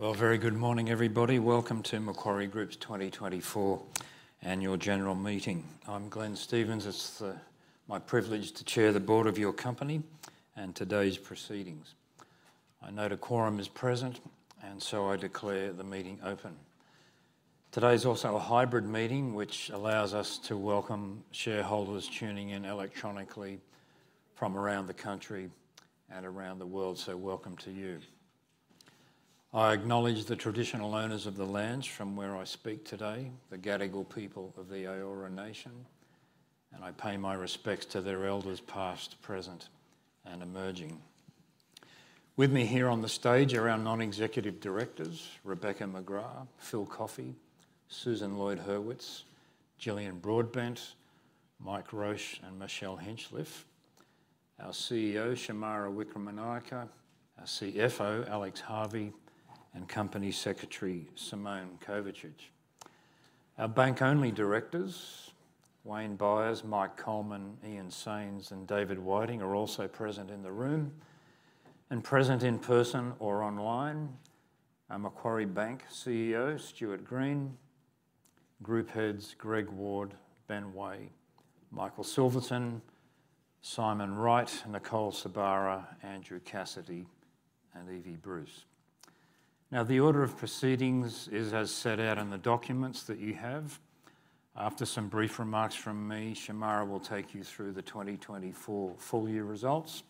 Well, a very good morning, everybody. Welcome to Macquarie Group's 2024 annual general meeting. I'm Glenn Stevens. It's my privilege to chair the Board of your company and today's proceedings. I note a quorum is present, and so I declare the meeting open. Today is also a hybrid meeting, which allows us to welcome shareholders tuning in electronically from around the country and around the world. So welcome to you. I acknowledge the traditional owners of the lands from where I speak today, the Gadigal people of the Eora Nation, and I pay my respects to their elders, past, present, and emerging. With me here on the stage are our non-executive directors, Rebecca McGrath, Phil Coffey, Susan Lloyd-Hurwitz, Jillian Broadbent, Mike Roche, and Michelle Hinchliffe. Our CEO, Shemara Wikramanayake, our CFO, Alex Harvey, and Company Secretary, Simone Kovacic. Our bank-only directors, Wayne Byers, Mike Coleman, Ian Saines, and David Whiting, are also present in the room. Present in person or online, our Macquarie Bank CEO, Stuart Green, group heads Greg Ward, Ben Way, Michael Silverton, Simon Wright, Nicole Sorbara, Andrew Cassidy, and Evie Bruce. Now, the order of proceedings is as set out in the documents that you have. After some brief remarks from me, Shemara will take you through the 2024 full year results,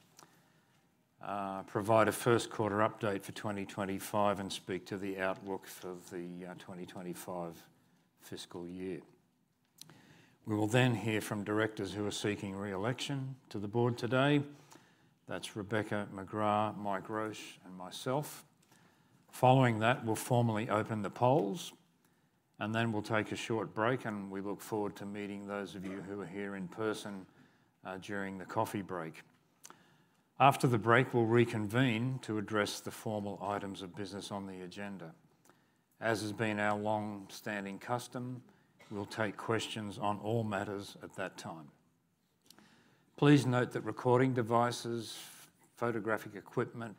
provide a first quarter update for 2025, and speak to the outlook for the 2025 fiscal year. We will then hear from directors who are seeking re-election to the Board today. That's Rebecca McGrath, Mike Roche, and myself. Following that, we'll formally open the polls, and then we'll take a short break, and we look forward to meeting those of you who are here in person, during the coffee break. After the break, we'll reconvene to address the formal items of business on the agenda. As has been our long-standing custom, we'll take questions on all matters at that time. Please note that recording devices, photographic equipment,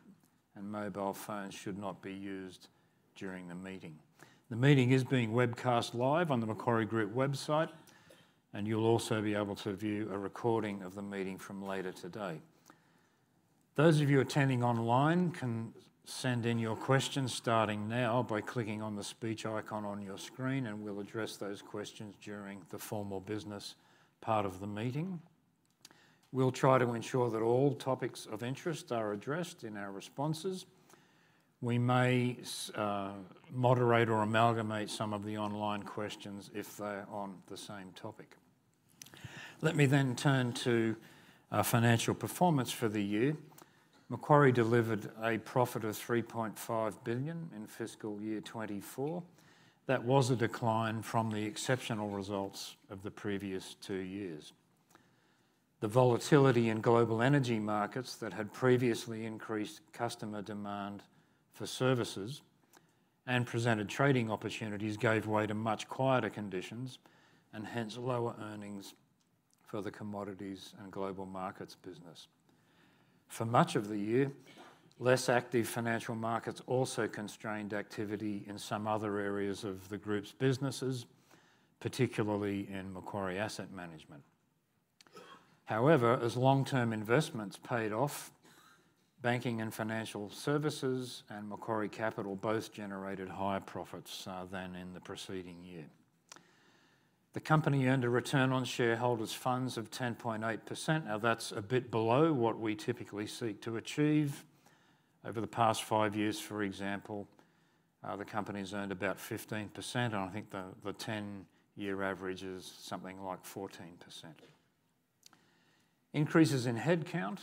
and mobile phones should not be used during the meeting. The meeting is being webcast live on the Macquarie Group website, and you'll also be able to view a recording of the meeting from later today. Those of you attending online can send in your questions, starting now, by clicking on the speech icon on your screen, and we'll address those questions during the formal business part of the meeting. We'll try to ensure that all topics of interest are addressed in our responses. We may moderate or amalgamate some of the online questions if they're on the same topic. Let me turn to our financial performance for the year. Macquarie delivered a profit of 3.5 billion in fiscal year 2024. That was a decline from the exceptional results of the previous two years. The volatility in global energy markets that had previously increased customer demand for services and presented trading opportunities, gave way to much quieter conditions, and hence, lower earnings for the Commodities and Global Markets business. For much of the year, less active financial markets also constrained activity in some other areas of the group's businesses, particularly in Macquarie Asset Management. However, as long-term investments paid off, Banking and Financial Services and Macquarie Capital both generated higher profits than in the preceding year. The company earned a return on shareholders' funds of 10.8%. Now, that's a bit below what we typically seek to achieve. Over the past 5 years, for example, the company's earned about 15%, and I think the 10-year average is something like 14%. Increases in headcount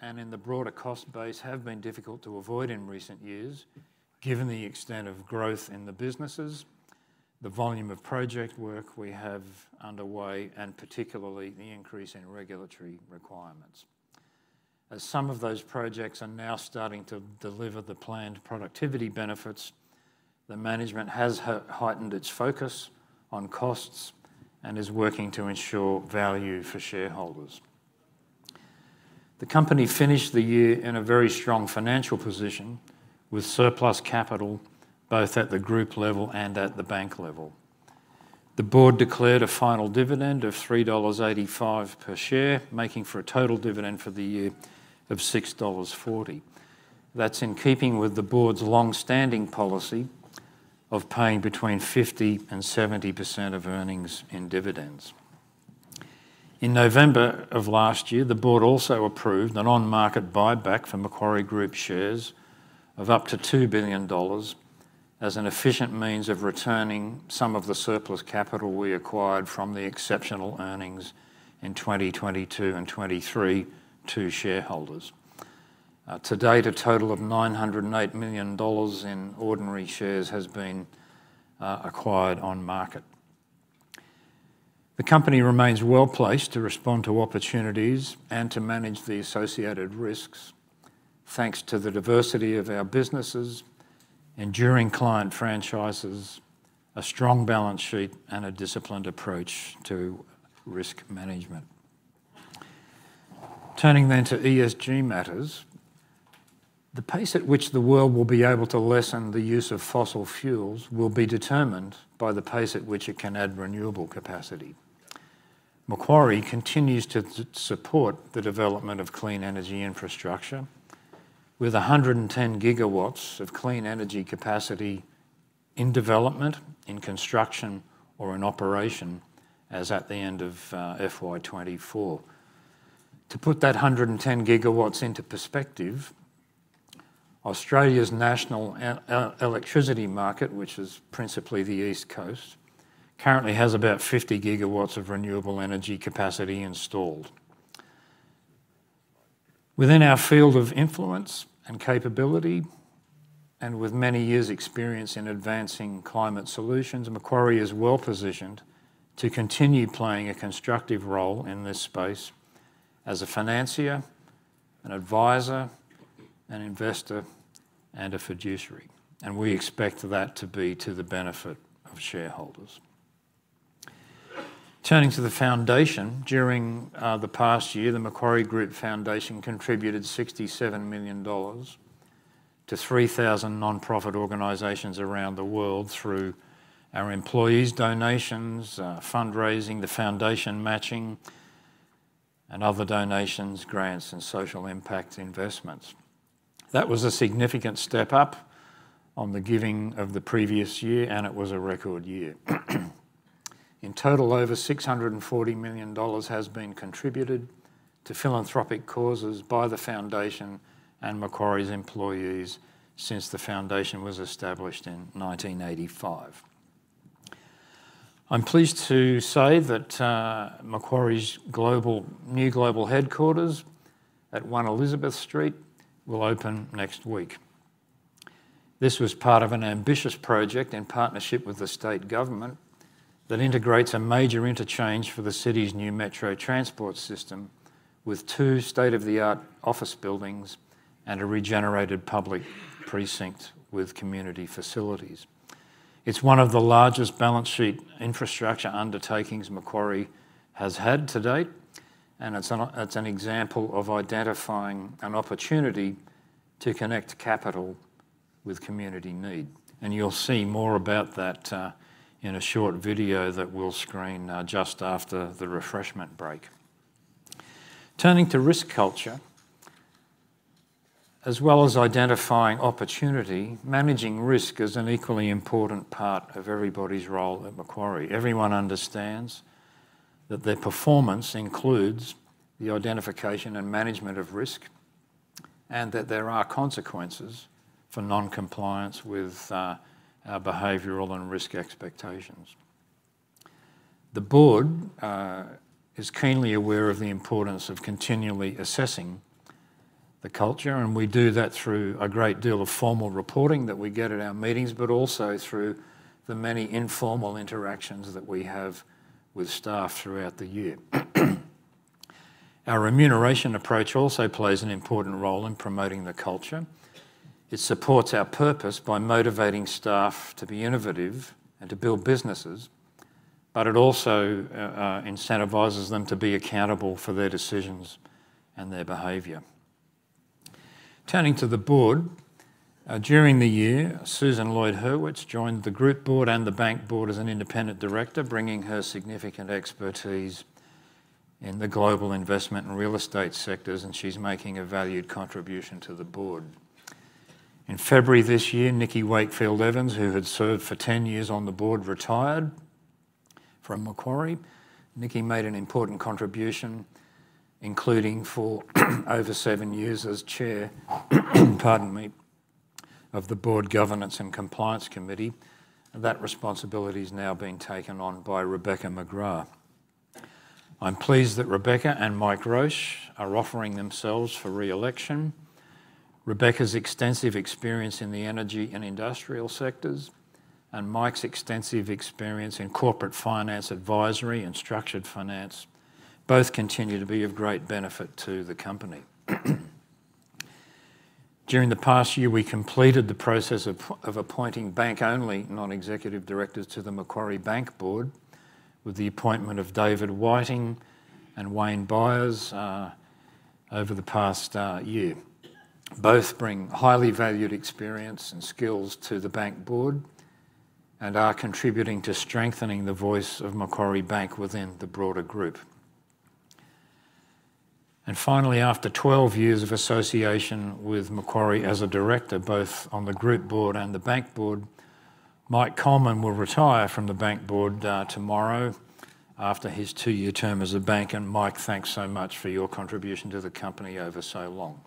and in the broader cost base have been difficult to avoid in recent years, given the extent of growth in the businesses, the volume of project work we have underway, and particularly the increase in regulatory requirements. As some of those projects are now starting to deliver the planned productivity benefits, the management has heightened its focus on costs and is working to ensure value for shareholders. The company finished the year in a very strong financial position, with surplus capital, both at the group level and at the bank level. The Board declared a final dividend of 3.85 dollars per share, making for a total dividend for the year of 6.40 dollars. That's in keeping with the Board's long-standing policy of paying between 50%-70% of earnings in dividends. In November of last year, the Board also approved an on-market buyback for Macquarie Group shares of up to 2 billion dollars as an efficient means of returning some of the surplus capital we acquired from the exceptional earnings in 2022 and 2023 to shareholders. To date, a total of 908 million dollars in ordinary shares has been acquired on market. The company remains well-placed to respond to opportunities and to manage the associated risks, thanks to the diversity of our businesses, enduring client franchises, a strong balance sheet, and a disciplined approach to risk management. Turning then to ESG matters, the pace at which the world will be able to lessen the use of fossil fuels will be determined by the pace at which it can add renewable capacity. Macquarie continues to support the development of clean energy infrastructure, with 110 GW of clean energy capacity in development, in construction, or in operation, as at the end of FY 2024. To put that 110 GW into perspective, Australia's national electricity market, which is principally the East Coast, currently has about 50 GW of renewable energy capacity installed. Within our field of influence and capability, and with many years' experience in advancing climate solutions, Macquarie is well-positioned to continue playing a constructive role in this space as a financier, an advisor, an investor, and a fiduciary, and we expect that to be to the benefit of shareholders. Turning to the foundation, during the past year, the Macquarie Group Foundation contributed 67 million dollars to 3,000 nonprofit organizations around the world through our employees' donations, fundraising, the foundation matching, and other donations, grants, and social impact investments. That was a significant step up on the giving of the previous year, and it was a record year. In total, over 640 million dollars has been contributed to philanthropic causes by the foundation and Macquarie's employees since the foundation was established in 1985. I'm pleased to say that, Macquarie's global new global headquarters at One Elizabeth Street will open next week. This was part of an ambitious project in partnership with the state government, that integrates a major interchange for the city's new metro transport system, with two state-of-the-art office buildings and a regenerated public precinct with community facilities. It's one of the largest balance sheet infrastructure undertakings Macquarie has had to date, and it's an, it's an example of identifying an opportunity to connect capital with community need, and you'll see more about that, in a short video that we'll screen, just after the refreshment break. Turning to risk culture, as well as identifying opportunity, managing risk is an equally important part of everybody's role at Macquarie. Everyone understands that their performance includes the identification and management of risk, and that there are consequences for non-compliance with our behavioral and risk expectations. The Board is keenly aware of the importance of continually assessing the culture, and we do that through a great deal of formal reporting that we get at our meetings, but also through the many informal interactions that we have with staff throughout the year. Our remuneration approach also plays an important role in promoting the culture. It supports our purpose by motivating staff to be innovative and to build businesses, but it also incentivizes them to be accountable for their decisions and their behavior. Turning to the Board, during the year, Susan Lloyd-Hurwitz joined the Group Board and the Bank Board as an independent director, bringing her significant expertise in the global investment and real estate sectors, and she's making a valued contribution to the Board. In February this year, Nicky Wakefield Evans, who had served for 10 years on the Board, retired from Macquarie. Nicky made an important contribution, including for over 7 years as chair, pardon me, of the Board Governance and Compliance Committee. That responsibility is now being taken on by Rebecca McGrath. I'm pleased that Rebecca and Mike Roche are offering themselves for re-election. Rebecca's extensive experience in the energy and industrial sectors, and Mike's extensive experience in corporate finance advisory and structured finance both continue to be of great benefit to the company. During the past year, we completed the process of appointing bank-only non-executive directors to the Macquarie Bank Board, with the appointment of David Whiting and Wayne Byers over the past year. Both bring highly valued experience and skills to the Bank Board and are contributing to strengthening the voice of Macquarie Bank within the broader group. Finally, after 12 years of association with Macquarie as a director, both on the Group Board and the Bank Board, Mike Coleman will retire from the Bank Board tomorrow after his 2-year term as a banker. Mike, thanks so much for your contribution to the company over so long.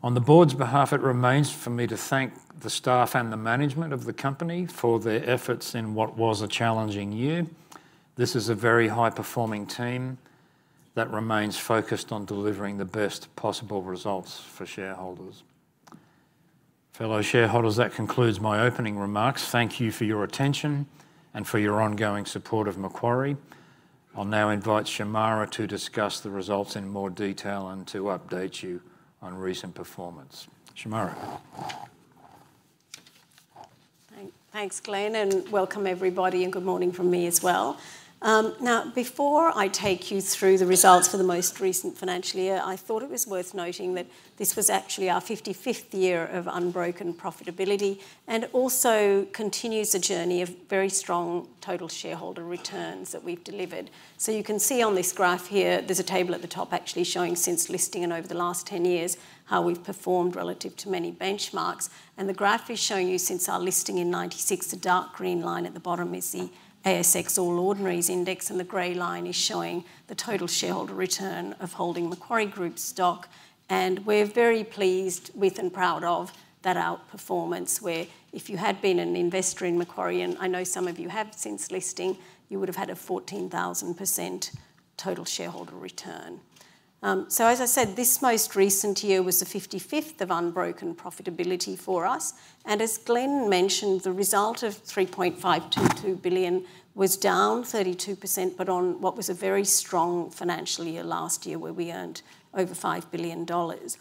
On the Board's behalf, it remains for me to thank the staff and the management of the company for their efforts in what was a challenging year. This is a very high-performing team that remains focused on delivering the best possible results for shareholders. Fellow shareholders, that concludes my opening remarks. Thank you for your attention and for your ongoing support of Macquarie. I'll now invite Shemara to discuss the results in more detail and to update you on recent performance. Shemara? Thanks, thanks, Glenn, and welcome everybody, and good morning from me as well. Now, before I take you through the results for the most recent financial year, I thought it was worth noting that this was actually our 55th year of unbroken profitability, and also continues a journey of very strong total shareholder returns that we've delivered. So you can see on this graph here, there's a table at the top actually showing since listing and over the last 10 years, how we've performed relative to many benchmarks. And the graph is showing you since our listing in 1996, the dark green line at the bottom is the ASX All Ordinaries Index, and the gray line is showing the total shareholder return of holding Macquarie Group stock. We're very pleased with and proud of that outperformance, where if you had been an investor in Macquarie, and I know some of you have since listing, you would have had a 14,000% total shareholder return. So as I said, this most recent year was the 55th of unbroken profitability for us. And as Glenn mentioned, the result of 3.522 billion was down 32%, but on what was a very strong financial year last year, where we earned over 5 billion dollars.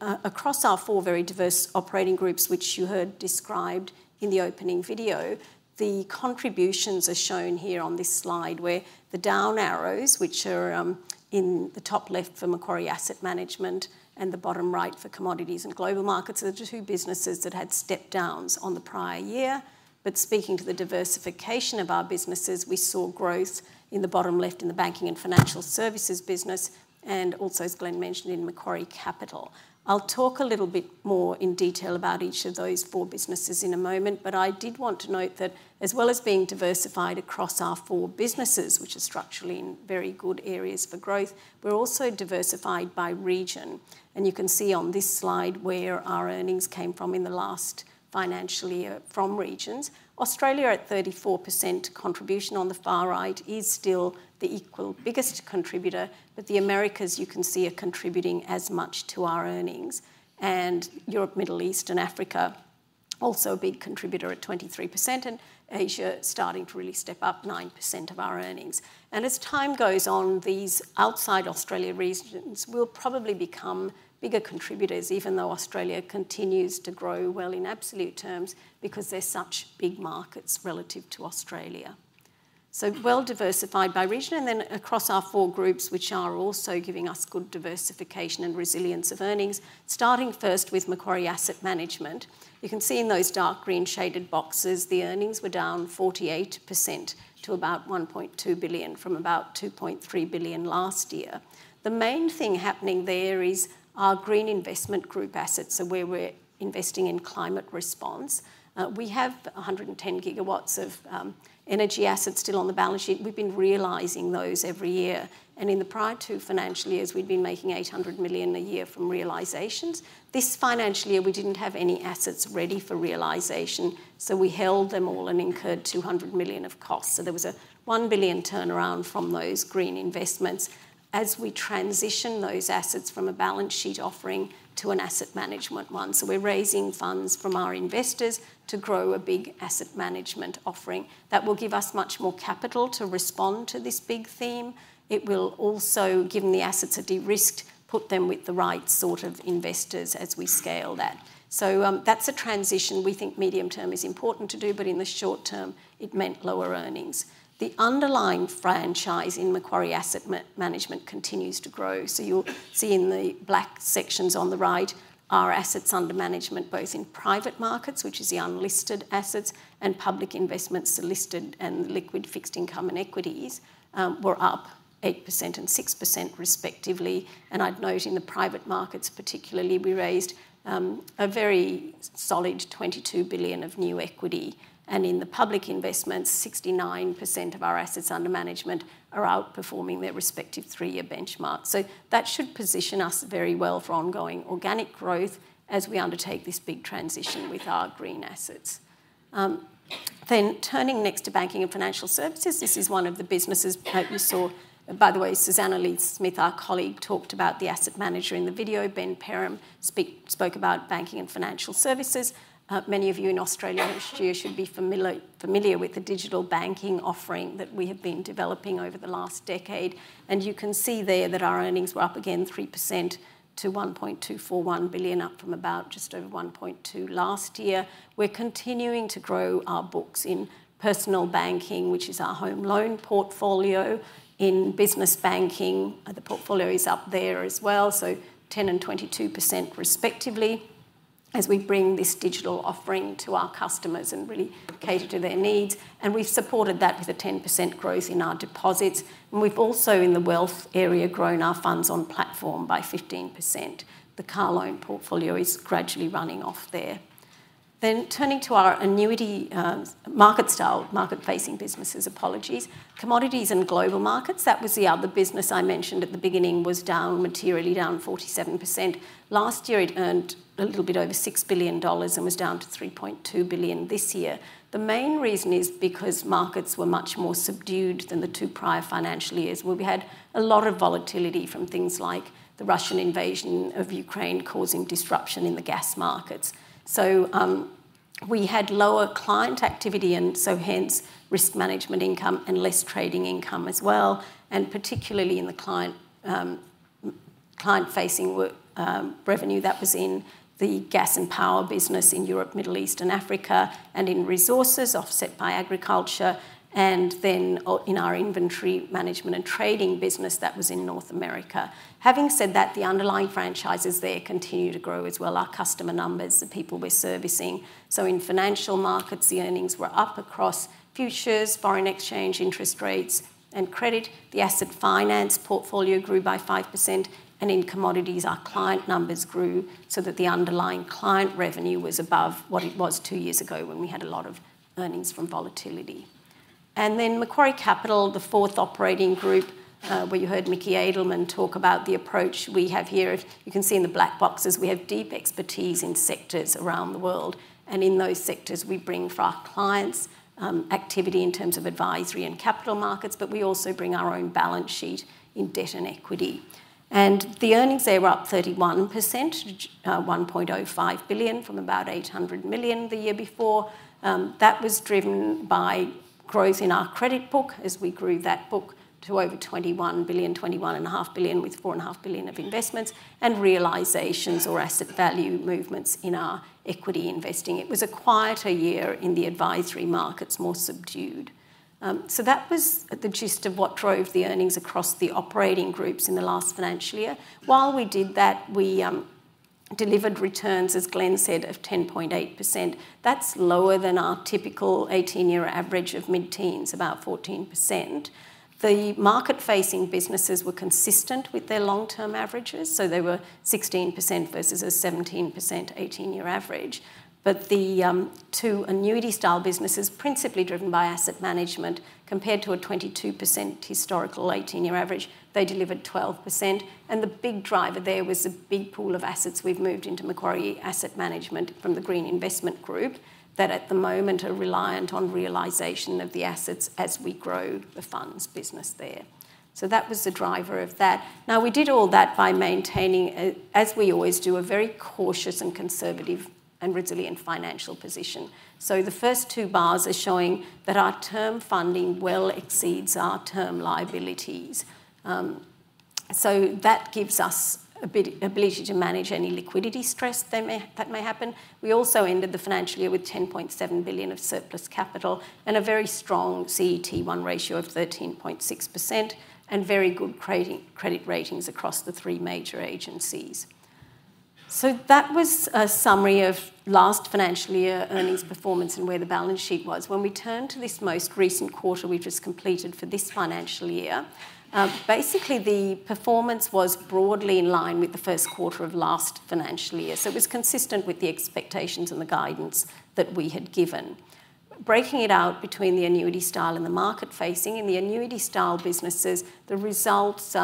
Across our four very diverse operating groups, which you heard described in the opening video, the contributions are shown here on this slide, where the down arrows, which are, in the top left for Macquarie Asset Management and the bottom right for Commodities and Global Markets, are the two businesses that had stepped downs on the prior year. But speaking to the diversification of our businesses, we saw growth in the bottom left in the Banking and Financial Services business, and also, as Glenn mentioned, in Macquarie Capital. I'll talk a little bit more in detail about each of those four businesses in a moment, but I did want to note that as well as being diversified across our four businesses, which are structurally in very good areas for growth, we're also diversified by region. You can see on this slide where our earnings came from in the last financial year from regions. Australia, at 34% contribution on the far right, is still the equal biggest contributor, but the Americas, you can see, are contributing as much to our earnings. Europe, Middle East and Africa, also a big contributor at 23%, and Asia starting to really step up 9% of our earnings. As time goes on, these outside Australia regions will probably become bigger contributors, even though Australia continues to grow well in absolute terms, because they're such big markets relative to Australia. So well-diversified by region, and then across our four groups, which are also giving us good diversification and resilience of earnings. Starting first with Macquarie Asset Management, you can see in those dark green shaded boxes, the earnings were down 48% to about 1.2 billion, from about 2.3 billion last year. The main thing happening there is our Green Investment Group assets, so where we're investing in climate response. We have 110 GW of energy assets still on the balance sheet. We've been realizing those every year, and in the prior two financial years, we've been making 800 million a year from realizations. This financial year, we didn't have any assets ready for realization, so we held them all and incurred 200 million of costs. So there was a 1 billion turnaround from those green investments as we transition those assets from a balance sheet offering to an asset management one. So we're raising funds from our investors to grow a big asset management offering that will give us much more capital to respond to this big theme. It will also, given the assets are de-risked, put them with the right sort of investors as we scale that. So, that's a transition we think medium term is important to do, but in the short term, it meant lower earnings. The underlying franchise in Macquarie Asset Management continues to grow. So you'll see in the black sections on the right, our assets under management, both in private markets, which is the unlisted assets, and public investments are listed, and liquid fixed income and equities, were up 8% and 6% respectively. I'd note in the private markets particularly, we raised a very solid 22 billion of new equity, and in the public investments, 69% of our assets under management are outperforming their respective three-year benchmark. So that should position us very well for ongoing organic growth as we undertake this big transition with our green assets. Then turning next to Banking and Financial Services, this is one of the businesses that you saw. By the way, Susana Leith-Smith, our colleague, talked about the asset manager in the video. Ben Perham spoke about banking and financial services. Many of you in Australia this year should be familiar with the digital banking offering that we have been developing over the last decade. And you can see there that our earnings were up again 3% to 1.241 billion, up from about just over 1.2 last year. We're continuing to grow our books in personal banking, which is our home loan portfolio. In business banking, the portfolio is up there as well, so 10% and 22% respectively, as we bring this digital offering to our customers and really cater to their needs. And we've supported that with a 10% growth in our deposits, and we've also, in the wealth area, grown our funds on platform by 15%. The car loan portfolio is gradually running off there. Then turning to our annuity, market style, market-facing businesses, apologies. Commodities and Global Markets, that was the other business I mentioned at the beginning, was down materially, down 47%. Last year, it earned a little bit over 6 billion dollars and was down to 3.2 billion this year. The main reason is because markets were much more subdued than the two prior financial years, where we had a lot of volatility from things like the Russian invasion of Ukraine causing disruption in the gas markets. So, we had lower client activity, and so hence, risk management income and less trading income as well, and particularly in the client-facing work, revenue that was in the gas and power business in Europe, Middle East and Africa, and in resources offset by agriculture, and then, in our inventory management and trading business that was in North America. Having said that, the underlying franchises there continue to grow as well, our customer numbers, the people we're servicing. So in financial markets, the earnings were up across futures, foreign exchange, interest rates, and credit. The asset finance portfolio grew by 5%, and in commodities, our client numbers grew so that the underlying client revenue was above what it was two years ago when we had a lot of earnings from volatility. And then Macquarie Capital, the fourth operating group, where you heard Michael Silverton talk about the approach we have here. If you can see in the black boxes, we have deep expertise in sectors around the world, and in those sectors, we bring for our clients, activity in terms of advisory and capital markets, but we also bring our own balance sheet in debt and equity. And the earnings there were up 31%, which, 1.05 billion from about 800 million the year before. That was driven by growth in our credit book as we grew that book to over 21 billion, 21.5 billion, with 4.5 billion of investments and realizations or asset value movements in our equity investing. It was a quieter year in the advisory markets, more subdued. So that was the gist of what drove the earnings across the operating groups in the last financial year. While we did that, we delivered returns, as Glenn said, of 10.8%. That's lower than our typical 18-year average of mid-teens, about 14%. The market-facing businesses were consistent with their long-term averages, so they were 16% versus a 17%, 18-year average. But the two annuity-style businesses, principally driven by asset management, compared to a 22% historical 18-year average, they delivered 12%, and the big driver there was a big pool of assets we've moved into Macquarie Asset Management from the Green Investment Group, that at the moment, are reliant on realization of the assets as we grow the funds business there. So that was the driver of that. Now, we did all that by maintaining, as we always do, a very cautious and conservative and resilient financial position. So the first two bars are showing that our term funding well exceeds our term liabilities. So that gives us a bit of ability to manage any liquidity stress that may happen. We also ended the financial year with 10.7 billion of surplus capital and a very strong CET1 ratio of 13.6% and very good credit ratings across the 3 major agencies. That was a summary of last financial year earnings performance and where the balance sheet was. When we turn to this most recent quarter we've just completed for this financial year, basically, the performance was broadly in line with the first quarter of last financial year. It was consistent with the expectations and the guidance that we had given. Breaking it out between the annuity style and the market facing, in the annuity style businesses, the results,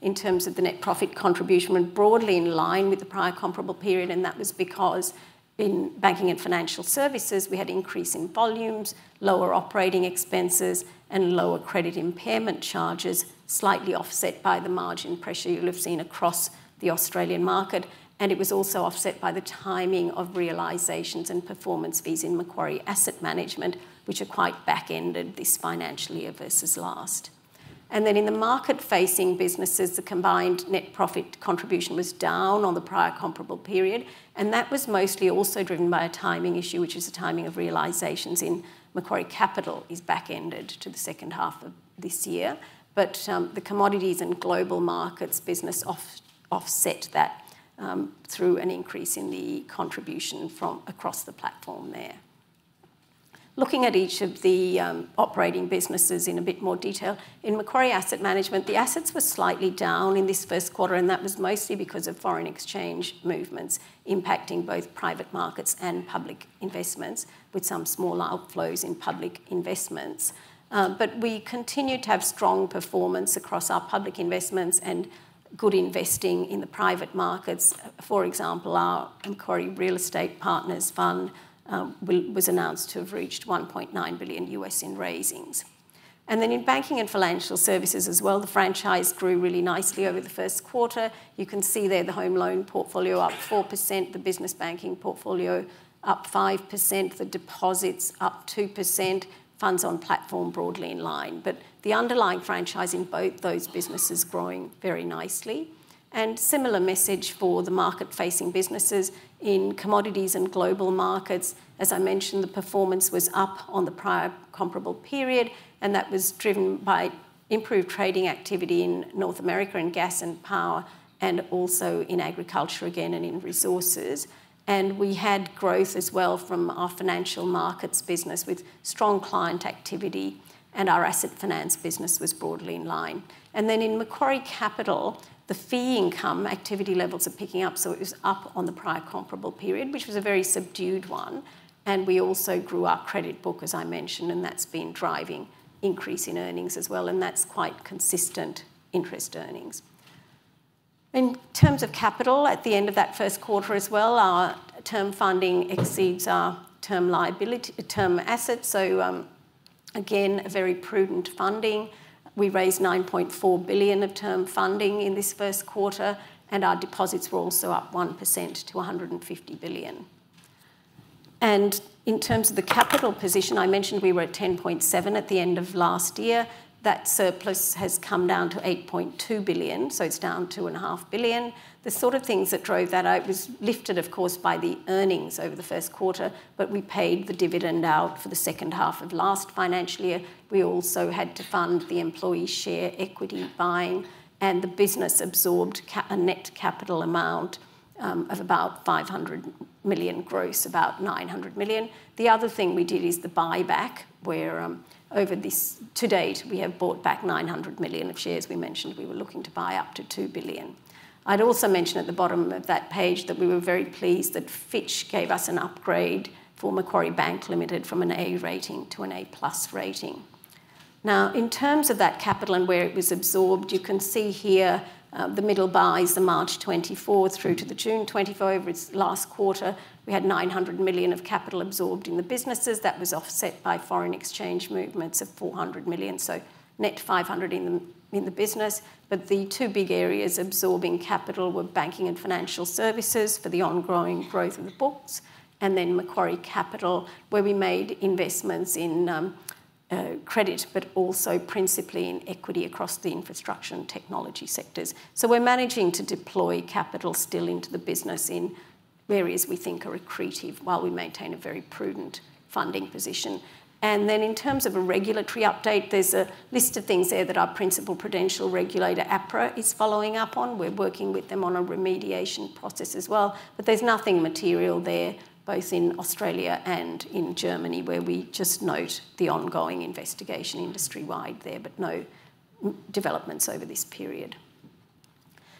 in terms of the net profit contribution, were broadly in line with the prior comparable period, and that was because in Banking and Financial Services, we had increasing volumes, lower operating expenses, and lower credit impairment charges, slightly offset by the margin pressure you'll have seen across the Australian market. And it was also offset by the timing of realizations and performance fees in Macquarie Asset Management, which are quite backended this financial year versus last. And then in the market-facing businesses, the combined net profit contribution was down on the prior comparable period, and that was mostly also driven by a timing issue, which is the timing of realizations in Macquarie Capital is backended to the second half of this year. But the commodities and global markets business offset that through an increase in the contribution from across the platform there. Looking at each of the operating businesses in a bit more detail, in Macquarie Asset Management, the assets were slightly down in this first quarter, and that was mostly because of foreign exchange movements impacting both private markets and public investments, with some smaller outflows in public investments. But we continued to have strong performance across our public investments and good investing in the private markets. For example, our Macquarie Real Estate Partners Fund was announced to have reached $1.9 billion in raisings. And then in banking and financial services as well, the franchise grew really nicely over the first quarter. You can see there the home loan portfolio up 4%, the business banking portfolio up 5%, the deposits up 2%, funds on platform broadly in line. But the underlying franchise in both those businesses growing very nicely. And similar message for the market-facing businesses in commodities and global markets. As I mentioned, the performance was up on the prior comparable period, and that was driven by improved trading activity in North America, in gas and power, and also in agriculture again, and in resources. And we had growth as well from our financial markets business, with strong client activity, and our asset finance business was broadly in line. And then in Macquarie Capital, the fee income activity levels are picking up, so it was up on the prior comparable period, which was a very subdued one. We also grew our credit book, as I mentioned, and that's been driving increase in earnings as well, and that's quite consistent interest earnings. In terms of capital, at the end of that first quarter as well, our term funding exceeds our term liability... term assets. So, again, a very prudent funding. We raised 9.4 billion of term funding in this first quarter, and our deposits were also up 1% to 150 billion. And in terms of the capital position, I mentioned we were at 10.7 at the end of last year. That surplus has come down to 8.2 billion, so it's down 2.5 billion. The sort of things that drove that out was lifted, of course, by the earnings over the first quarter, but we paid the dividend out for the second half of last financial year. We also had to fund the employee share equity buying, and the business absorbed a net capital amount of about 500 million gross, about 900 million. The other thing we did is the buyback, where, over this, to date, we have bought back 900 million of shares. We mentioned we were looking to buy up to 2 billion. I'd also mention at the bottom of that page that we were very pleased that Fitch gave us an upgrade for Macquarie Bank Limited from an A rating to an A plus rating. Now, in terms of that capital and where it was absorbed, you can see here, the middle bar is the March 2024 through to the June 2024. It's last quarter, we had 900 million of capital absorbed in the businesses. That was offset by foreign exchange movements of 400 million, so net 500 million in the, in the business. But the two big areas absorbing capital were Banking and Financial Services for the ongoing growth of the books, and then Macquarie Capital, where we made investments in, credit, but also principally in equity across the infrastructure and technology sectors. So we're managing to deploy capital still into the business in areas we think are accretive, while we maintain a very prudent funding position. Then in terms of a regulatory update, there's a list of things there that our principal prudential regulator, APRA, is following up on. We're working with them on a remediation process as well, but there's nothing material there, both in Australia and in Germany, where we just note the ongoing investigation industry-wide there, but no developments over this period.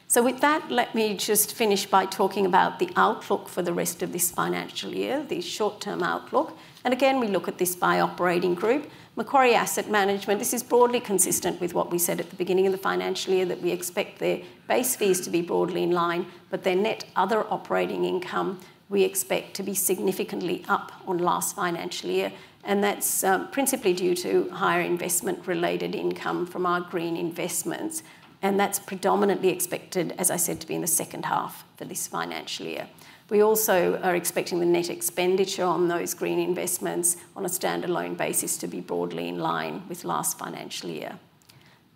So with that, let me just finish by talking about the outlook for the rest of this financial year, the short-term outlook. Again, we look at this by operating group. Macquarie Asset Management, this is broadly consistent with what we said at the beginning of the financial year, that we expect their base fees to be broadly in line, but their net other operating income, we expect to be significantly up on last financial year. That's principally due to higher investment-related income from our green investments, and that's predominantly expected, as I said, to be in the second half of this financial year. We also are expecting the net expenditure on those green investments on a standalone basis to be broadly in line with last financial year.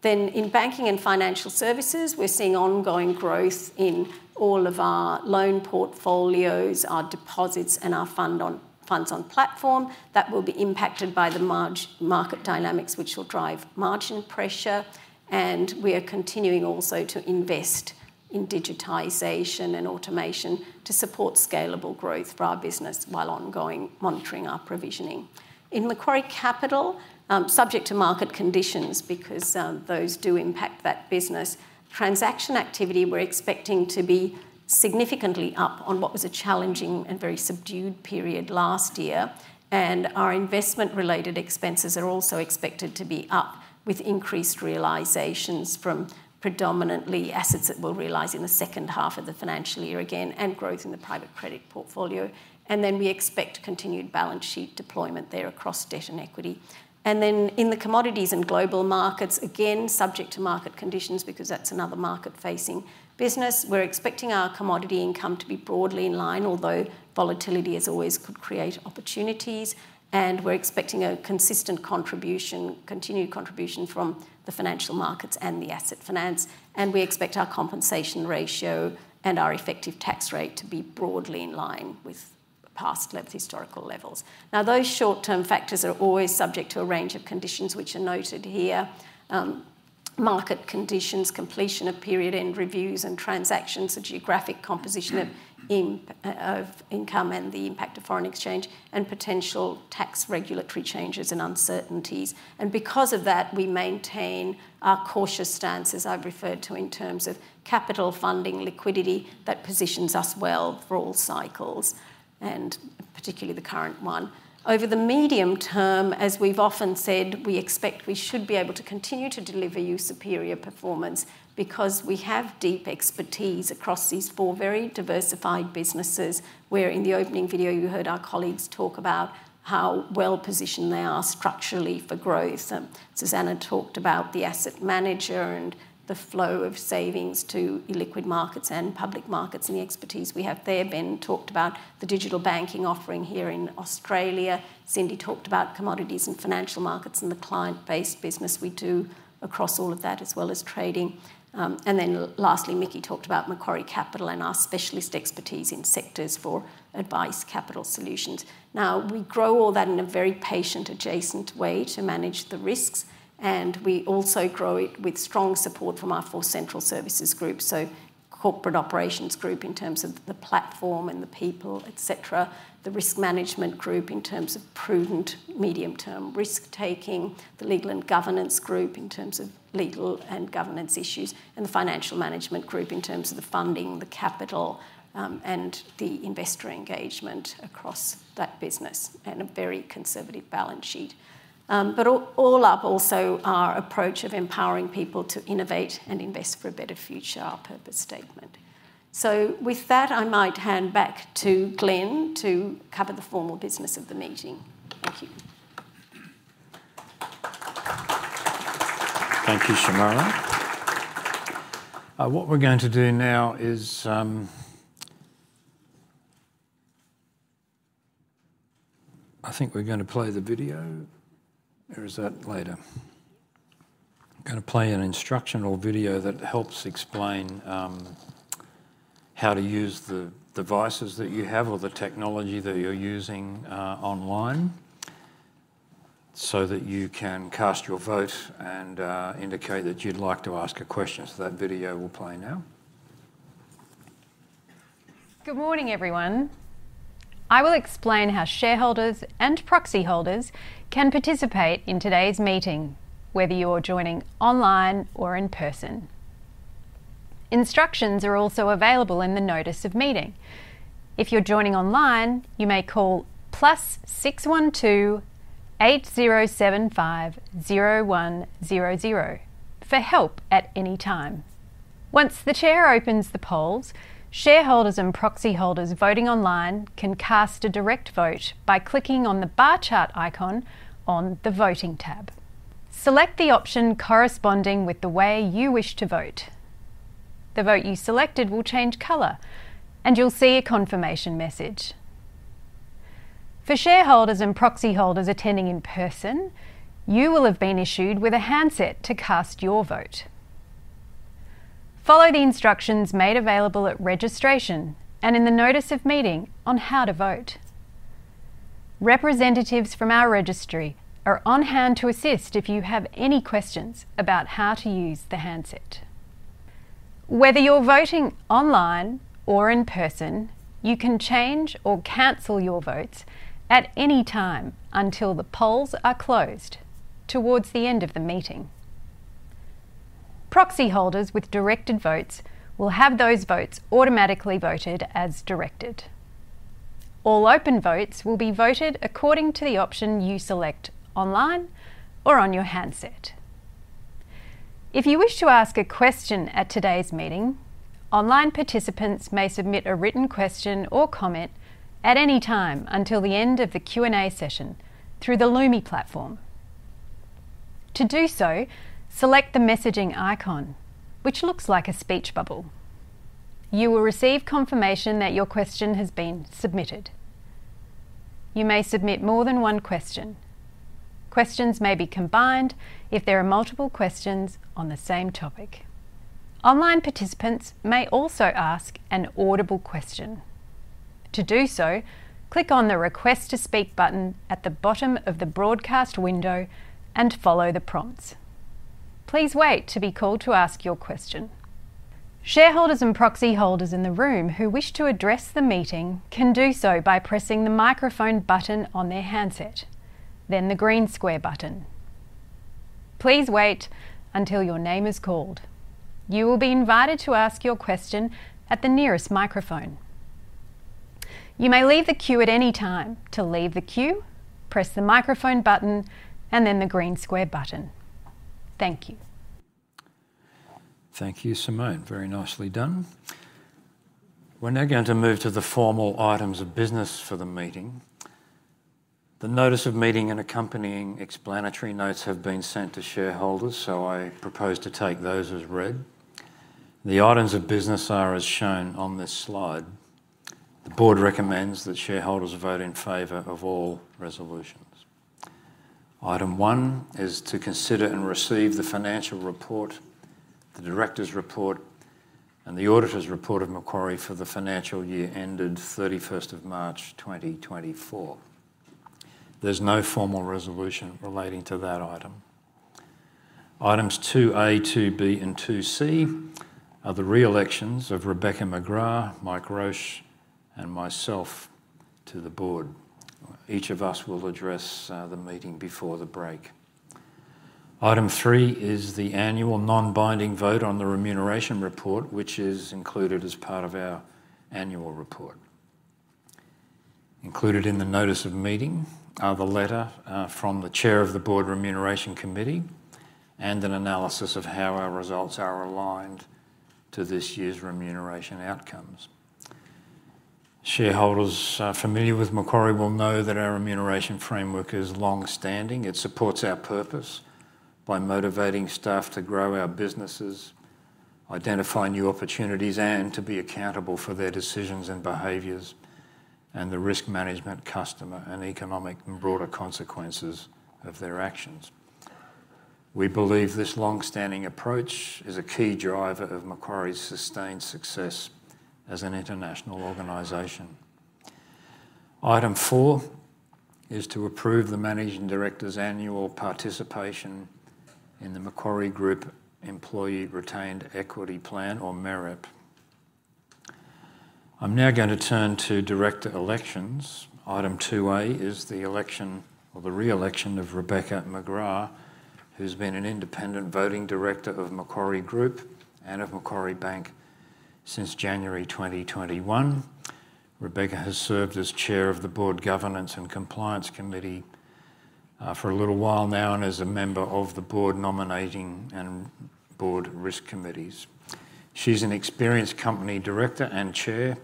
In banking and financial services, we're seeing ongoing growth in all of our loan portfolios, our deposits, and our funds on platform. That will be impacted by the market dynamics, which will drive margin pressure, and we are continuing also to invest in digitization and automation to support scalable growth for our business while ongoing monitoring our provisioning. In Macquarie Capital, subject to market conditions, because those do impact that business, transaction activity, we're expecting to be significantly up on what was a challenging and very subdued period last year. Our investment-related expenses are also expected to be up, with increased realisations from predominantly assets that we'll realise in the second half of the financial year again, and growth in the private credit portfolio. Then we expect continued balance sheet deployment there across debt and equity. Then in the commodities and global markets, again, subject to market conditions, because that's another market-facing business, we're expecting our commodity income to be broadly in line, although volatility, as always, could create opportunities. And we're expecting a consistent contribution, continued contribution from the financial markets and the asset finance, and we expect our compensation ratio and our effective tax rate to be broadly in line with past historical levels. Now, those short-term factors are always subject to a range of conditions, which are noted here: market conditions, completion of period-end reviews and transactions, the geographic composition of income, and the impact of foreign exchange, and potential tax regulatory changes and uncertainties. Because of that, we maintain our cautious stance, as I've referred to, in terms of capital funding liquidity that positions us well for all cycles, and particularly the current one. Over the medium term, as we've often said, we expect we should be able to continue to deliver you superior performance because we have deep expertise across these four very diversified businesses, where in the opening video, you heard our colleagues talk about how well-positioned they are structurally for growth. Susana talked about the asset manager and the flow of savings to illiquid markets and public markets and the expertise we have there. Ben talked about the digital banking offering here in Australia. Cindy talked about commodities and financial markets and the client-based business we do across all of that, as well as trading. And then lastly, Michael talked about Macquarie Capital and our specialist expertise in sectors for advice capital solutions. Now, we grow all that in a very patient adjacent way to manage the risks, and we also grow it with strong support from our four central services groups. So Corporate Operations Group, in terms of the platform and the people, et cetera. The Risk Management Group, in terms of prudent medium-term risk taking. The Legal and Governance Group, in terms of legal and governance issues, and the Financial Management Group, in terms of the funding, the capital, and the investor engagement across that business, and a very conservative balance sheet. But all up, also our approach of empowering people to innovate and invest for a better future, our purpose statement. So with that, I might hand back to Glenn to cover the formal business of the meeting. Thank you.... Thank you, Simone. What we're going to do now is, I think we're gonna play the video, or is that later? Gonna play an instructional video that helps explain, how to use the devices that you have or the technology that you're using, online, so that you can cast your vote and, indicate that you'd like to ask a question. So that video will play now. Good morning, everyone. I will explain how shareholders and proxy holders can participate in today's meeting, whether you're joining online or in person. Instructions are also available in the notice of meeting. If you're joining online, you may call +61 2 8075 0100 for help at any time. Once the chair opens the polls, shareholders and proxy holders voting online can cast a direct vote by clicking on the bar chart icon on the Voting tab. Select the option corresponding with the way you wish to vote. The vote you selected will change color, and you'll see a confirmation message. For shareholders and proxy holders attending in person, you will have been issued with a handset to cast your vote. Follow the instructions made available at registration and in the notice of meeting on how to vote. Representatives from our registry are on hand to assist if you have any questions about how to use the handset. Whether you're voting online or in person, you can change or cancel your votes at any time until the polls are closed towards the end of the meeting. Proxy holders with directed votes will have those votes automatically voted as directed. All open votes will be voted according to the option you select online or on your handset. If you wish to ask a question at today's meeting, online participants may submit a written question or comment at any time until the end of the Q&A session through the Lumi platform. To do so, select the messaging icon, which looks like a speech bubble. You will receive confirmation that your question has been submitted. You may submit more than one question. Questions may be combined if there are multiple questions on the same topic. Online participants may also ask an audible question. To do so, click on the Request to Speak button at the bottom of the broadcast window and follow the prompts. Please wait to be called to ask your question. Shareholders and proxy holders in the room who wish to address the meeting can do so by pressing the microphone button on their handset, then the green square button. Please wait until your name is called. You will be invited to ask your question at the nearest microphone. You may leave the queue at any time. To leave the queue, press the microphone button and then the green square button. Thank you. Thank you, Simone. Very nicely done. We're now going to move to the formal items of business for the meeting. The notice of meeting and accompanying explanatory notes have been sent to shareholders, so I propose to take those as read. The items of business are as shown on this slide. The Board recommends that shareholders vote in favor of all resolutions. Item 1 is to consider and receive the financial report, the directors' report, and the auditors' report of Macquarie for the financial year ended 31st of March, 2024. There's no formal resolution relating to that item. Items 2A, 2B, and 2C are the reelections of Rebecca McGrath, Mike Roche, and myself to the Board. Each of us will address the meeting before the break. Item three is the annual non-binding vote on the remuneration report, which is included as part of our annual report. Included in the notice of meeting are the letter from the Chair of the Board Remuneration Committee, and an analysis of how our results are aligned to this year's remuneration outcomes. Shareholders familiar with Macquarie will know that our remuneration framework is long-standing. It supports our purpose by motivating staff to grow our businesses, identify new opportunities, and to be accountable for their decisions and behaviours, and the risk management, customer, and economic, and broader consequences of their actions. We believe this long-standing approach is a key driver of Macquarie's sustained success as an international organization. Item four is to approve the managing director's annual participation in the Macquarie Group Employee Retained Equity Plan, or MEREP. I'm now gonna turn to director elections. Item two A is the election, or the re-election, of Rebecca McGrath, who's been an independent voting director of Macquarie Group and of Macquarie Bank since January 2021. Rebecca has served as Chair of the Board Governance and Compliance Committee, for a little while now, and is a member of the Board Nominating and Board Risk Committees. She's an experienced company director and chair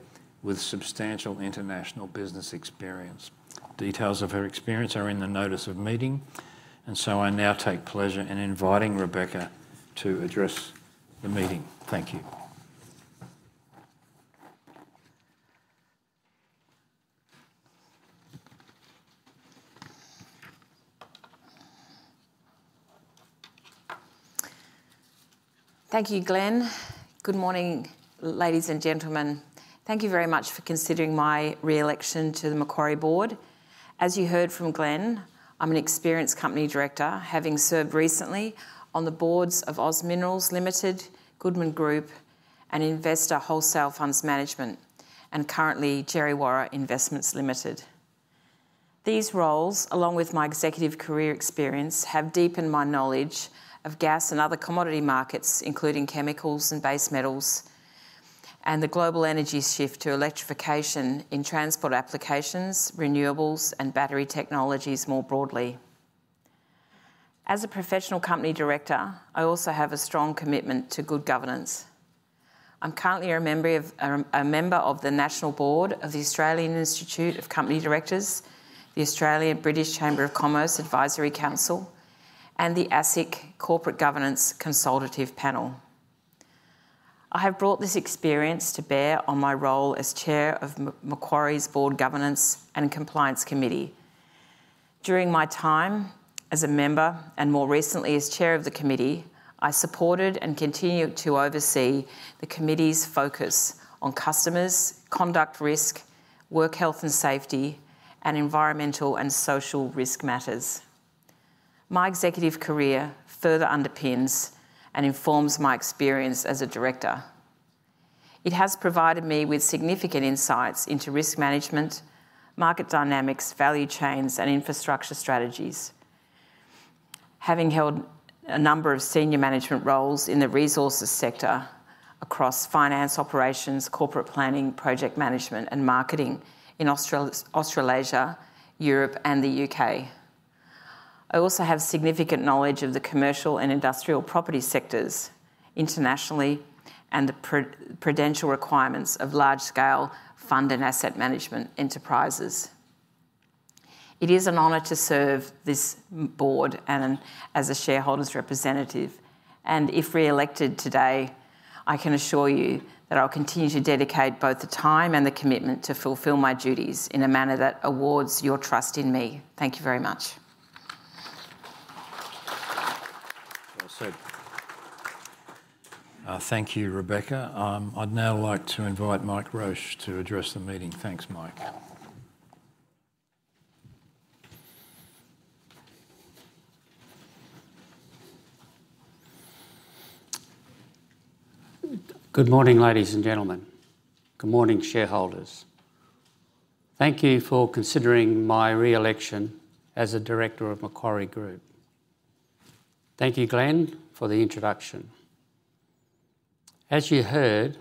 with substantial international business experience. Details of her experience are in the notice of meeting, and so I now take pleasure in inviting Rebecca to address the meeting. Thank you. Thank you, Glenn. Good morning, ladies and gentlemen. Thank you very much for considering my re-election to the Macquarie Board. As you heard from Glenn, I'm an experienced company director, having served recently on the Boards of Oz Minerals Limited, Goodman Group, and Investa Wholesale Funds Management, and currently Djerriwarrh Investments Limited. These roles, along with my executive career experience, have deepened my knowledge of gas and other commodity markets, including chemicals and base metals, and the global energy shift to electrification in transport applications, renewables, and battery technologies more broadly. As a professional company director, I also have a strong commitment to good governance. I'm currently a member of the National Board of the Australian Institute of Company Directors, the Australian British Chamber of Commerce Advisory Council, and the ASIC Corporate Governance Consultative Panel. I have brought this experience to bear on my role as Chair of Macquarie's Board Governance and Compliance Committee. During my time as a member, and more recently as Chair of the committee, I supported and continued to oversee the committee's focus on customers, conduct risk, work health and safety, and environmental and social risk matters. My executive career further underpins and informs my experience as a director. It has provided me with significant insights into risk management, market dynamics, value chains, and infrastructure strategies. Having held a number of senior management roles in the resources sector across finance operations, corporate planning, project management, and marketing in Australasia, Europe, and the U.K. I also have significant knowledge of the commercial and industrial property sectors internationally, and the prudential requirements of large-scale fund and asset management enterprises. It is an honor to serve this Board and as a shareholders' representative, and if re-elected today, I can assure you that I'll continue to dedicate both the time and the commitment to fulfill my duties in a manner that warrants your trust in me. Thank you very much. Well said. Thank you, Rebecca. I'd now like to invite Mike Roche to address the meeting. Thanks, Mike. Good morning, ladies and gentlemen. Good morning, shareholders. Thank you for considering my re-election as a director of Macquarie Group. Thank you, Glenn, for the introduction. As you heard,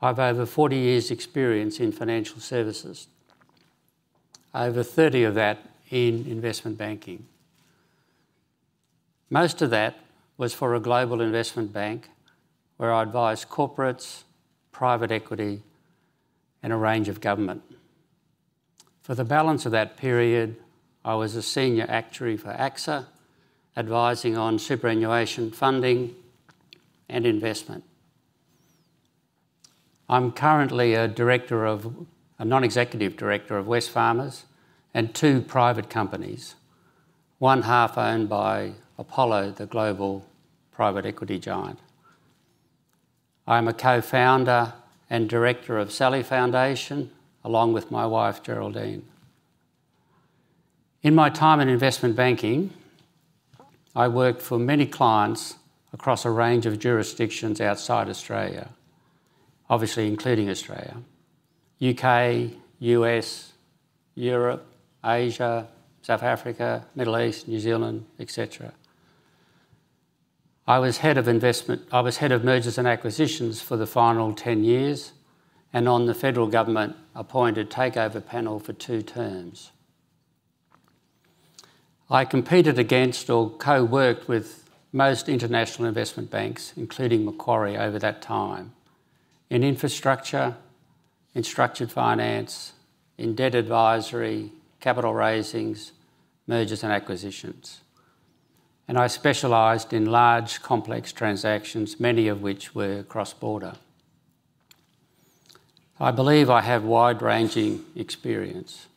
I've over forty years' experience in financial services, over thirty of that in investment banking. Most of that was for a global investment bank, where I advised corporates, private equity, and a range of government. For the balance of that period, I was a senior actuary for AXA, advising on superannuation funding and investment. I'm currently a director of... a non-executive director of Wesfarmers and two private companies, one half-owned by Apollo, the global private equity giant. I'm a co-founder and director of Sally Foundation, along with my wife, Geraldine. In my time in investment banking, I worked for many clients across a range of jurisdictions outside Australia, obviously including Australia, UK, US, Europe, Asia, South Africa, Middle East, New Zealand, et cetera. I was head of mergers and acquisitions for the final 10 years, and on the federal government-appointed Takeovers Panel for two terms. I competed against or co-worked with most international investment banks, including Macquarie, over that time, in infrastructure, in structured finance, in debt advisory, capital raisings, mergers and acquisitions, and I specialized in large, complex transactions, many of which were cross-border. I believe I have wide-ranging experience.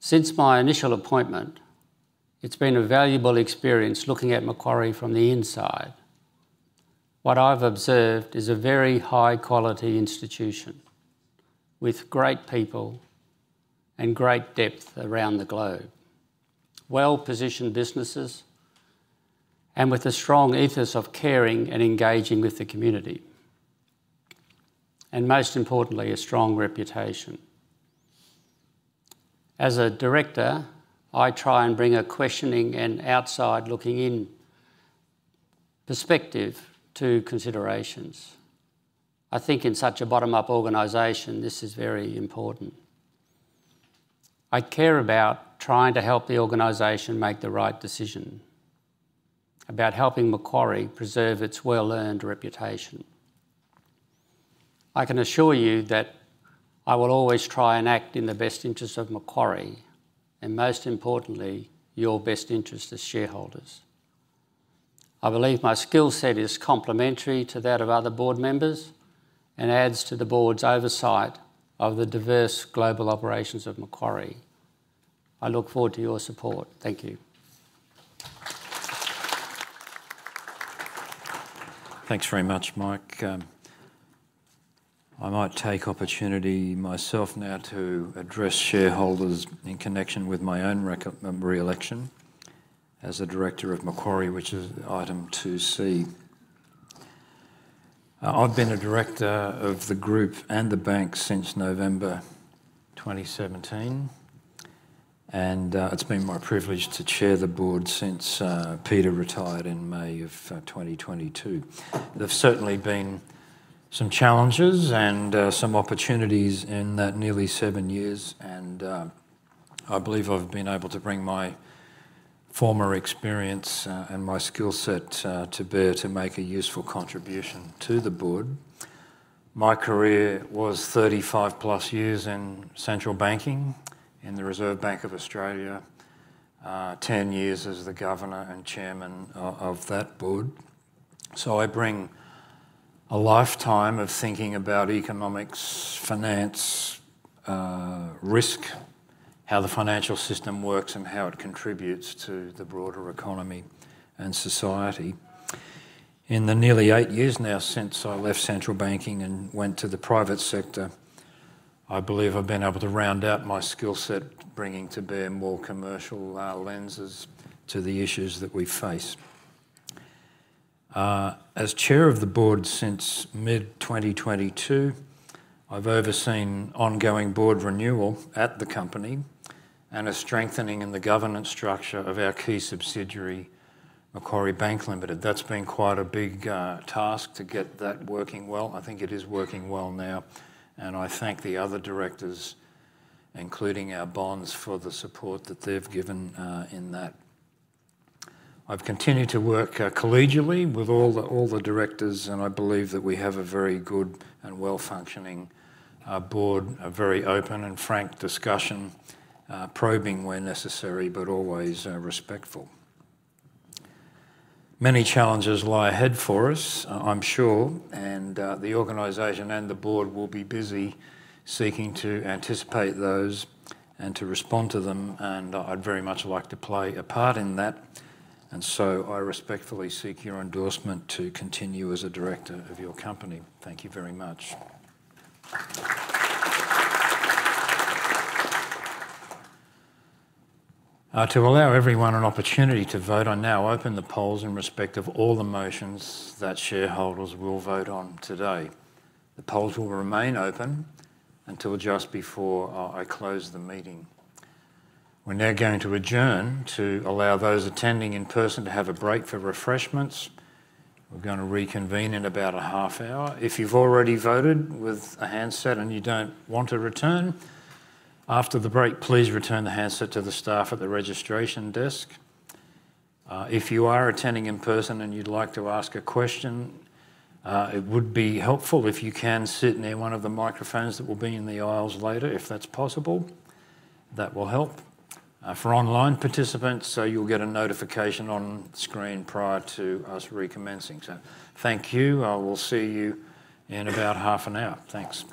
Since my initial appointment, it's been a valuable experience looking at Macquarie from the inside. What I've observed is a very high-quality institution, with great people and great depth around the globe, well-positioned businesses, and with a strong ethos of caring and engaging with the community, and most importantly, a strong reputation. As a director, I try and bring a questioning and outside-looking-in perspective to considerations. I think in such a bottom-up organization, this is very important. I care about trying to help the organization make the right decision, about helping Macquarie preserve its well-earned reputation. I can assure you that I will always try and act in the best interest of Macquarie, and most importantly, your best interest as shareholders. I believe my skill set is complementary to that of other Board members and adds to the Board's oversight of the diverse global operations of Macquarie. I look forward to your support. Thank you. Thanks very much, Mike. I might take opportunity myself now to address shareholders in connection with my own re-election as a director of Macquarie, which is item two C. I've been a director of the group and the bank since November 2017, and, it's been my privilege to Chair the Board since, Peter retired in May of, 2022. There have certainly been some challenges and, some opportunities in that nearly seven years, and, I believe I've been able to bring my former experience, and my skill set, to bear to make a useful contribution to the Board. My career was 35+ years in central banking, in the Reserve Bank of Australia, 10 years as the governor and chairman of that Board. So I bring a lifetime of thinking about economics, finance, risk, how the financial system works, and how it contributes to the broader economy and society. In the nearly eight years now since I left central banking and went to the private sector, I believe I've been able to round out my skill set, bringing to bear more commercial lenses to the issues that we face. As chair of the Board since mid-2022, I've overseen ongoing Board renewal at the company and a strengthening in the governance structure of our key subsidiary, Macquarie Bank Limited. That's been quite a big task to get that working well. I think it is working well now, and I thank the other directors, including our bonds, for the support that they've given in that. I've continued to work, collegially with all the, all the directors, and I believe that we have a very good and well-functioning, Board, a very open and frank discussion, probing where necessary, but always, respectful. Many challenges lie ahead for us, I'm sure, and, the organization and the Board will be busy seeking to anticipate those and to respond to them, and I'd very much like to play a part in that. And so I respectfully seek your endorsement to continue as a director of your company. Thank you very much. To allow everyone an opportunity to vote, I now open the polls in respect of all the motions that shareholders will vote on today. The polls will remain open until just before, I close the meeting. We're now going to adjourn to allow those attending in person to have a break for refreshments. We're gonna reconvene in about a half hour. If you've already voted with a handset and you don't want to return after the break, please return the handset to the staff at the registration desk. If you are attending in person and you'd like to ask a question, it would be helpful if you can sit near one of the microphones that will be in the aisles later, if that's possible. That will help. For online participants, so you'll get a notification on screen prior to us recommencing. So thank you. I will see you in about half an hour. Thanks. ...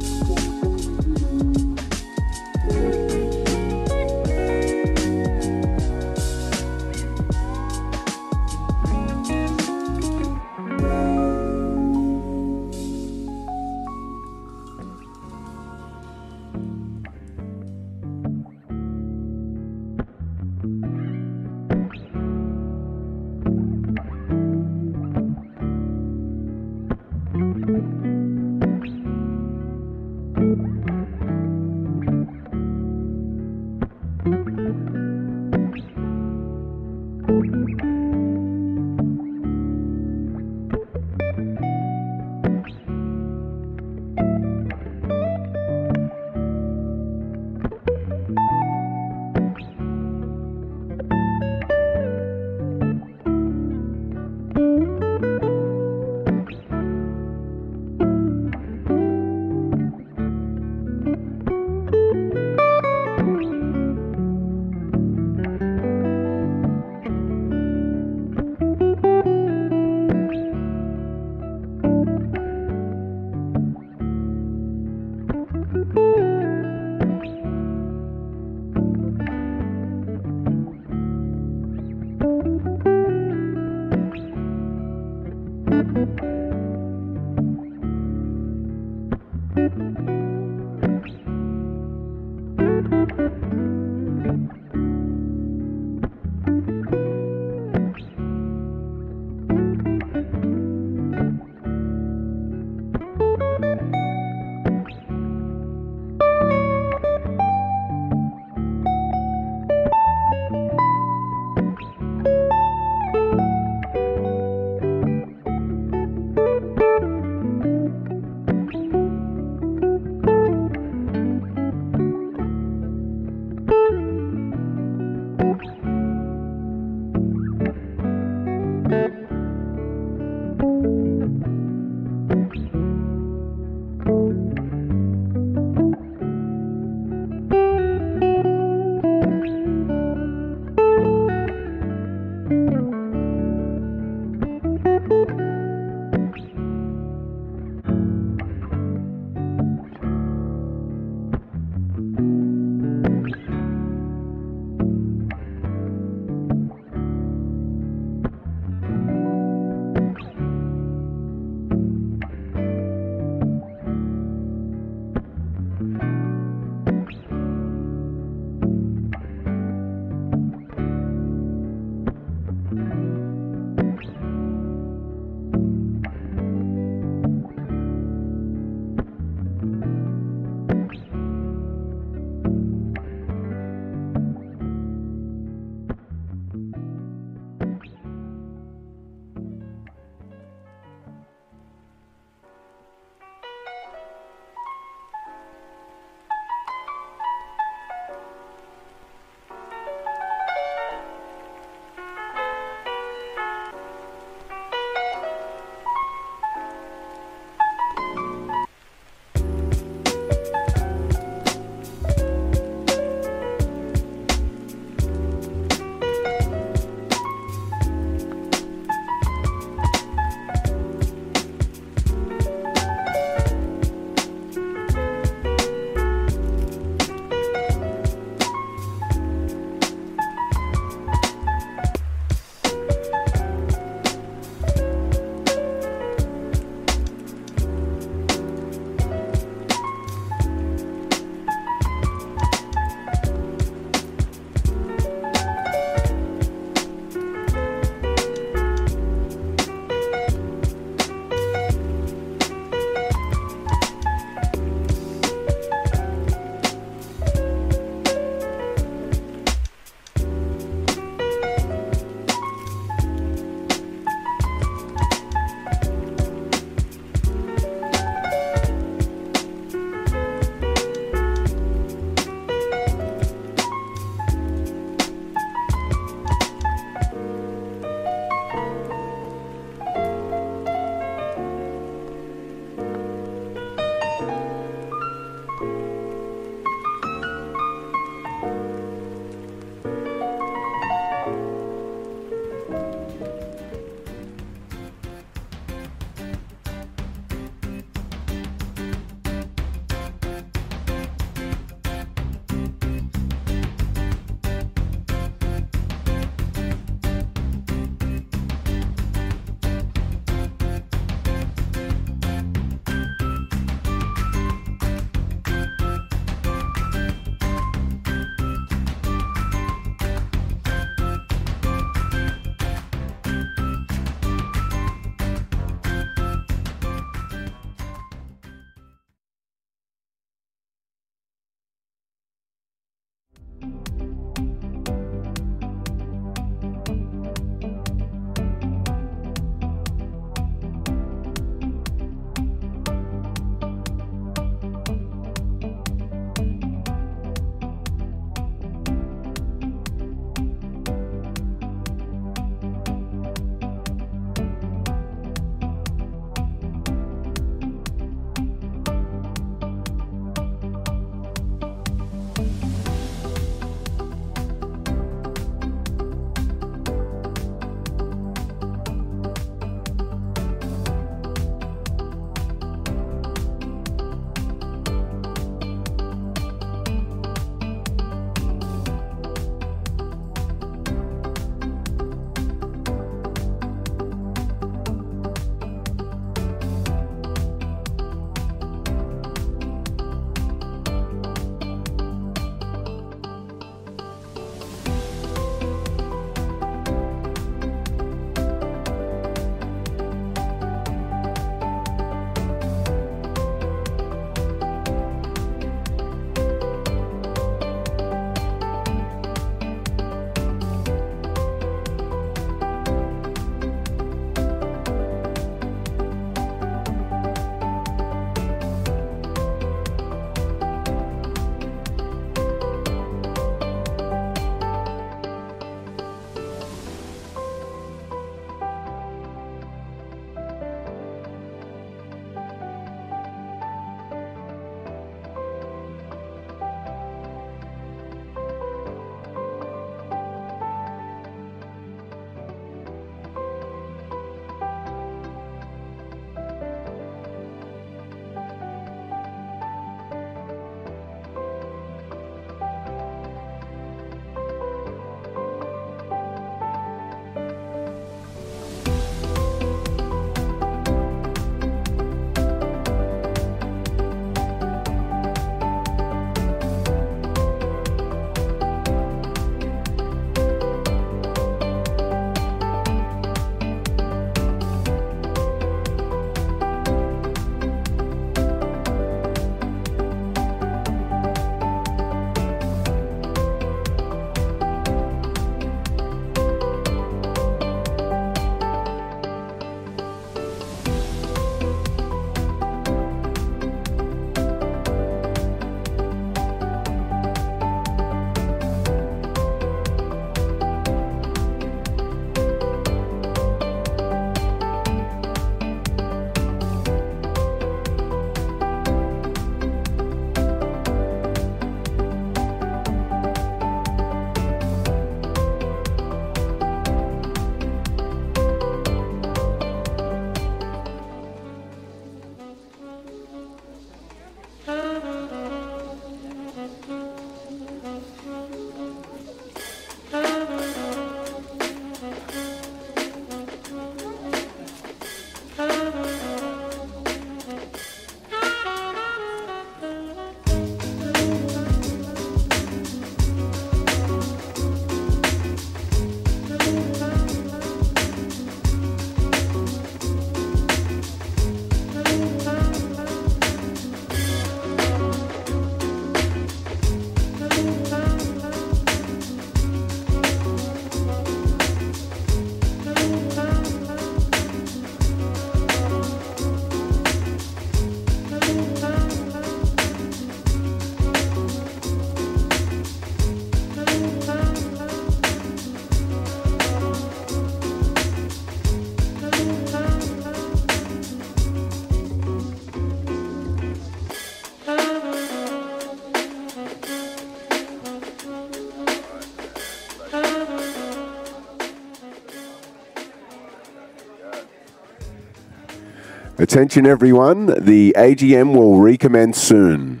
Attention everyone, the AGM will recommence soon.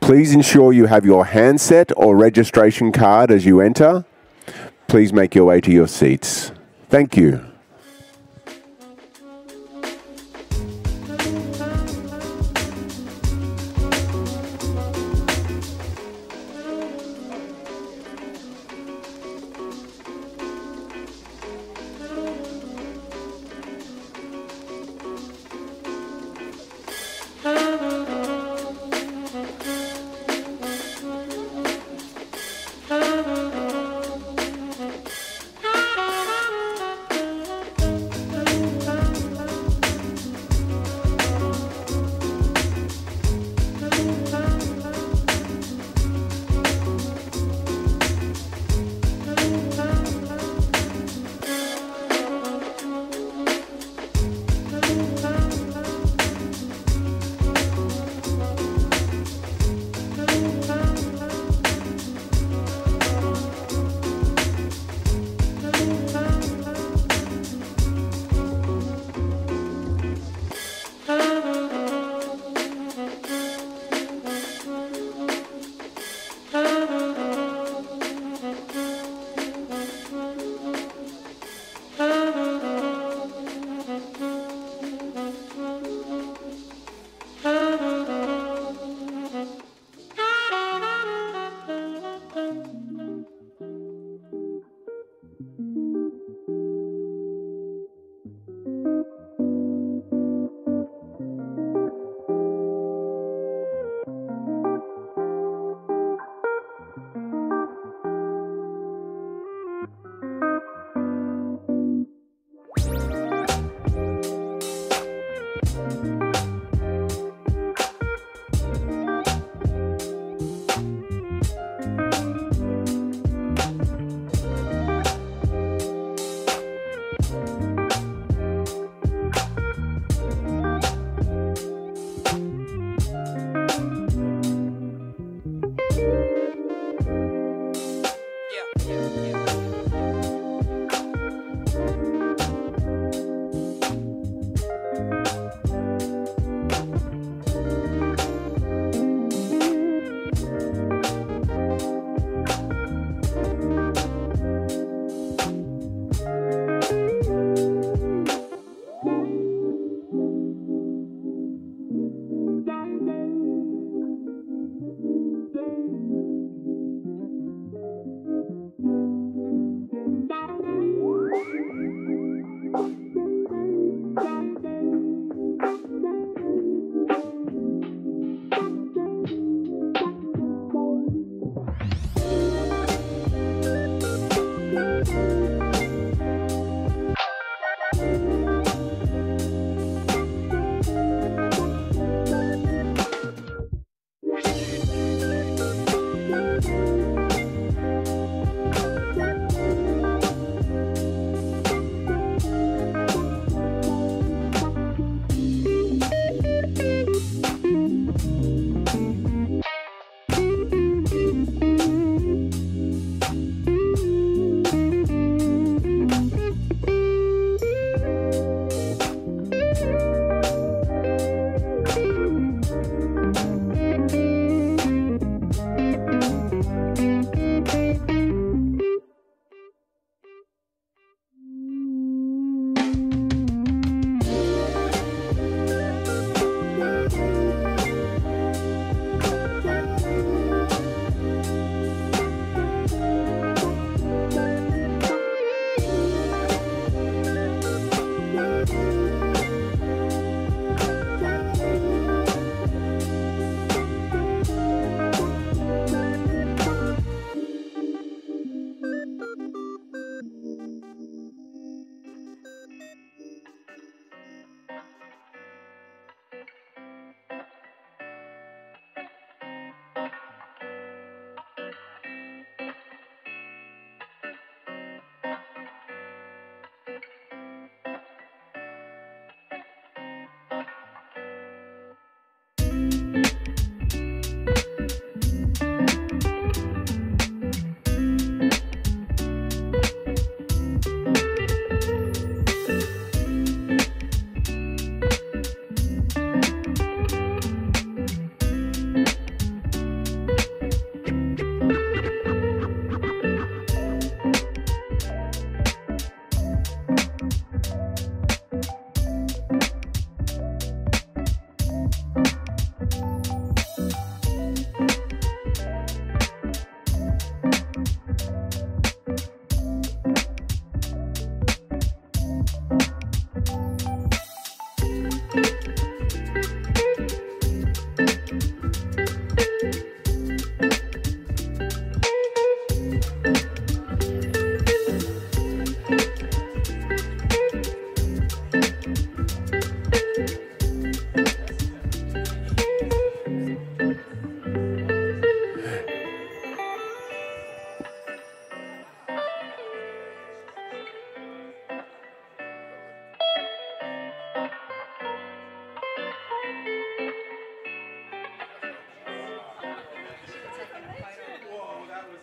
Please ensure you have your handset or registration card as you enter. Please make your way to your seats. Thank you.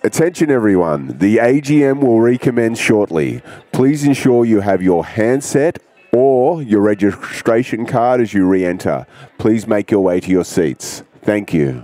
Attention everyone, the AGM will recommence shortly. Please ensure you have your handset or your registration card as you reenter. Please make your way to your seats. Thank you.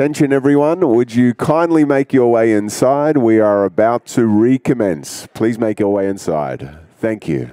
Attention everyone, would you kindly make your way inside? We are about to recommence. Please make your way inside. Thank you.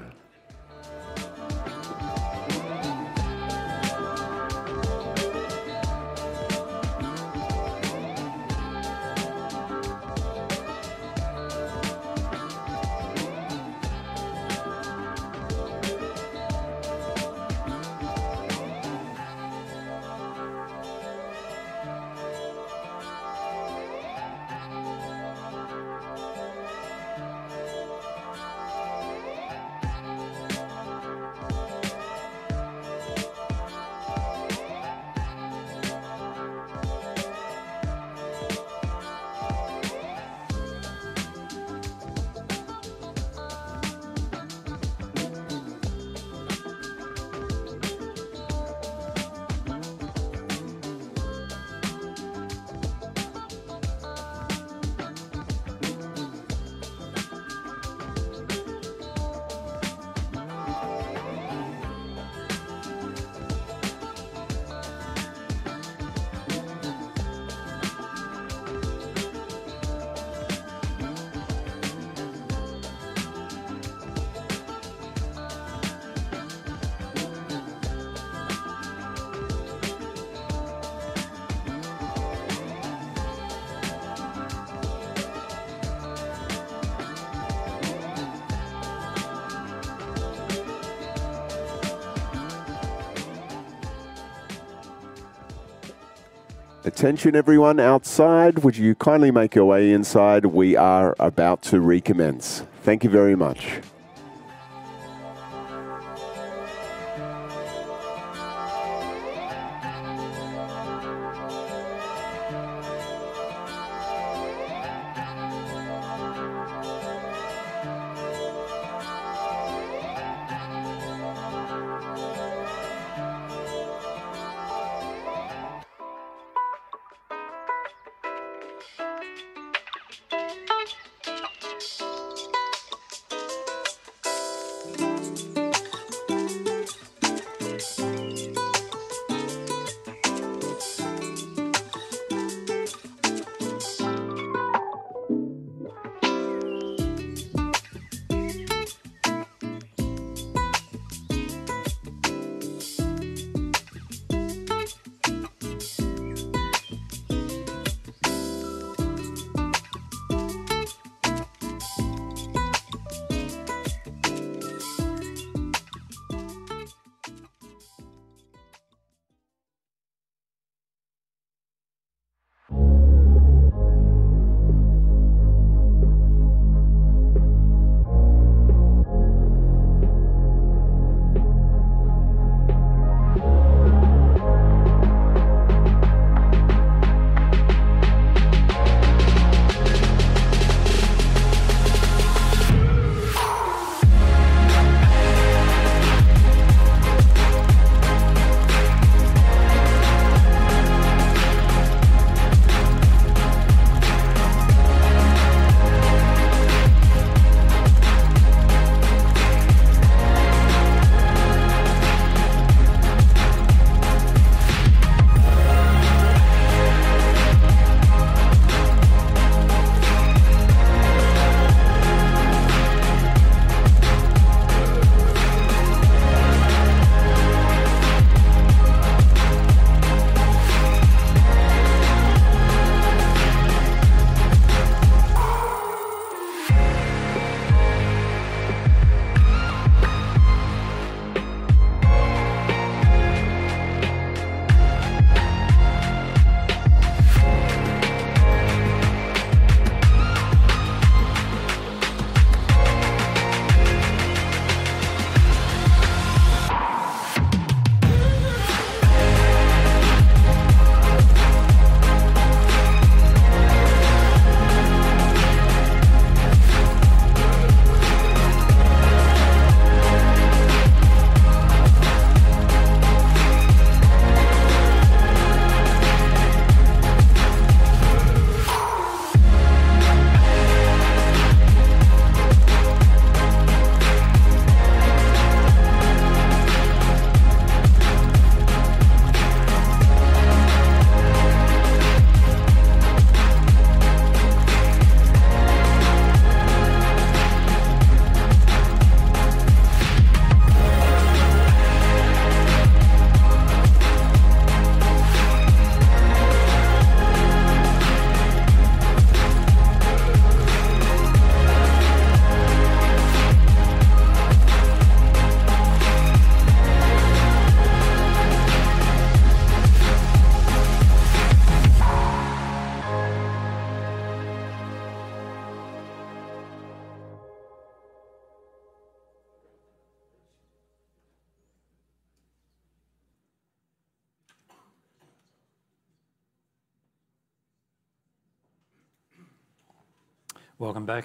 Attention everyone outside, would you kindly make your way inside? We are about to recommence. Thank you very much.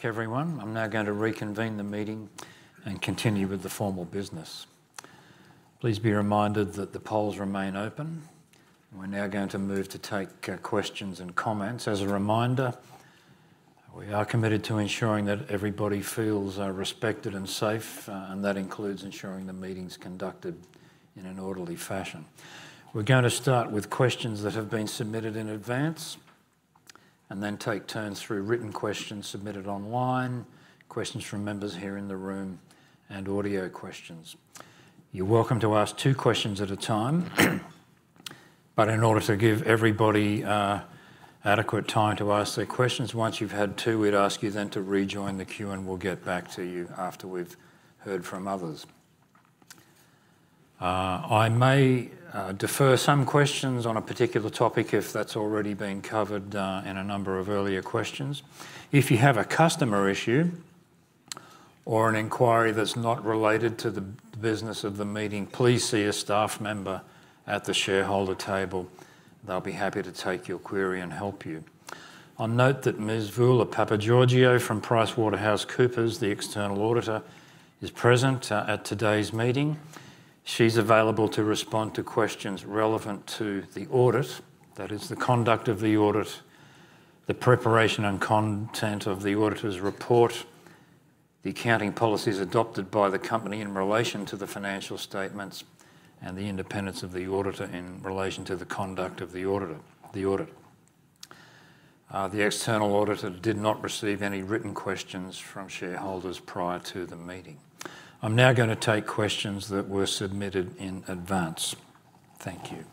Welcome back, everyone. I'm now going to reconvene the meeting and continue with the formal business. Please be reminded that the polls remain open. We're now going to move to take questions and comments. As a reminder, we are committed to ensuring that everybody feels respected and safe, and that includes ensuring the meeting's conducted in an orderly fashion. We're going to start with questions that have been submitted in advance, and then take turns through written questions submitted online, questions from members here in the room, and audio questions. You're welcome to ask two questions at a time, but in order to give everybody adequate time to ask their questions, once you've had two, we'd ask you then to rejoin the queue, and we'll get back to you after we've heard from others. I may defer some questions on a particular topic if that's already been covered in a number of earlier questions. If you have a customer issue or an inquiry that's not related to the business of the meeting, please see a staff member at the shareholder table. They'll be happy to take your query and help you. I'll note that Ms. Voula Papageorgiou from PricewaterhouseCoopers, the external auditor, is present at today's meeting. She's available to respond to questions relevant to the audit, that is, the conduct of the audit, the preparation and content of the auditor's report, the accounting policies adopted by the company in relation to the financial statements, and the independence of the auditor in relation to the conduct of the auditor, the audit. The external auditor did not receive any written questions from shareholders prior to the meeting. I'm now gonna take questions that were submitted in advance. Thank you.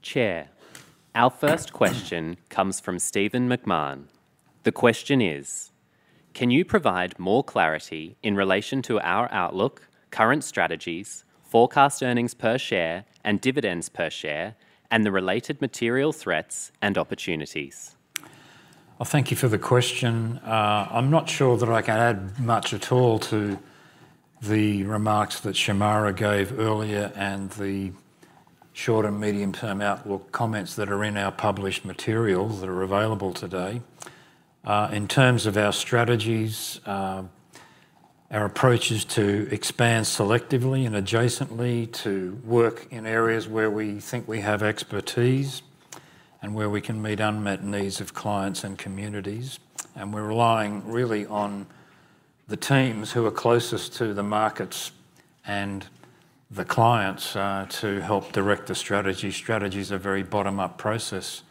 Chair, our first question comes from Steven Mayne. The question is: Can you provide more clarity in relation to our outlook, current strategies, forecast earnings per share, and dividends per share, and the related material threats and opportunities? Well, thank you for the question. I'm not sure that I can add much at all to the remarks that Shemara gave earlier and the short- and medium-term outlook comments that are in our published materials that are available today. In terms of our strategies, our approach is to expand selectively and adjacently, to work in areas where we think we have expertise and where we can meet unmet needs of clients and communities, and we're relying really on the teams who are closest to the markets and the clients to help direct the strategy. Strategy's a very bottom-up process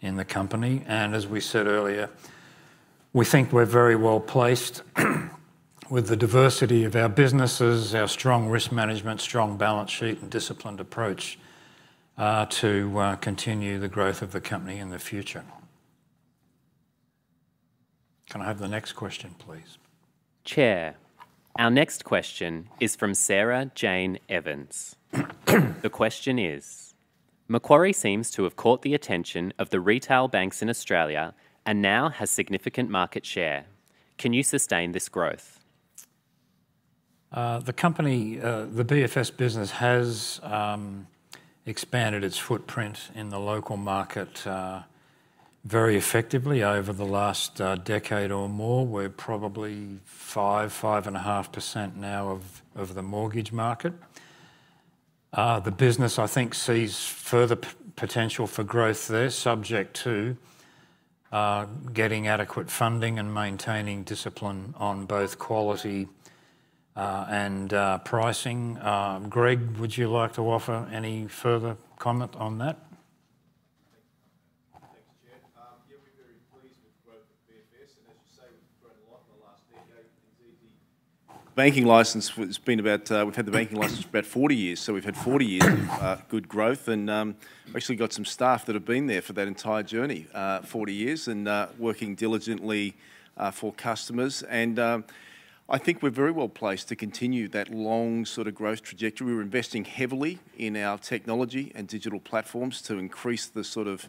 in the company, and as we said earlier, we think we're very well-placed with the diversity of our businesses, our strong risk management, strong balance sheet, and disciplined approach to continue the growth of the company in the future. Can I have the next question, please? Chair, our next question is from Sarah Jane Evans. The question is: Macquarie seems to have caught the attention of the retail banks in Australia and now has significant market share. Can you sustain this growth? The company, the BFS business has expanded its footprint in the local market very effectively over the last decade or more. We're probably 5%-5.5% now of the mortgage market. The business, I think, sees further potential for growth there, subject to getting adequate funding and maintaining discipline on both quality and pricing. Greg, would you like to offer any further comment on that? Thanks, Chair. Yeah, we're very pleased with the growth of BFS, and as you say, we've grown a lot in the last decade. The banking license has been about... We've had the banking license for about 40 years, so we've had 40 years of good growth, and we've actually got some staff that have been there for that entire journey, 40 years, and working diligently for customers. I think we're very well-placed to continue that long sort of growth trajectory. We're investing heavily in our technology and digital platforms to increase the sort of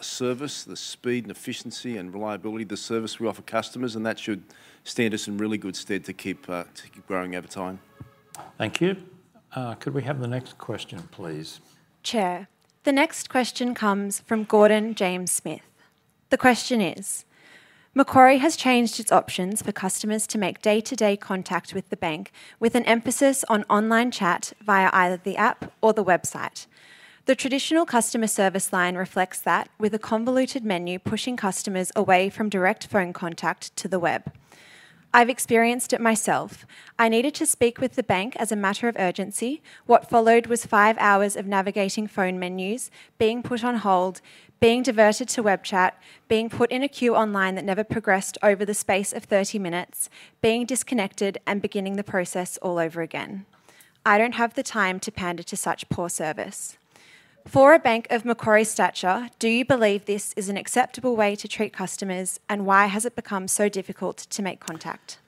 service, the speed and efficiency and reliability of the service we offer customers, and that should stand us in really good stead to keep growing over time. Thank you. Could we have the next question, please? Chair, the next question comes from Gordon James Smith. The question is: Macquarie has changed its options for customers to make day-to-day contact with the bank, with an emphasis on online chat via either the app or the website. The traditional customer service line reflects that, with a convoluted menu pushing customers away from direct phone contact to the web. I've experienced it myself. I needed to speak with the bank as a matter of urgency. What followed was five hours of navigating phone menus, being put on hold, being diverted to web chat, being put in a queue online that never progressed over the space of 30 minutes, being disconnected, and beginning the process all over again. I don't have the time to pander to such poor service. For a bank of Macquarie's stature, do you believe this is an acceptable way to treat customers, and why has it become so difficult to make contact?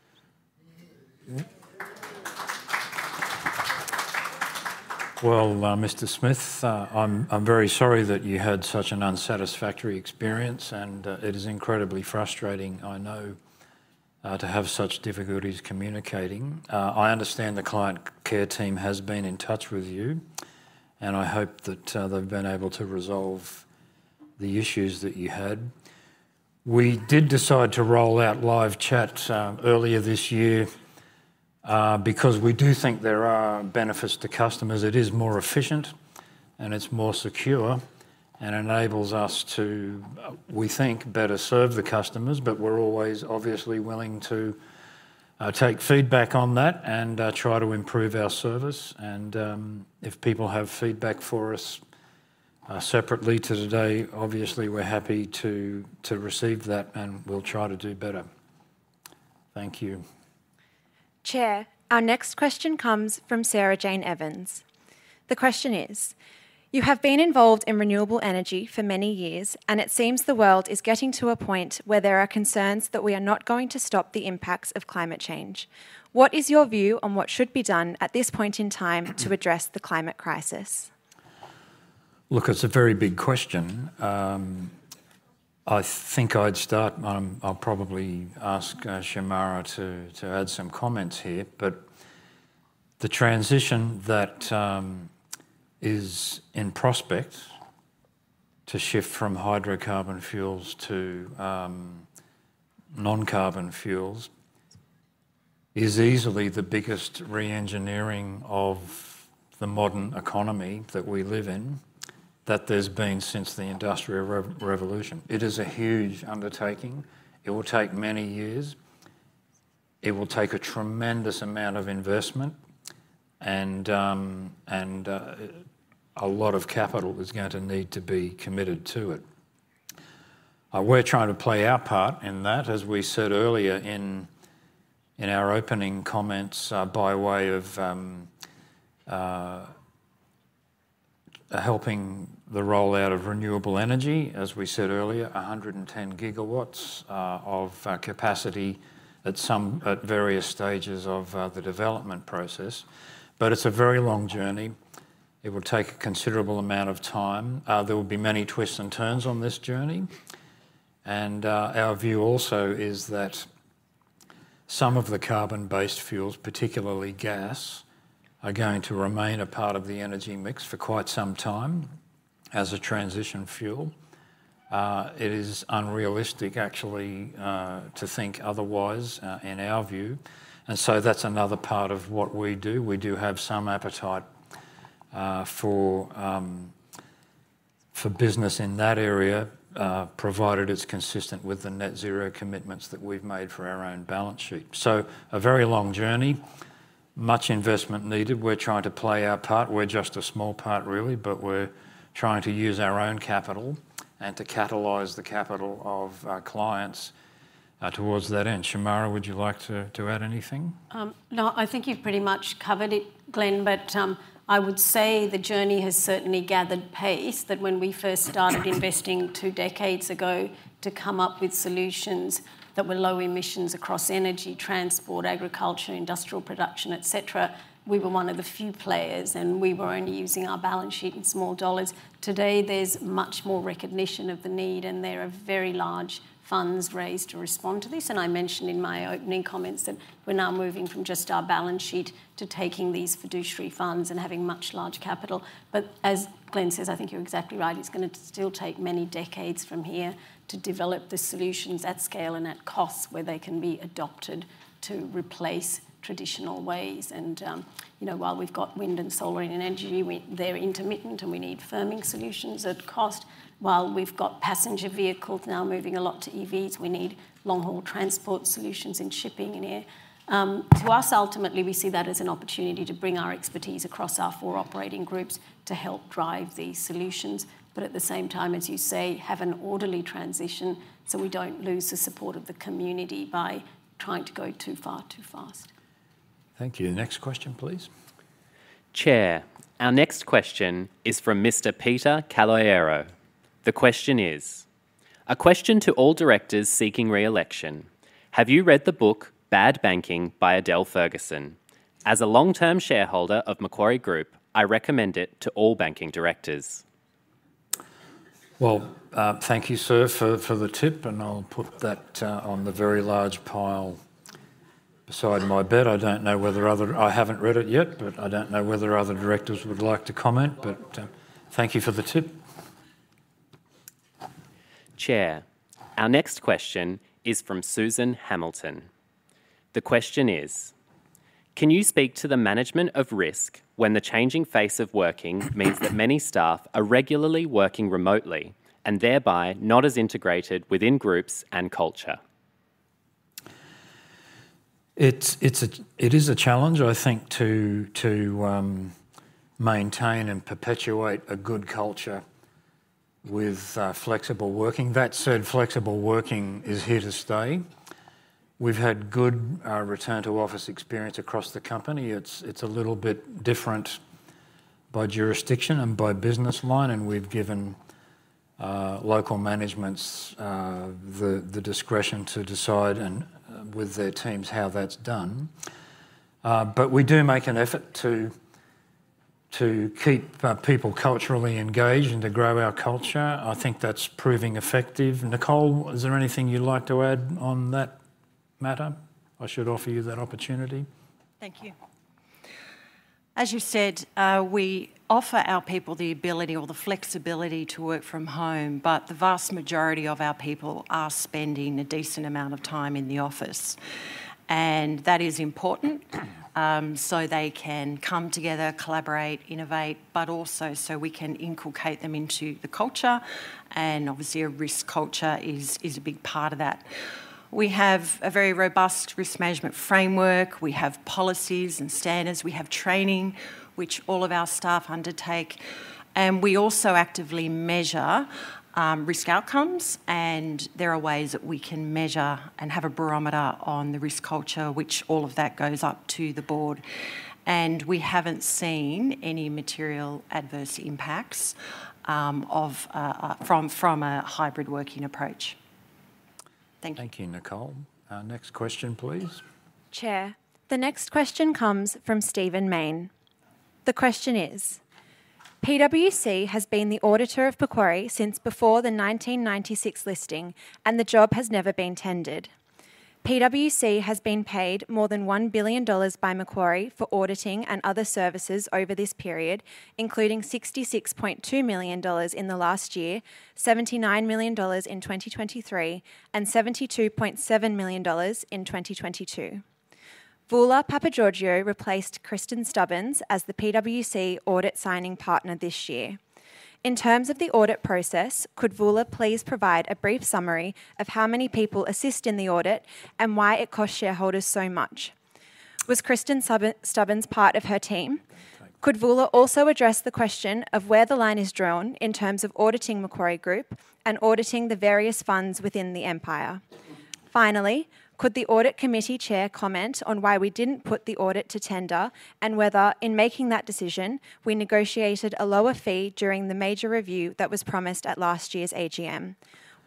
Well, Mr. Smith, I'm very sorry that you had such an unsatisfactory experience, and it is incredibly frustrating, I know to have such difficulties communicating. I understand the client care team has been in touch with you, and I hope that they've been able to resolve the issues that you had. We did decide to roll out live chat earlier this year because we do think there are benefits to customers. It is more efficient, and it's more secure, and enables us to, we think, better serve the customers. But we're always obviously willing to take feedback on that, and try to improve our service. And if people have feedback for us separately to today, obviously we're happy to receive that, and we'll try to do better. Thank you. Chair, our next question comes from Sarah Jane Evans. The question is: You have been involved in renewable energy for many years, and it seems the world is getting to a point where there are concerns that we are not going to stop the impacts of climate change. What is your view on what should be done at this point in time to address the climate crisis? Look, it's a very big question. I think I'd start. I'll probably ask Shemara to add some comments here. But the transition that is in prospect to shift from hydrocarbon fuels to non-carbon fuels is easily the biggest re-engineering of the modern economy that we live in, that there's been since the Industrial Revolution. It is a huge undertaking. It will take many years. It will take a tremendous amount of investment, and a lot of capital is going to need to be committed to it. We're trying to play our part in that, as we said earlier in our opening comments, by way of helping the rollout of renewable energy, as we said earlier, 110 GW of capacity at some, at various stages of the development process. But it's a very long journey. It will take a considerable amount of time. There will be many twists and turns on this journey. And our view also is that some of the carbon-based fuels, particularly gas, are going to remain a part of the energy mix for quite some time as a transition fuel. It is unrealistic actually to think otherwise in our view, and so that's another part of what we do. We do have some appetite for business in that area, provided it's consistent with the net zero commitments that we've made for our own balance sheet. So a very long journey, much investment needed. We're trying to play our part. We're just a small part, really, but we're trying to use our own capital and to catalyze the capital of our clients towards that end. Shemara, would you like to add anything? No, I think you've pretty much covered it, Glenn. But, I would say the journey has certainly gathered pace, that when we first started investing two decades ago to come up with solutions that were low emissions across energy, transport, agriculture, industrial production, et cetera, we were one of the few players, and we were only using our balance sheet and small dollars. Today, there's much more recognition of the need, and there are very large funds raised to respond to this. And I mentioned in my opening comments that we're now moving from just our balance sheet to taking these fiduciary funds and having much larger capital. But as Glenn says, I think you're exactly right, it's gonna still take many decades from here to develop the solutions at scale and at cost, where they can be adopted to replace traditional ways. you know, while we've got wind and solar and energy, they're intermittent, and we need firming solutions at cost. While we've got passenger vehicles now moving a lot to EVs, we need long-haul transport solutions in shipping and air. To us, ultimately, we see that as an opportunity to bring our expertise across our four operating groups to help drive these solutions, but at the same time, as you say, have an orderly transition, so we don't lose the support of the community by trying to go too far, too fast. Thank you. Next question, please. Chair, our next question is from Mr. Peter Caloiero. The question is: A question to all directors seeking re-election. Have you read the book, Banking Bad, by Adele Ferguson? As a long-term shareholder of Macquarie Group, I recommend it to all banking directors. Well, thank you, sir, for the tip, and I'll put that on the very large pile beside my bed. I don't know whether other... I haven't read it yet, but I don't know whether other directors would like to comment. But, thank you for the tip. Chair, our next question is from Susan Hamilton. The question is: Can you speak to the management of risk when the changing face of working means that many staff are regularly working remotely and thereby not as integrated within groups and culture? It's a challenge, I think, to maintain and perpetuate a good culture with flexible working. That said, flexible working is here to stay. We've had good return to office experience across the company. It's a little bit different by jurisdiction and by business line, and we've given local managements the discretion to decide and, with their teams, how that's done. But we do make an effort to keep people culturally engaged and to grow our culture. I think that's proving effective. Nicole, is there anything you'd like to add on that matter? I should offer you that opportunity. Thank you. As you said, we offer our people the ability or the flexibility to work from home, but the vast majority of our people are spending a decent amount of time in the office, and that is important, so they can come together, collaborate, innovate, but also so we can inculcate them into the culture, and obviously, a risk culture is a big part of that. We have a very robust risk management framework. We have policies and standards. We have training, which all of our staff undertake, and we also actively measure risk outcomes, and there are ways that we can measure and have a barometer on the risk culture, which all of that goes up to the Board. We haven't seen any material adverse impacts from a hybrid working approach. Thank you. Thank you, Nicole. Next question, please. Chair, the next question comes from Steven Mayne. The question is: PwC has been the auditor of Macquarie since before the 1996 listing, and the job has never been tendered. PwC has been paid more than 1 billion dollars by Macquarie for auditing and other services over this period, including 66.2 million dollars in the last year, 79 million dollars in 2023, and 72.7 million dollars in 2022. Voula Papageorgiou replaced Kristen Stubbins as the PwC audit signing partner this year. In terms of the audit process, could Voula please provide a brief summary of how many people assist in the audit and why it costs shareholders so much? Was Kristen Stubbins part of her team? Could Voula also address the question of where the line is drawn in terms of auditing Macquarie Group and auditing the various funds within the empire? Finally, could the audit committee chair comment on why we didn't put the audit to tender, and whether, in making that decision, we negotiated a lower fee during the major review that was promised at last year's AGM?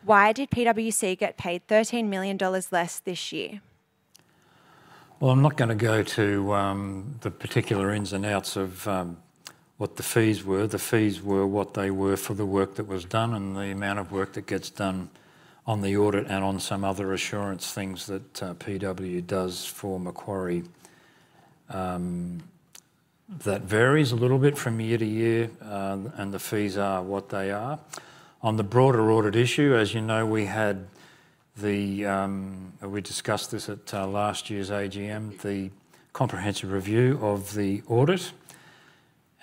Why did PwC get paid 13 million dollars less this year? Well, I'm not gonna go to the particular ins and outs of what the fees were. The fees were what they were for the work that was done and the amount of work that gets done on the audit and on some other assurance things that PwC does for Macquarie. That varies a little bit from year to year, and the fees are what they are. On the broader audit issue, as you know, we discussed this at last year's AGM, the comprehensive review of the audit,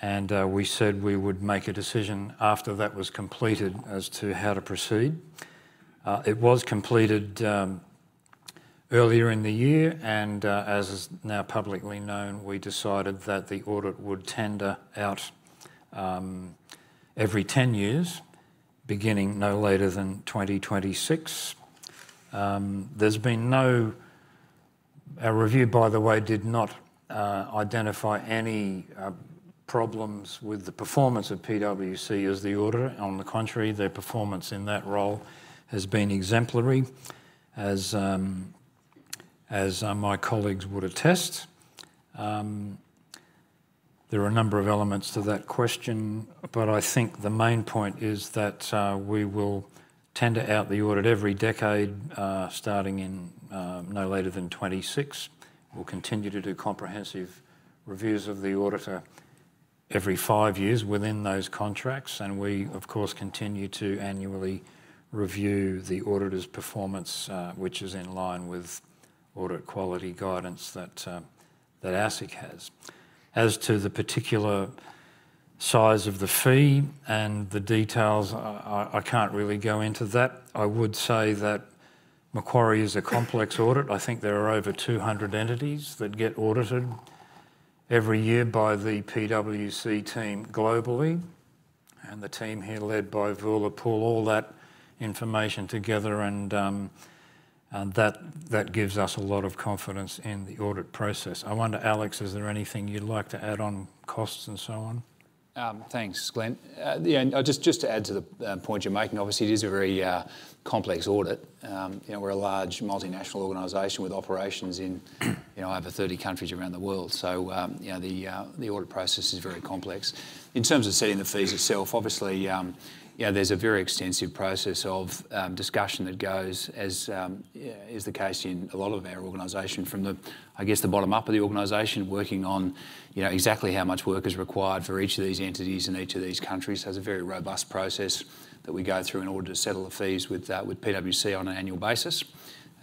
and we said we would make a decision after that was completed as to how to proceed. It was completed earlier in the year, and as is now publicly known, we decided that the audit would tender out every 10 years, beginning no later than 2026. Our review, by the way, did not identify any problems with the performance of PwC as the auditor. On the contrary, their performance in that role has been exemplary, as my colleagues would attest. There are a number of elements to that question, but I think the main point is that we will tender out the audit every decade, starting in no later than 2026. We'll continue to do comprehensive reviews of the auditor every five years within those contracts, and we, of course, continue to annually review the auditor's performance, which is in line with audit quality guidance that ASIC has. As to the particular size of the fee and the details, I can't really go into that. I would say that Macquarie is a complex audit. I think there are over 200 entities that get audited every year by the PwC team globally, and the team here, led by Voula, pull all that information together, and that gives us a lot of confidence in the audit process. I wonder, Alex, is there anything you'd like to add on costs and so on? Thanks, Glenn. Yeah, just to add to the point you're making, obviously, it is a very complex audit. You know, we're a large multinational organization with operations in over 30 countries around the world, so you know, the audit process is very complex. In terms of setting the fees itself, obviously, you know, there's a very extensive process of discussion that goes as is the case in a lot of our organization, from the, I guess, the bottom up of the organization, working on exactly how much work is required for each of these entities in each of these countries. So it's a very robust process that we go through in order to settle the fees with PwC on an annual basis.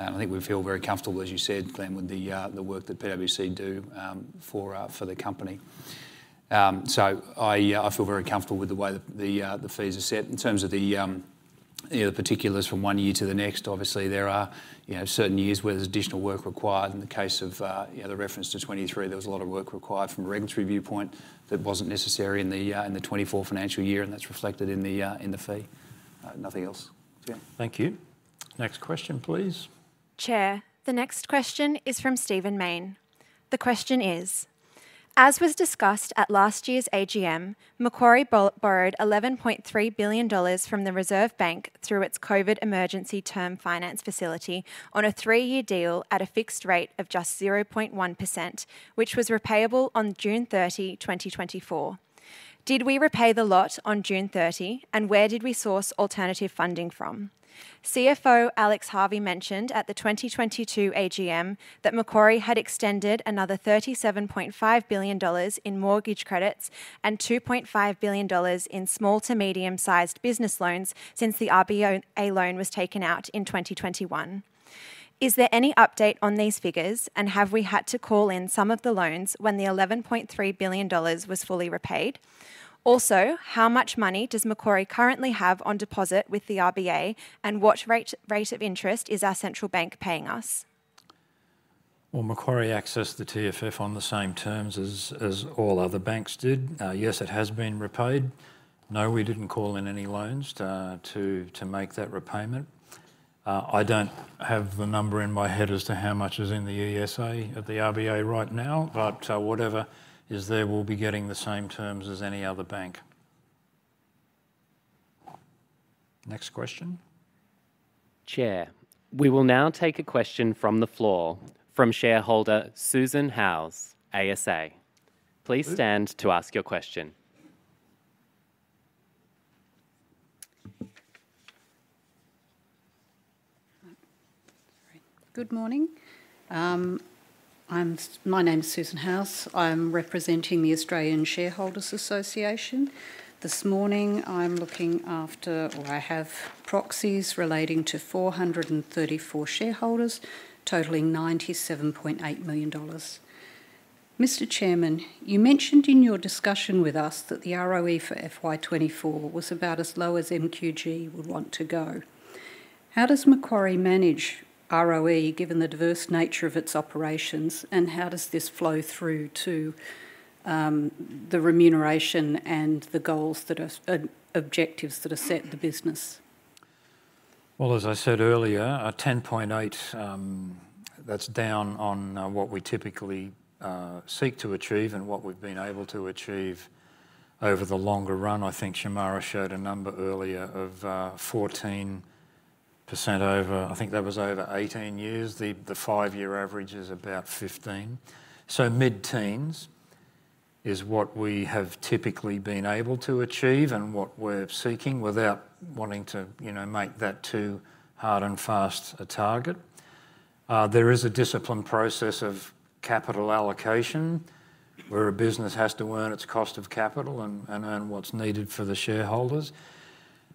I think we feel very comfortable, as you said, Glenn, with the work that PwC do for the company. So I feel very comfortable with the way the fees are set. In terms of the you know the particulars from one year to the next, obviously, there are you know certain years where there's additional work required. In the case of you know the reference to 2023, there was a lot of work required from a regulatory viewpoint that wasn't necessary in the 2024 financial year, and that's reflected in the fee. Nothing else. Yeah. Thank you. Next question, please. Chair, the next question is from Steven Mayne. The question is: As was discussed at last year's AGM, Macquarie borrowed 11.3 billion dollars from the Reserve Bank through its COVID emergency term finance facility on a 3-year deal at a fixed rate of just 0.1%, which was repayable on June 30, 2024. Did we repay the lot on June 30? And where did we source alternative funding from? CFO Alex Harvey mentioned at the 2022 AGM that Macquarie had extended another 37.5 billion dollars in mortgage credits and 2.5 billion dollars in small to medium-sized business loans since the RBA loan was taken out in 2021. Is there any update on these figures, and have we had to call in some of the loans when the 11.3 billion dollars was fully repaid? Also, how much money does Macquarie currently have on deposit with the RBA, and what rate, rate of interest is our central bank paying us? Well, Macquarie accessed the TFF on the same terms as all other banks did. Yes, it has been repaid. No, we didn't call in any loans to make that repayment. I don't have the number in my head as to how much is in the ESA at the RBA right now, but whatever is there will be getting the same terms as any other bank. Next question. Chair, we will now take a question from the floor from shareholder Susan Howes, ASA. Please- Please stand to ask your question. Hi. Good morning. My name is Susan Howes. I'm representing the Australian Shareholders' Association. This morning, I'm looking after, or I have proxies relating to 434 shareholders, totaling 97.8 million dollars. Mr. Chairman, you mentioned in your discussion with us that the ROE for FY 2024 was about as low as MQG would want to go. How does Macquarie manage ROE, given the diverse nature of its operations, and how does this flow through to the remuneration and the goals that are objectives that are set in the business? Well, as I said earlier, 10.8, that's down on what we typically seek to achieve and what we've been able to achieve over the longer run. I think Shemara showed a number earlier of 14% over, I think that was over 18 years. The five-year average is about 15. So mid-teens is what we have typically been able to achieve and what we're seeking without wanting to, you know, make that too hard and fast a target. There is a disciplined process of capital allocation, where a business has to earn its cost of capital and earn what's needed for the shareholders.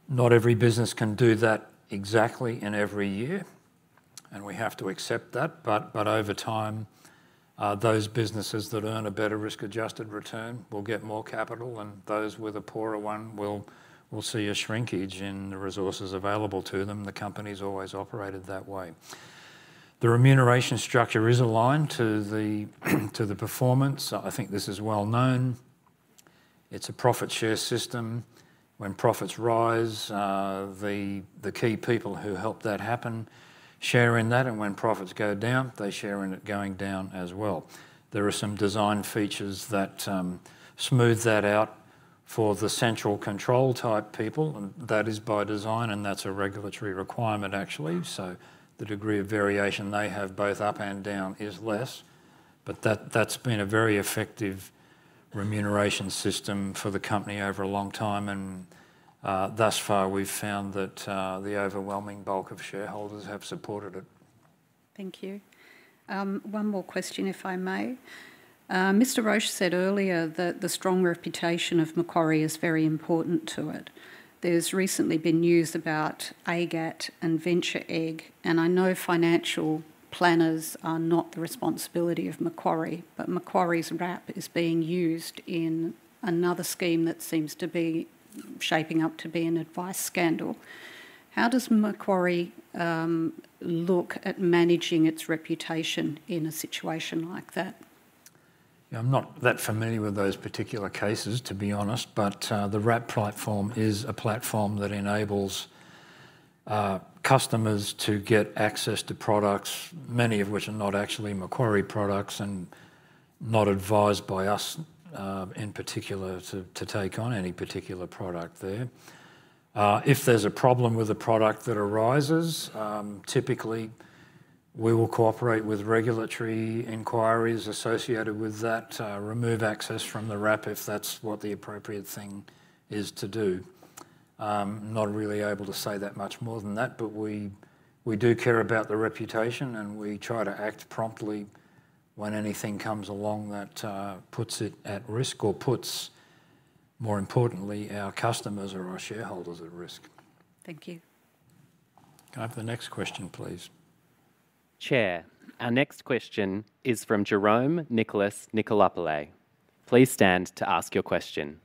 Not every business can do that exactly in every year, and we have to accept that, but over time, those businesses that earn a better risk-adjusted return will get more capital, and those with a poorer one will see a shrinkage in the resources available to them. The company's always operated that way. The remuneration structure is aligned to the performance. I think this is well known. It's a profit share system. When profits rise, the key people who help that happen share in that, and when profits go down, they share in it going down as well. There are some design features that smooth that out for the central control type people, and that is by design, and that's a regulatory requirement, actually. So the degree of variation they have, both up and down, is less. But that, that's been a very effective remuneration system for the company over a long time and, thus far we've found that the overwhelming bulk of shareholders have supported it. Thank you. One more question, if I may. Mr. Roche said earlier that the strong reputation of Macquarie is very important to it. There's recently been news about AGAT and Venture Egg, and I know financial planners are not the responsibility of Macquarie, but Macquarie's Wrap is being used in another scheme that seems to be shaping up to be an advice scandal. How does Macquarie look at managing its reputation in a situation like that? I'm not that familiar with those particular cases, to be honest, but the Wrap platform is a platform that enables customers to get access to products, many of which are not actually Macquarie products and not advised by us, in particular, to take on any particular product there. If there's a problem with the product that arises, typically we will cooperate with regulatory inquiries associated with that, remove access from the Wrap if that's what the appropriate thing is to do. I'm not really able to say that much more than that, but we do care about the reputation, and we try to act promptly when anything comes along that puts it at risk or puts, more importantly, our customers or our shareholders at risk. Thank you. Can I have the next question, please? Chair, our next question is from Jerome Nikolopoulos. Please stand to ask your question.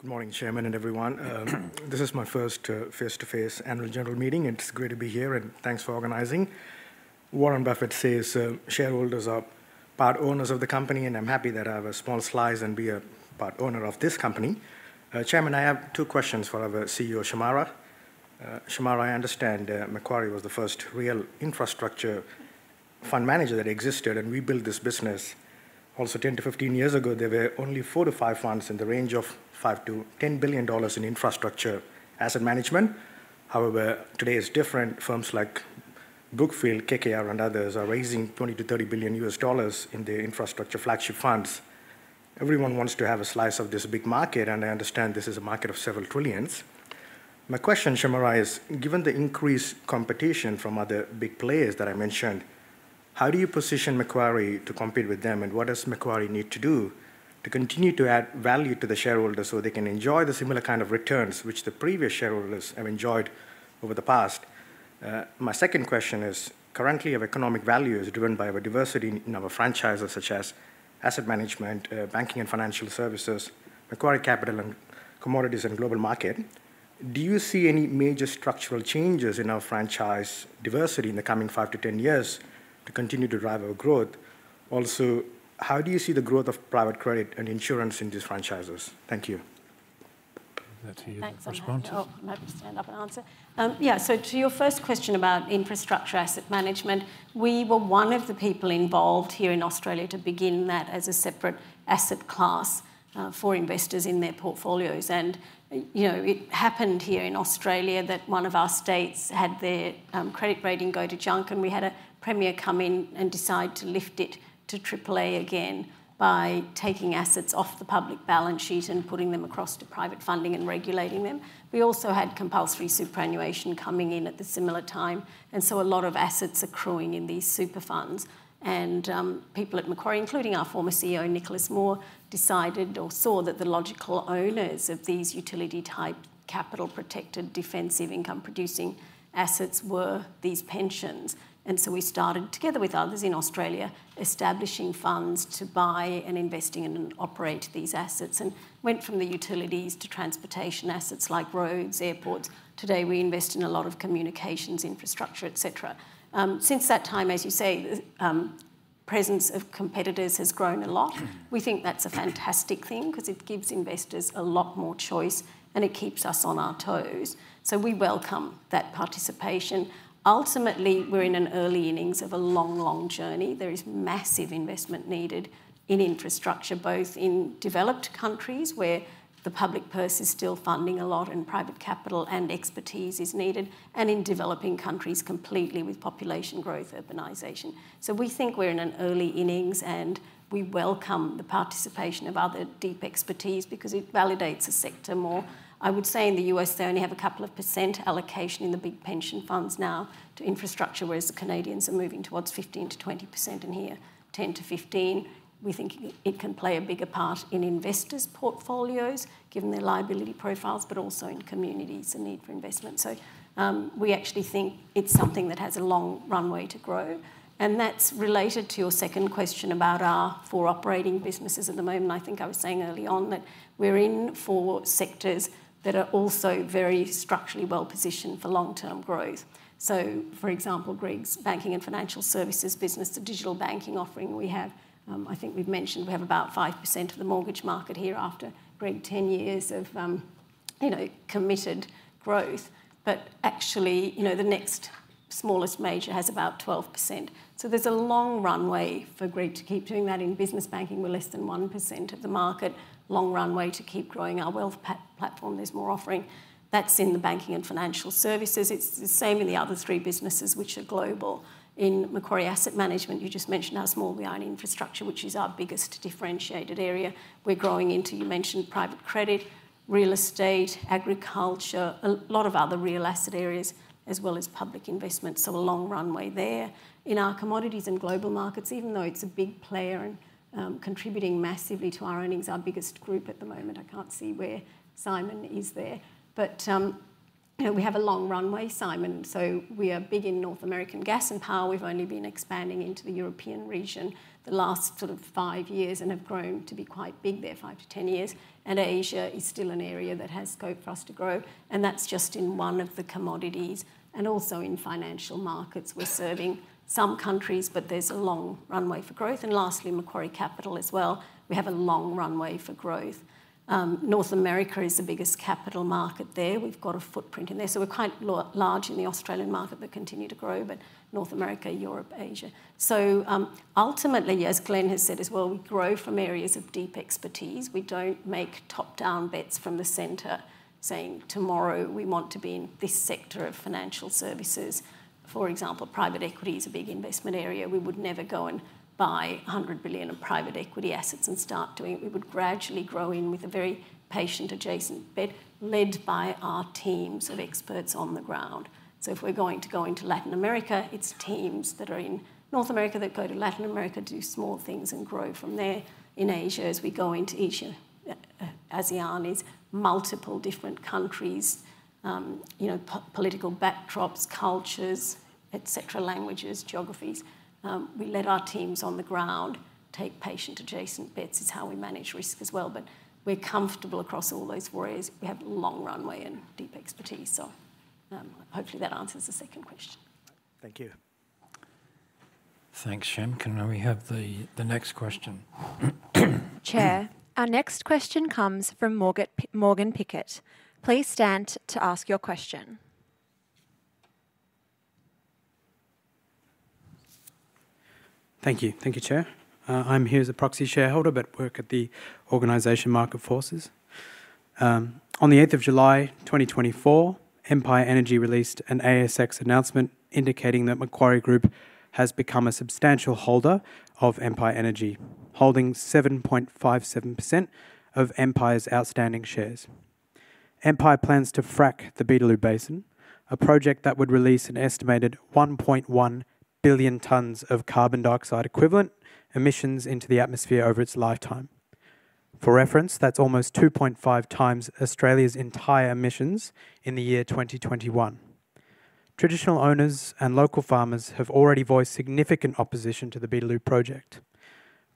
Good morning, Chairman, and everyone. This is my first face-to-face annual general meeting, and it's great to be here, and thanks for organizing. Warren Buffett says shareholders are part owners of the company, and I'm happy that I have a small slice and be a part owner of this company. Chairman, I have two questions for our CEO, Shemara. Shemara, I understand Macquarie was the first real infrastructure fund manager that existed, and we built this business. Also, 10-15 years ago, there were only 4-5 funds in the range of $5 billion-$10 billion in infrastructure asset management. However, today is different. Firms like Brookfield, KKR, and others are raising $20 billion-$30 billion in their infrastructure flagship funds. Everyone wants to have a slice of this big market, and I understand this is a market of several trillions. My question, Shemara, is: given the increased competition from other big players that I mentioned, how do you position Macquarie to compete with them, and what does Macquarie need to do to continue to add value to the shareholders so they can enjoy the similar kind of returns which the previous shareholders have enjoyed over the past? My second question is: currently, our economic value is driven by our diversity in our franchises, such as asset management, banking and financial services, Macquarie Capital, and Commodities and Global Markets. Do you see any major structural changes in our franchise diversity in the coming 5-10 years to continue to drive our growth? Also, how do you see the growth of private credit and insurance in these franchises? Thank you.... That's you, first response. Thanks. I'll maybe stand up and answer. Yeah, so to your first question about infrastructure asset management, we were one of the people involved here in Australia to begin that as a separate asset class for investors in their portfolios. And, you know, it happened here in Australia that one of our states had their credit rating go to junk, and we had a premier come in and decide to lift it to AAA again by taking assets off the public balance sheet and putting them across to private funding and regulating them. We also had compulsory superannuation coming in at the similar time, and so a lot of assets accruing in these super funds. And people at Macquarie, including our former CEO, Nicholas Moore, decided or saw that the logical owners of these utility-type, capital-protected, defensive income-producing assets were these pensions. And so we started, together with others in Australia, establishing funds to buy and investing in and operate these assets, and went from the utilities to transportation assets, like roads, airports. Today, we invest in a lot of communications infrastructure, et cetera. Since that time, as you say, presence of competitors has grown a lot. We think that's a fantastic thing, 'cause it gives investors a lot more choice, and it keeps us on our toes, so we welcome that participation. Ultimately, we're in an early innings of a long, long journey. There is massive investment needed in infrastructure, both in developed countries, where the public purse is still funding a lot and private capital and expertise is needed, and in developing countries completely with population growth, urbanisation. So we think we're in an early innings, and we welcome the participation of other deep expertise because it validates the sector more. I would say in the US, they only have a couple of percent allocation in the big pension funds now to infrastructure, whereas the Canadians are moving towards 15%-20%, and here, 10%-15%. We think it, it can play a bigger part in investors' portfolios, given their liability profiles, but also in communities and need for investment. So, we actually think it's something that has a long runway to grow, and that's related to your second question about our 4 operating businesses at the moment. I think I was saying early on that we're in 4 sectors that are also very structurally well-positioned for long-term growth. So, for example, Greg's banking and financial services business, the digital banking offering we have, I think we've mentioned we have about 5% of the mortgage market here after, Greg, 10 years of, you know, committed growth. But actually, you know, the next smallest major has about 12%. So there's a long runway for Greg to keep doing that. In business banking, we're less than 1% of the market. Long runway to keep growing our wealth platform. There's more offering. That's in the banking and financial services. It's the same in the other three businesses, which are global. In Macquarie Asset Management, you just mentioned how small we are in infrastructure, which is our biggest differentiated area. We're growing into, you mentioned, private credit, real estate, agriculture, a lot of other real asset areas, as well as public investment, so a long runway there. In our Commodities and Global Markets, even though it's a big player and, contributing massively to our earnings, our biggest group at the moment, I can't see where Simon is there, but, you know, we have a long runway, Simon. So we are big in North American gas and power. We've only been expanding into the European region the last sort of 5 years and have grown to be quite big there, 5-10 years. And Asia is still an area that has scope for us to grow, and that's just in one of the commodities. And also in financial markets, we're serving some countries, but there's a long runway for growth. And lastly, Macquarie Capital as well, we have a long runway for growth. North America is the biggest capital market there. We've got a footprint in there, so we're quite large in the Australian market but continue to grow, but North America, Europe, Asia. So, ultimately, as Glenn has said as well, we grow from areas of deep expertise. We don't make top-down bets from the center, saying, "Tomorrow, we want to be in this sector of financial services." For example, private equity is a big investment area. We would never go and buy 100 billion of private equity assets and start doing it. We would gradually grow in with a very patient-adjacent bet, led by our teams of experts on the ground. So if we're going to go into Latin America, it's teams that are in North America that go to Latin America, do small things, and grow from there. In Asia, as we go into Asia, ASEAN is multiple different countries, you know, political backdrops, cultures, et cetera, languages, geographies. We let our teams on the ground take patient-adjacent bets. It's how we manage risk as well, but we're comfortable across all those worries. We have a long runway and deep expertise, so, hopefully, that answers the second question. Thank you.... Thanks, Jim. Can we have the next question? Chair, our next question comes from Morgan Pickett. Please stand to ask your question. Thank you. Thank you, Chair. I'm here as a proxy shareholder, but work at the organization Market Forces. On the 8th of July 2024, Empire Energy released an ASX announcement indicating that Macquarie Group has become a substantial holder of Empire Energy, holding 7.57% of Empire's outstanding shares. Empire plans to frack the Beetaloo Basin, a project that would release an estimated 1.1 billion tons of carbon dioxide equivalent emissions into the atmosphere over its lifetime. For reference, that's almost 2.5 times Australia's entire emissions in the year 2021. Traditional owners and local farmers have already voiced significant opposition to the Beetaloo project.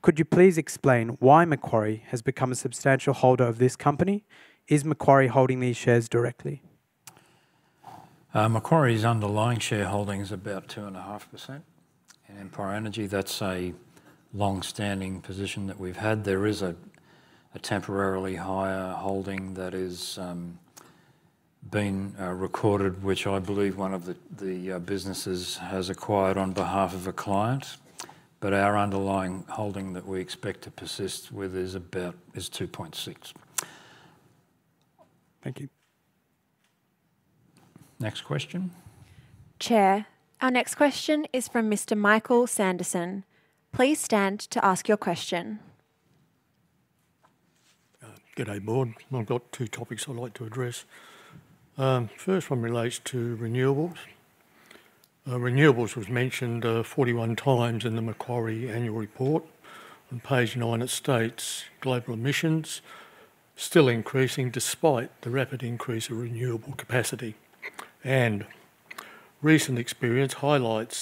Could you please explain why Macquarie has become a substantial holder of this company? Is Macquarie holding these shares directly? Macquarie's underlying shareholding is about 2.5%. In Empire Energy, that's a long-standing position that we've had. There is a temporarily higher holding that is being recorded, which I believe one of the businesses has acquired on behalf of a client. But our underlying holding that we expect to persist with is about 2.6%. Thank you. Next question. Chair, our next question is from Mr. Michael Sanderson. Please stand to ask your question. Good day, Board. I've got two topics I'd like to address. First one relates to renewables. Renewables was mentioned 41 times in the Macquarie annual report. On page 9, it states, "Global emissions still increasing despite the rapid increase of renewable capacity," and, "Recent experience highlights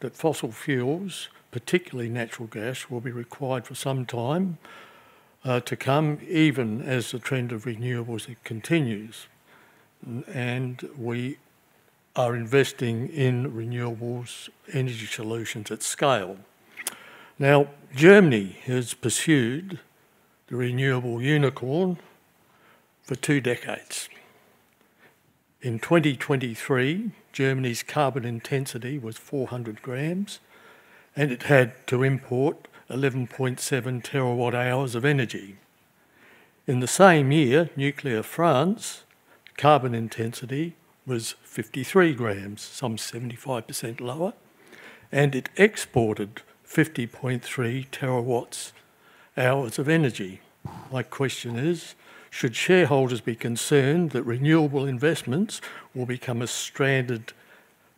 that fossil fuels, particularly natural gas, will be required for some time to come, even as the trend of renewables continues, and we are investing in renewables energy solutions at scale." Now, Germany has pursued the renewable unicorn for two decades. In 2023, Germany's carbon intensity was 400 grams, and it had to import 11.7 terawatt-hours of energy. In the same year, nuclear France carbon intensity was 53 grams, some 75% lower, and it exported 50.3 terawatt-hours of energy. My question is: Should shareholders be concerned that renewable investments will become as stranded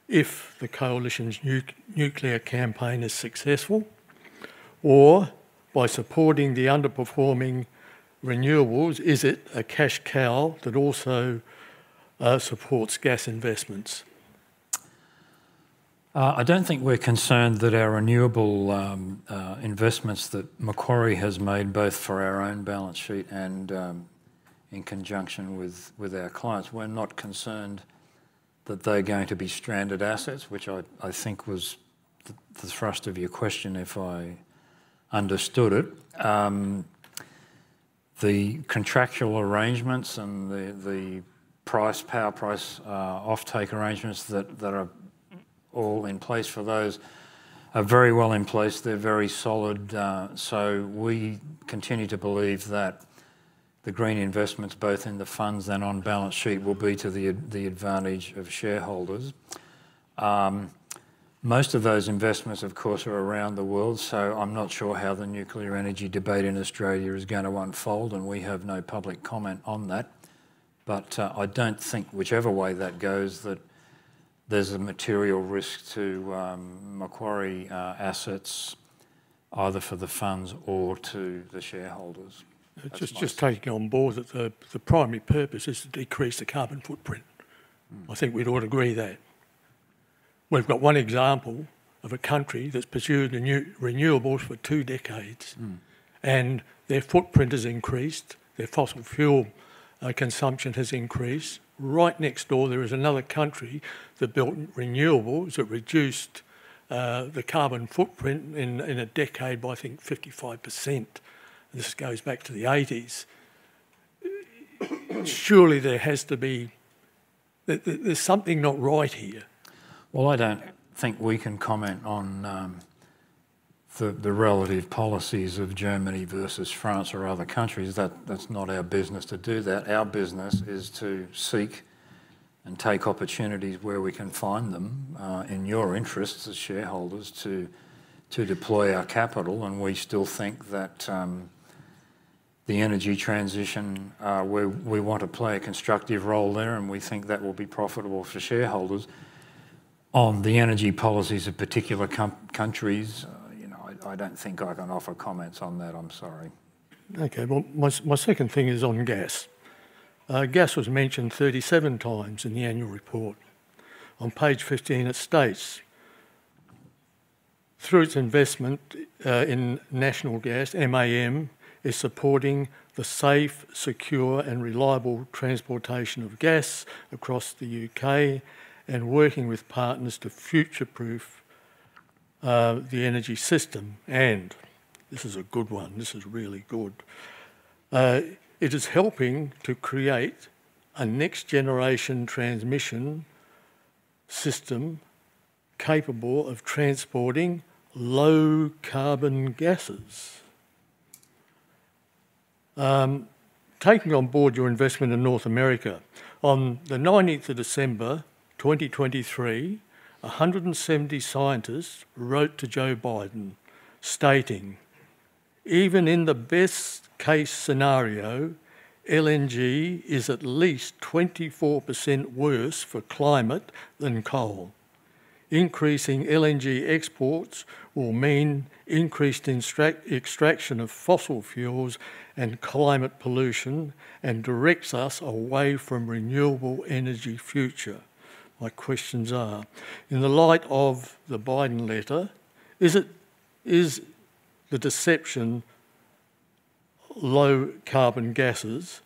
if the coalition's nuclear campaign is successful? Or by supporting the underperforming renewables, is it a cash cow that also supports gas investments? I don't think we're concerned that our renewable investments that Macquarie has made, both for our own balance sheet and in conjunction with our clients, we're not concerned that they're going to be stranded assets, which I think was the thrust of your question, if I understood it. The contractual arrangements and the power price offtake arrangements that are all in place for those are very well in place. They're very solid, so we continue to believe that the green investments, both in the funds and on balance sheet, will be to the advantage of shareholders. Most of those investments, of course, are around the world, so I'm not sure how the nuclear energy debate in Australia is gonna unfold, and we have no public comment on that. But, I don't think whichever way that goes, that there's a material risk to Macquarie assets, either for the funds or to the shareholders. Just taking on Board that the primary purpose is to decrease the carbon footprint. Mm. I think we'd all agree that we've got one example of a country that's pursued renewables for two decades- Mm. -and their footprint has increased, their fossil fuel consumption has increased. Right next door, there is another country that built renewables that reduced the carbon footprint in a decade by, I think, 55%. This goes back to the '80s. Surely there has to be... There, there, there's something not right here. Well, I don't think we can comment on the relative policies of Germany versus France or other countries. That's not our business to do that. Our business is to seek and take opportunities where we can find them in your interests as shareholders to deploy our capital, and we still think that the energy transition we want to play a constructive role there, and we think that will be profitable for shareholders. On the energy policies of particular countries, you know, I don't think I can offer comments on that. I'm sorry. Okay, well, my second thing is on gas. Gas was mentioned 37 times in the annual report. On page 15, it states: "Through its investment in National Gas, MAM is supporting the safe, secure, and reliable transportation of gas across the UK and working with partners to future-proof the energy system," and this is a good one, this is really good. It is helping to create a next generation transmission system capable of transporting low carbon gases. Taking on Board your investment in North America, on the 19th of December, 2023, 170 scientists wrote to Joe Biden, stating, "Even in the best case scenario, LNG is at least 24% worse for climate than coal. Increasing LNG exports will mean increased extraction of fossil fuels and climate pollution, and directs us away from renewable energy future." My questions are: in the light of the Biden letter, is it, is the deception, low carbon gases,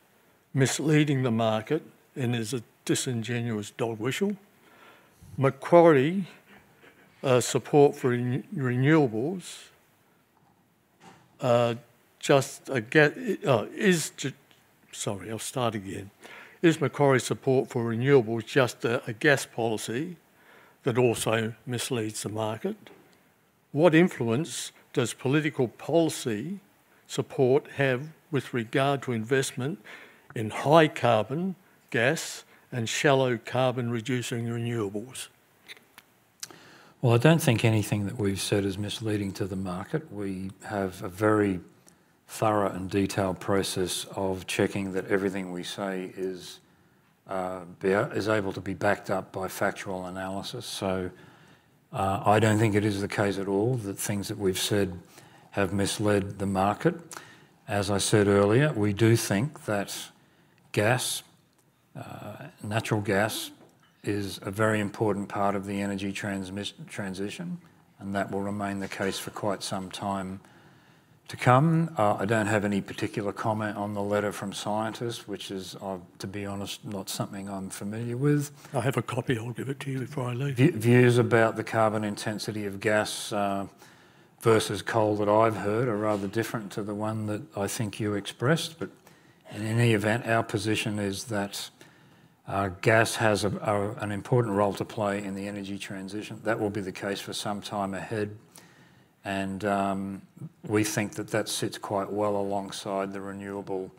misleading the market and is a disingenuous dog whistle? Macquarie support for renewables just again is to... Sorry, I'll start again. Is Macquarie support for renewables just a gas policy that also misleads the market? What influence does political policy support have with regard to investment in high carbon gas and shallow carbon-reducing renewables? Well, I don't think anything that we've said is misleading to the market. We have a very thorough and detailed process of checking that everything we say is able to be backed up by factual analysis. So, I don't think it is the case at all, that things that we've said have misled the market. As I said earlier, we do think that gas, natural gas is a very important part of the energy transition, and that will remain the case for quite some time to come. I don't have any particular comment on the letter from scientists, which is, I've, to be honest, not something I'm familiar with. I have a copy. I'll give it to you before I leave. Views about the carbon intensity of gas versus coal that I've heard are rather different to the one that I think you expressed. But in any event, our position is that gas has an important role to play in the energy transition. That will be the case for some time ahead and we think that that sits quite well alongside the renewable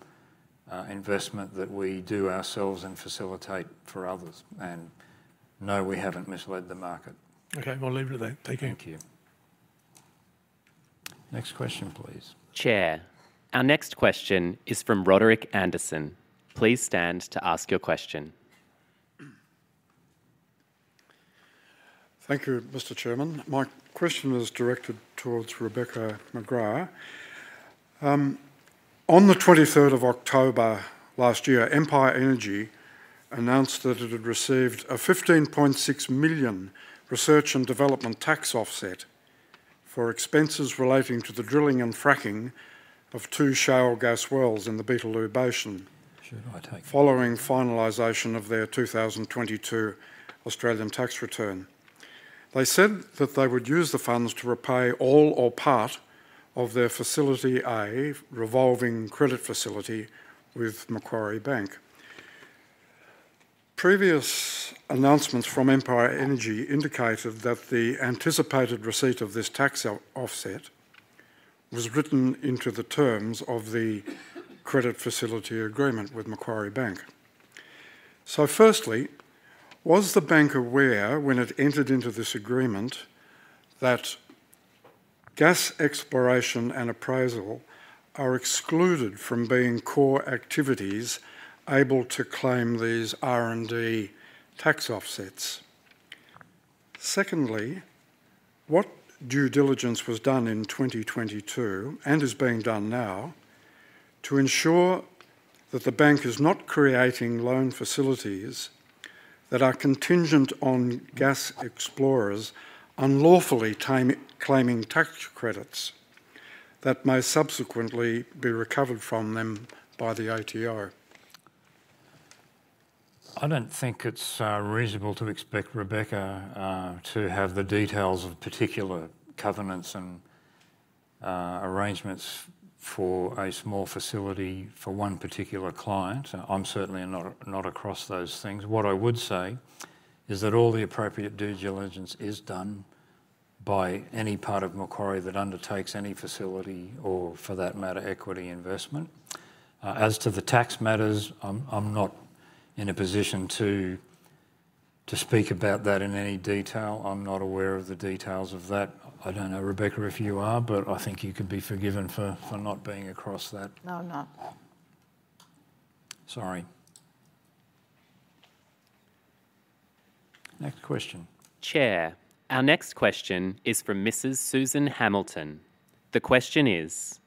investment that we do ourselves and facilitate for others. And no, we haven't misled the market. Okay, we'll leave it at that. Thank you. Thank you. Next question, please. Chair, our next question is from Roderick Anderson. Please stand to ask your question. Thank you, Mr. Chairman. My question is directed towards Rebecca McGrath. On the 23rd of October last year, Empire Energy announced that it had received a 15.6 million research and development tax offset for expenses relating to the drilling and fracking of two shale gas wells in the Beetaloo Basin. Should I take this? Following finalization of their 2022 Australian tax return. They said that they would use the funds to repay all or part of their facility, a revolving credit facility with Macquarie Bank. Previous announcements from Empire Energy indicated that the anticipated receipt of this tax offset was written into the terms of the credit facility agreement with Macquarie Bank. So firstly, was the bank aware when it entered into this agreement that gas exploration and appraisal are excluded from being core activities able to claim these R&D tax offsets? Secondly, what due diligence was done in 2022, and is being done now, to ensure that the bank is not creating loan facilities that are contingent on gas explorers unlawfully claiming tax credits, that may subsequently be recovered from them by the ATO? I don't think it's reasonable to expect Rebecca to have the details of particular covenants and arrangements for a small facility for one particular client. I'm certainly not across those things. What I would say is that all the appropriate due diligence is done by any part of Macquarie that undertakes any facility or, for that matter, equity investment. As to the tax matters, I'm not in a position to speak about that in any detail. I'm not aware of the details of that. I don't know, Rebecca, if you are, but I think you could be forgiven for not being across that. No, I'm not. Sorry. Next question. Chair, our next question is from Mrs. Susan Hamilton. The question is: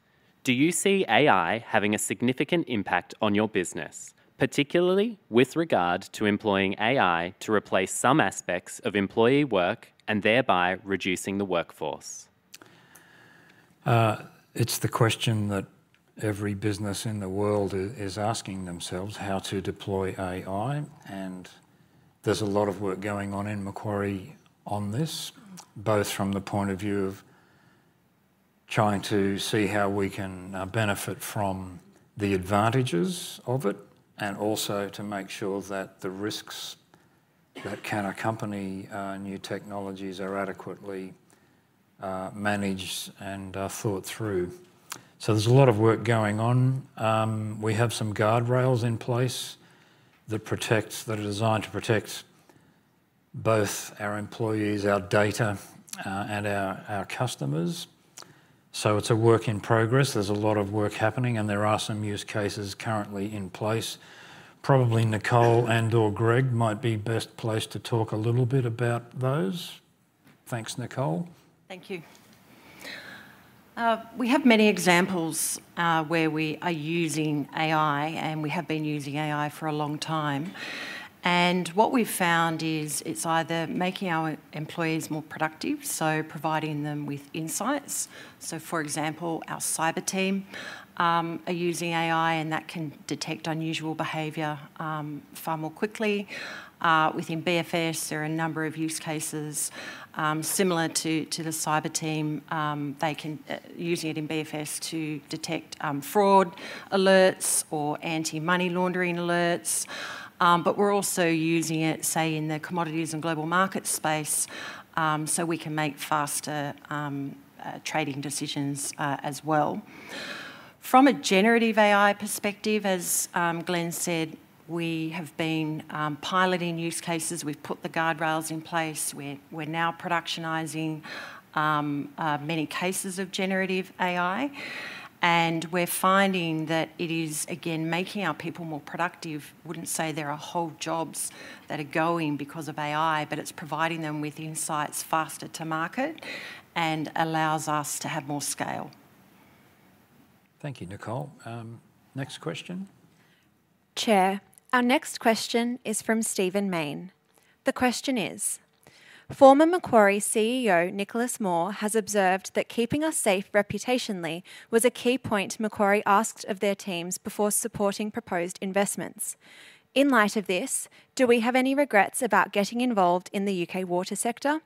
Do you see AI having a significant impact on your business, particularly with regard to employing AI to replace some aspects of employee work and thereby reducing the workforce?... It's the question that every business in the world is asking themselves, how to deploy AI, and there's a lot of work going on in Macquarie on this, both from the point of view of trying to see how we can benefit from the advantages of it, and also to make sure that the risks that can accompany new technologies are adequately managed and thought through. So there's a lot of work going on. We have some guardrails in place that are designed to protect both our employees, our data, and our customers. So it's a work in progress. There's a lot of work happening, and there are some use cases currently in place. Probably Nicole and/or Greg might be best placed to talk a little bit about those. Thanks, Nicole. Thank you. We have many examples where we are using AI, and we have been using AI for a long time. What we've found is, it's either making our employees more productive, so providing them with insights. For example, our cyber team are using AI, and that can detect unusual behavior far more quickly. Within BFS, there are a number of use cases similar to the cyber team. Using it in BFS to detect fraud alerts or anti-money laundering alerts. But we're also using it, say, in the Commodities and Global Markets space, so we can make faster trading decisions as well. From a generative AI perspective, as Glenn said, we have been piloting use cases. We've put the guardrails in place. We're now productionizing many cases of generative AI, and we're finding that it is, again, making our people more productive. Wouldn't say there are whole jobs that are going because of AI, but it's providing them with insights faster to market and allows us to have more scale. Thank you, Nicole. Next question. Chair, our next question is from Steven Mayne. The question is: Former Macquarie CEO Nicholas Moore has observed that keeping us safe reputationally was a key point Macquarie asked of their teams before supporting proposed investments. In light of this, do we have any regrets about getting involved in the U.K. water sector?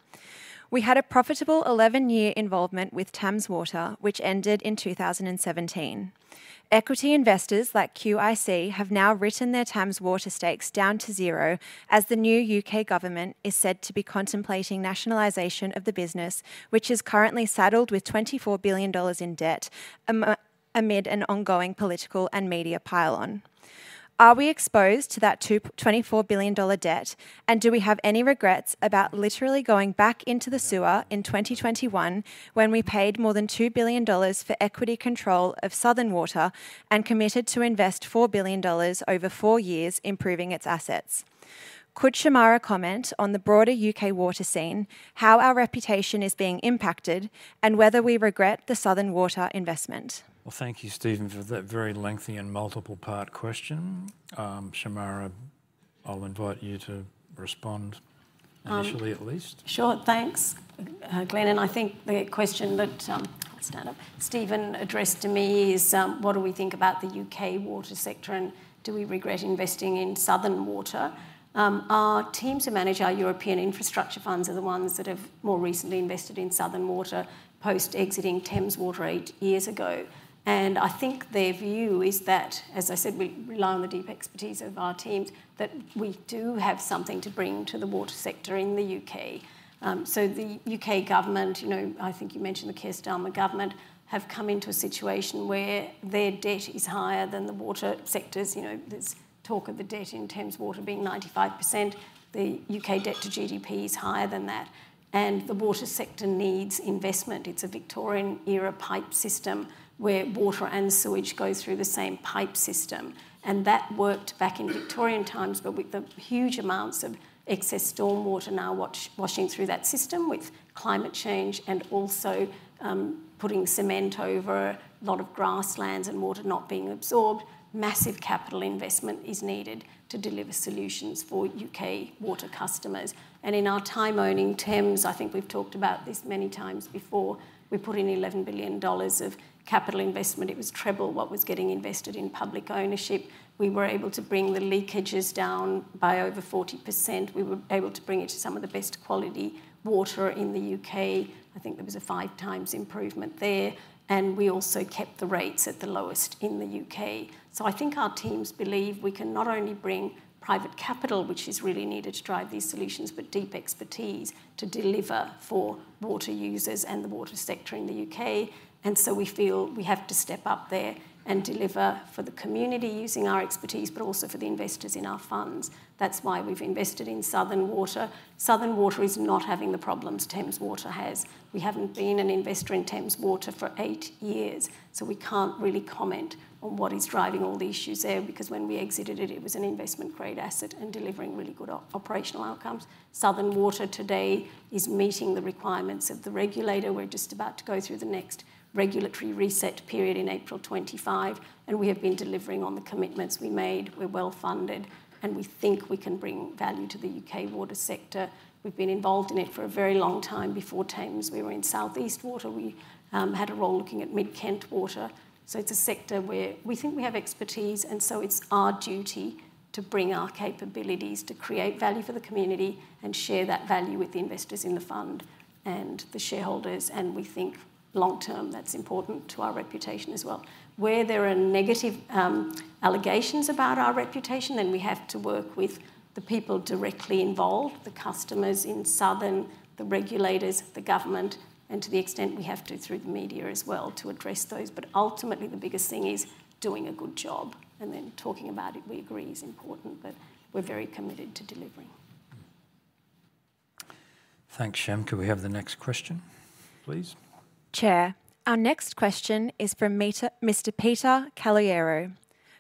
We had a profitable 11-year involvement with Thames Water, which ended in 2017. Equity investors like QIC have now written their Thames Water stakes down to zero, as the new U.K. government is said to be contemplating nationalization of the business, which is currently saddled with $24 billion in debt amid an ongoing political and media pile-on. Are we exposed to that $2.24 billion debt, and do we have any regrets about literally going back into the sewer in 2021, when we paid more than $2 billion for equity control of Southern Water and committed to invest $4 billion over four years improving its assets? Could Shemara comment on the broader U.K. water scene, how our reputation is being impacted, and whether we regret the Southern Water investment? Well, thank you, Steven, for that very lengthy and multiple-part question. Shemara, I'll invite you to respond. Um- Initially, at least. Sure, thanks, Glenn, and I think the question that, I'll stand up, Steven addressed to me is, what do we think about the UK water sector, and do we regret investing in Southern Water? Our teams who manage our European infrastructure funds are the ones that have more recently invested in Southern Water post-exiting Thames Water eight years ago. And I think their view is that, as I said, we rely on the deep expertise of our teams, that we do have something to bring to the water sector in the UK. So the UK government, you know, I think you mentioned the Keir Starmer government, have come into a situation where their debt is higher than the water sector's. You know, there's talk of the debt in Thames Water being 95%. The UK debt to GDP is higher than that, and the water sector needs investment. It's a Victorian-era pipe system where water and sewage goes through the same pipe system, and that worked back in Victorian times. But with the huge amounts of excess storm water now washing through that system, with climate change and also, putting cement over a lot of grasslands and water not being absorbed, massive capital investment is needed to deliver solutions for UK water customers. And in our time owning Thames, I think we've talked about this many times before, we put in $11 billion of capital investment. It was treble what was getting invested in public ownership. We were able to bring the leakages down by over 40%. We were able to bring it to some of the best quality water in the UK. I think there was a five times improvement there, and we also kept the rates at the lowest in the U.K. So I think our teams believe we can not only bring private capital, which is really needed to drive these solutions, but deep expertise to deliver for water users and the water sector in the U.K. And so we feel we have to step up there and deliver for the community using our expertise, but also for the investors in our funds. That's why we've invested in Southern Water. Southern Water is not having the problems Thames Water has. We haven't been an investor in Thames Water for eight years, so we can't really comment on what is driving all the issues there, because when we exited it, it was an investment-grade asset and delivering really good operational outcomes. Southern Water today is meeting the requirements of the regulator. We're just about to go through the next regulatory reset period in April 2025, and we have been delivering on the commitments we made. We're well-funded, and we think we can bring value to the U.K. water sector. We've been involved in it for a very long time. Before Thames, we were in South East Water. We had a role looking at Mid Kent Water. So it's a sector where we think we have expertise, and so it's our duty to bring our capabilities, to create value for the community, and share that value with the investors in the fund and the shareholders. We think long-term, that's important to our reputation as well. Where there are negative allegations about our reputation, then we have to work with the people directly involved, the customers in Southern Water, the regulators, the government, and to the extent we have to through the media as well, to address those. But ultimately, the biggest thing is doing a good job, and then talking about it, we agree, is important, but we're very committed to delivering. Thanks, Shem. Could we have the next question, please? Chair, our next question is from Mr. Peter Caloiero.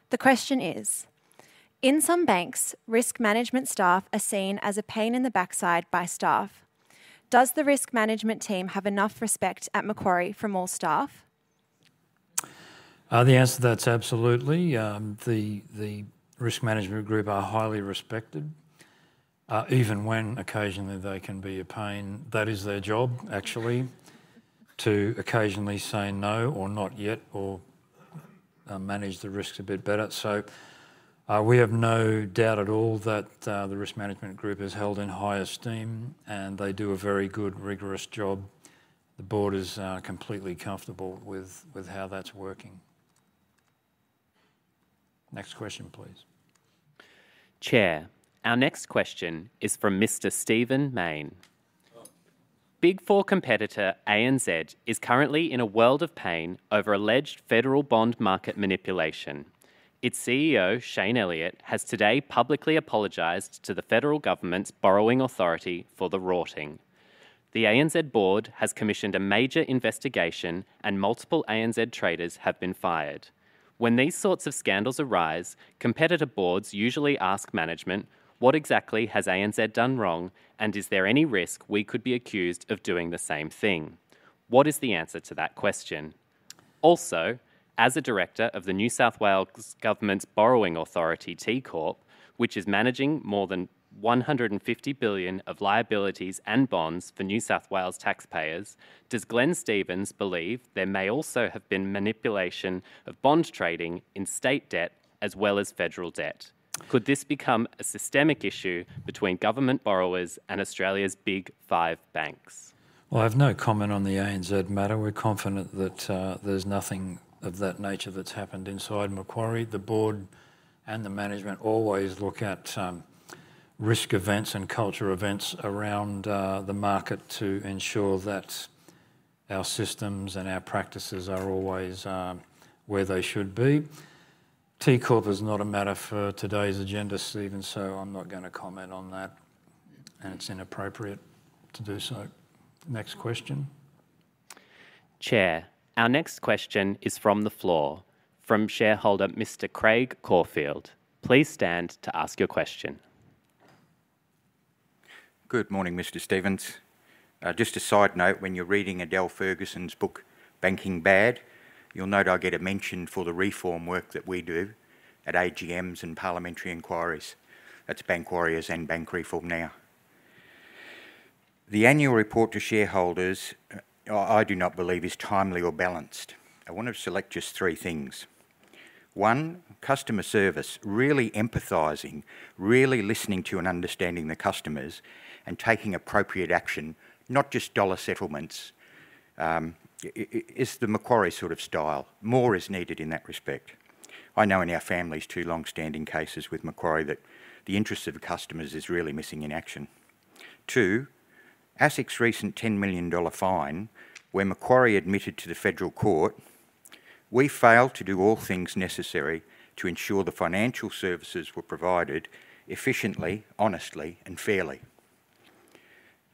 The question is: In some banks, risk management staff are seen as a pain in the backside by staff. Does the risk management team have enough respect at Macquarie from all staff? The answer to that's absolutely. The risk management group are highly respected, even when occasionally they can be a pain. That is their job, actually, to occasionally say no or not yet or, manage the risks a bit better. So, we have no doubt at all that, the risk management group is held in high esteem, and they do a very good, rigorous job. The Board is completely comfortable with how that's working. Next question, please. Chair, our next question is from Mr. Steven Mayne. Oh. Big Four competitor, ANZ, is currently in a world of pain over alleged federal bond market manipulation. Its CEO, Shayne Elliott, has today publicly apologized to the federal government's borrowing authority for the rorting. The ANZ Board has commissioned a major investigation, and multiple ANZ traders have been fired. When these sorts of scandals arise, competitor Boards usually ask management, "What exactly has ANZ done wrong, and is there any risk we could be accused of doing the same thing?" What is the answer to that question? Also, as a director of the New South Wales government's borrowing authority, TCorp, which is managing more than 150 billion of liabilities and bonds for New South Wales taxpayers, does Glenn Stevens believe there may also have been manipulation of bond trading in state debt as well as federal debt? Could this become a systemic issue between government borrowers and Australia's Big Five banks? Well, I have no comment on the ANZ matter. We're confident that, there's nothing of that nature that's happened inside Macquarie. The Board and the management always look at, risk events and culture events around, the market to ensure that our systems and our practices are always, where they should be. TCorp is not a matter for today's agenda, Steven, so I'm not gonna comment on that, and it's inappropriate to do so. Next question. Chair, our next question is from the floor, from shareholder Mr. Craig Corfield. Please stand to ask your question. Good morning, Mr. Stevens. Just a side note, when you're reading Adele Ferguson's book, Banking Bad, you'll note I'll get a mention for the reform work that we do at AGMs and parliamentary inquiries. That's Bank Warriors and Bank Reform Now. The annual report to shareholders, I do not believe is timely or balanced. I want to select just three things. One, customer service, really empathizing, really listening to and understanding the customers, and taking appropriate action, not just dollar settlements. Is the Macquarie sort of style. More is needed in that respect. I know in our families, two long-standing cases with Macquarie, that the interest of the customers is really missing in action. Two, ASIC's recent 10 million dollar fine, where Macquarie admitted to the Federal Court, "We failed to do all things necessary to ensure the financial services were provided efficiently, honestly and fairly."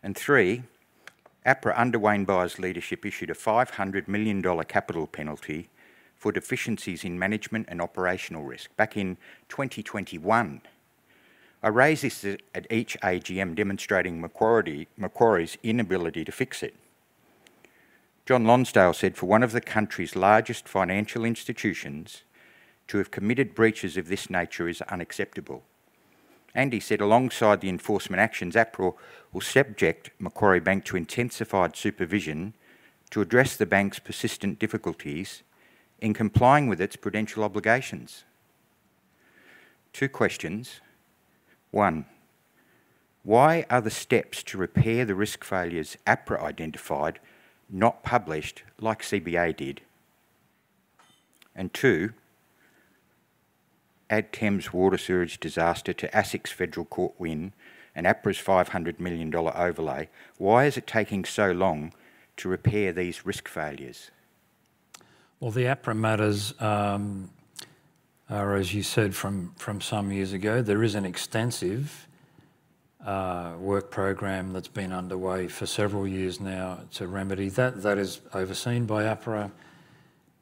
And three, APRA, under Wayne Byres' leadership, issued a 500 million dollar capital penalty for deficiencies in management and operational risk back in 2021. I raise this at each AGM, demonstrating Macquarie, Macquarie's inability to fix it. John Lonsdale said, "For one of the country's largest financial institutions to have committed breaches of this nature is unacceptable." And he said, "Alongside the enforcement actions, APRA will subject Macquarie Bank to intensified supervision to address the bank's persistent difficulties in complying with its prudential obligations." Two questions: One, why are the steps to repair the risk failures APRA identified not published like CBA did? And two, add Thames Water sewage disaster to ASIC's Federal Court win and APRA's 500 million dollar overlay, why is it taking so long to repair these risk failures? Well, the APRA matters are, as you said, from some years ago. There is an extensive work program that's been underway for several years now to remedy that. That is overseen by APRA,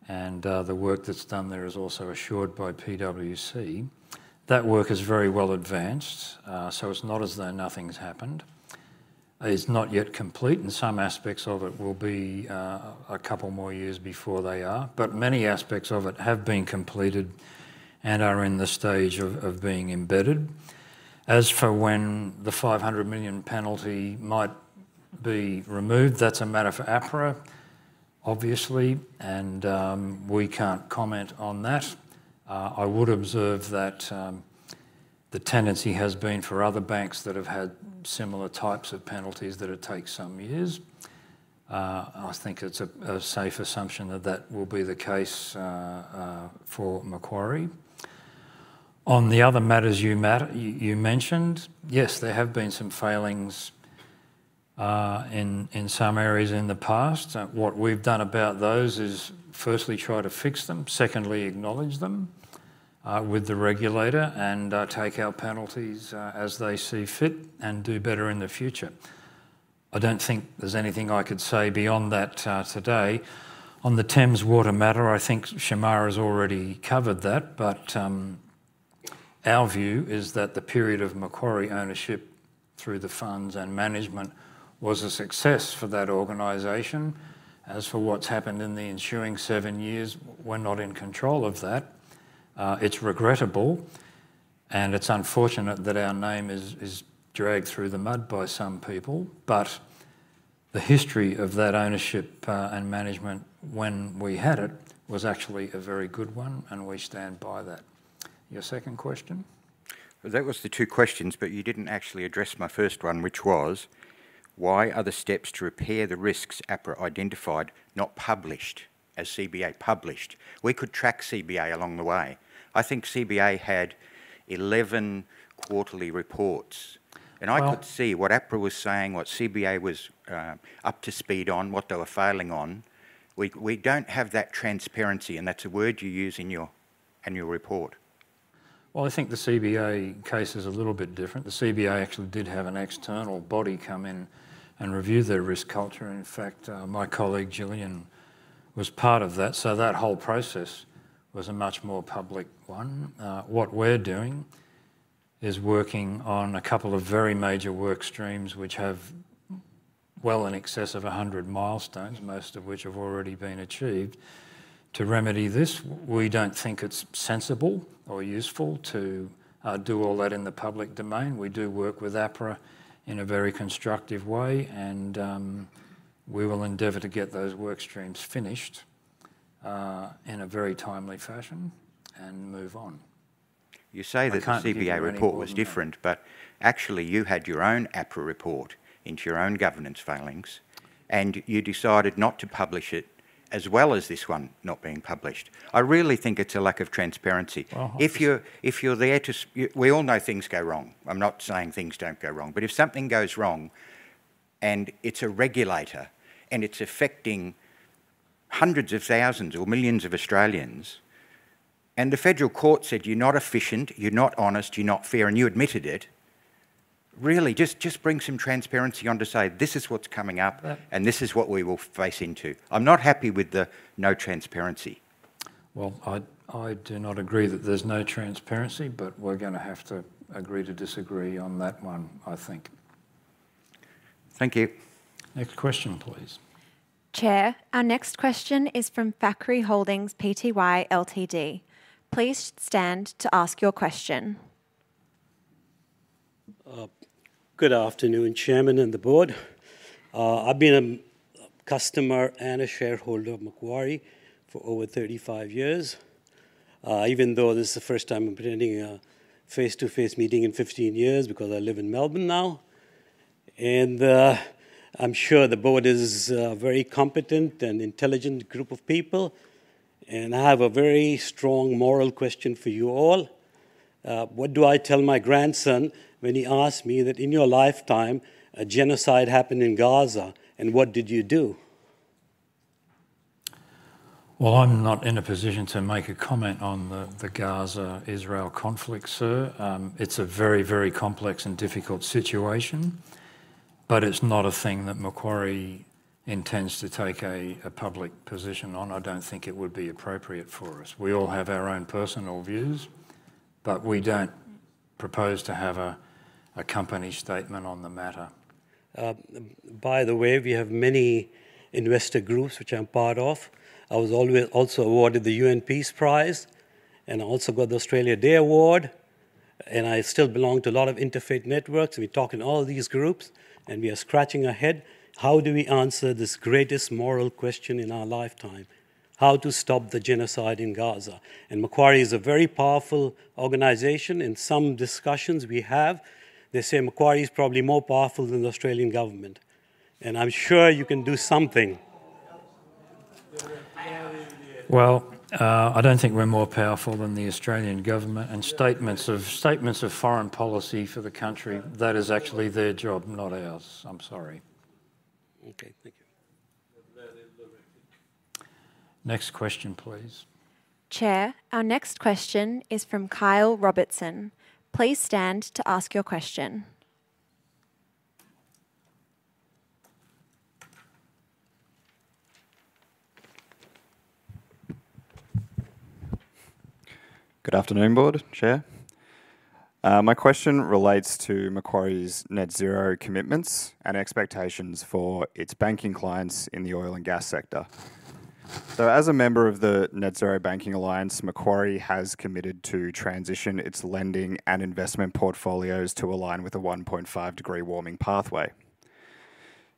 and the work that's done there is also assured by PwC. That work is very well advanced, so it's not as though nothing's happened. It's not yet complete, and some aspects of it will be a couple more years before they are. But many aspects of it have been completed and are in the stage of being embedded.... As for when the 500 million penalty might be removed, that's a matter for APRA, obviously, and we can't comment on that. I would observe that the tendency has been for other banks that have had similar types of penalties, that it takes some years. I think it's a safe assumption that that will be the case for Macquarie. On the other matters you mentioned, yes, there have been some failings in some areas in the past. What we've done about those is firstly, try to fix them. Secondly, acknowledge them with the regulator, and take our penalties as they see fit and do better in the future. I don't think there's anything I could say beyond that today. On the Thames Water matter, I think Shemara's already covered that, but our view is that the period of Macquarie ownership through the funds and management was a success for that organization. As for what's happened in the ensuing seven years, we're not in control of that. It's regrettable, and it's unfortunate that our name is dragged through the mud by some people, but the history of that ownership, and management when we had it, was actually a very good one, and we stand by that. Your second question? Well, that was the two questions, but you didn't actually address my first one, which was: why are the steps to repair the risks APRA identified not published as CBA published? We could track CBA along the way. I think CBA had 11 quarterly reports- Well- And I could see what APRA was saying, what CBA was up to speed on, what they were failing on. We, we don't have that transparency, and that's a word you use in your annual report. Well, I think the CBA case is a little bit different. The CBA actually did have an external body come in and review their risk culture. In fact, my colleague, Jillian, was part of that, so that whole process was a much more public one. What we're doing is working on a couple of very major work streams, which have well in excess of 100 milestones, most of which have already been achieved. To remedy this, we don't think it's sensible or useful to do all that in the public domain. We do work with APRA in a very constructive way, and we will endeavor to get those work streams finished in a very timely fashion and move on. I can't give you any more than that. You say the CBA report was different, but actually you had your own APRA report into your own governance failings, and you decided not to publish it, as well as this one not being published. I really think it's a lack of transparency. Well, I- If you're there to... We all know things go wrong. I'm not saying things don't go wrong, but if something goes wrong and it's a regulator, and it's affecting hundreds of thousands or millions of Australians, and the federal court said, "You're not efficient, you're not honest, you're not fair," and you admitted it, really just bring some transparency on to say, "This is what's coming up- Uh- “And this is what we will face into.” I'm not happy with the no transparency. Well, I do not agree that there's no transparency, but we're gonna have to agree to disagree on that one, I think. Thank you. Next question, please. Chair, our next question is from Fakhri Holdings Pty Ltd. Please stand to ask your question. Good afternoon, Chairman and the Board. I've been a customer and a shareholder of Macquarie for over 35 years. Even though this is the first time I'm attending a face-to-face meeting in 15 years because I live in Melbourne now. And, I'm sure the Board is a very competent and intelligent group of people, and I have a very strong moral question for you all: What do I tell my grandson when he asks me that, "In your lifetime, a genocide happened in Gaza, and what did you do? Well, I'm not in a position to make a comment on the Gaza-Israel conflict, sir. It's a very, very complex and difficult situation, but it's not a thing that Macquarie intends to take a public position on. I don't think it would be appropriate for us. We all have our own personal views, but we don't propose to have a company statement on the matter. By the way, we have many investor groups, which I'm part of. I was also awarded the UN Peace Prize, and I also got the Australia Day Award, and I still belong to a lot of interfaith networks. We talk in all these groups, and we are scratching our head, how do we answer this greatest moral question in our lifetime? How to stop the genocide in Gaza? And Macquarie is a very powerful organization. In some discussions we have, they say Macquarie is probably more powerful than the Australian government, and I'm sure you can do something. Well, I don't think we're more powerful than the Australian government. Statements of, statements of foreign policy for the country, that is actually their job, not ours. I'm sorry. Okay, thank you. Next question, please. Chair, our next question is from Kyle Robertson. Please stand to ask your question. Good afternoon, Board, Chair. My question relates to Macquarie's net zero commitments and expectations for its banking clients in the oil and gas sector. So as a member of the Net Zero Banking Alliance, Macquarie has committed to transition its lending and investment portfolios to align with a 1.5-degree warming pathway.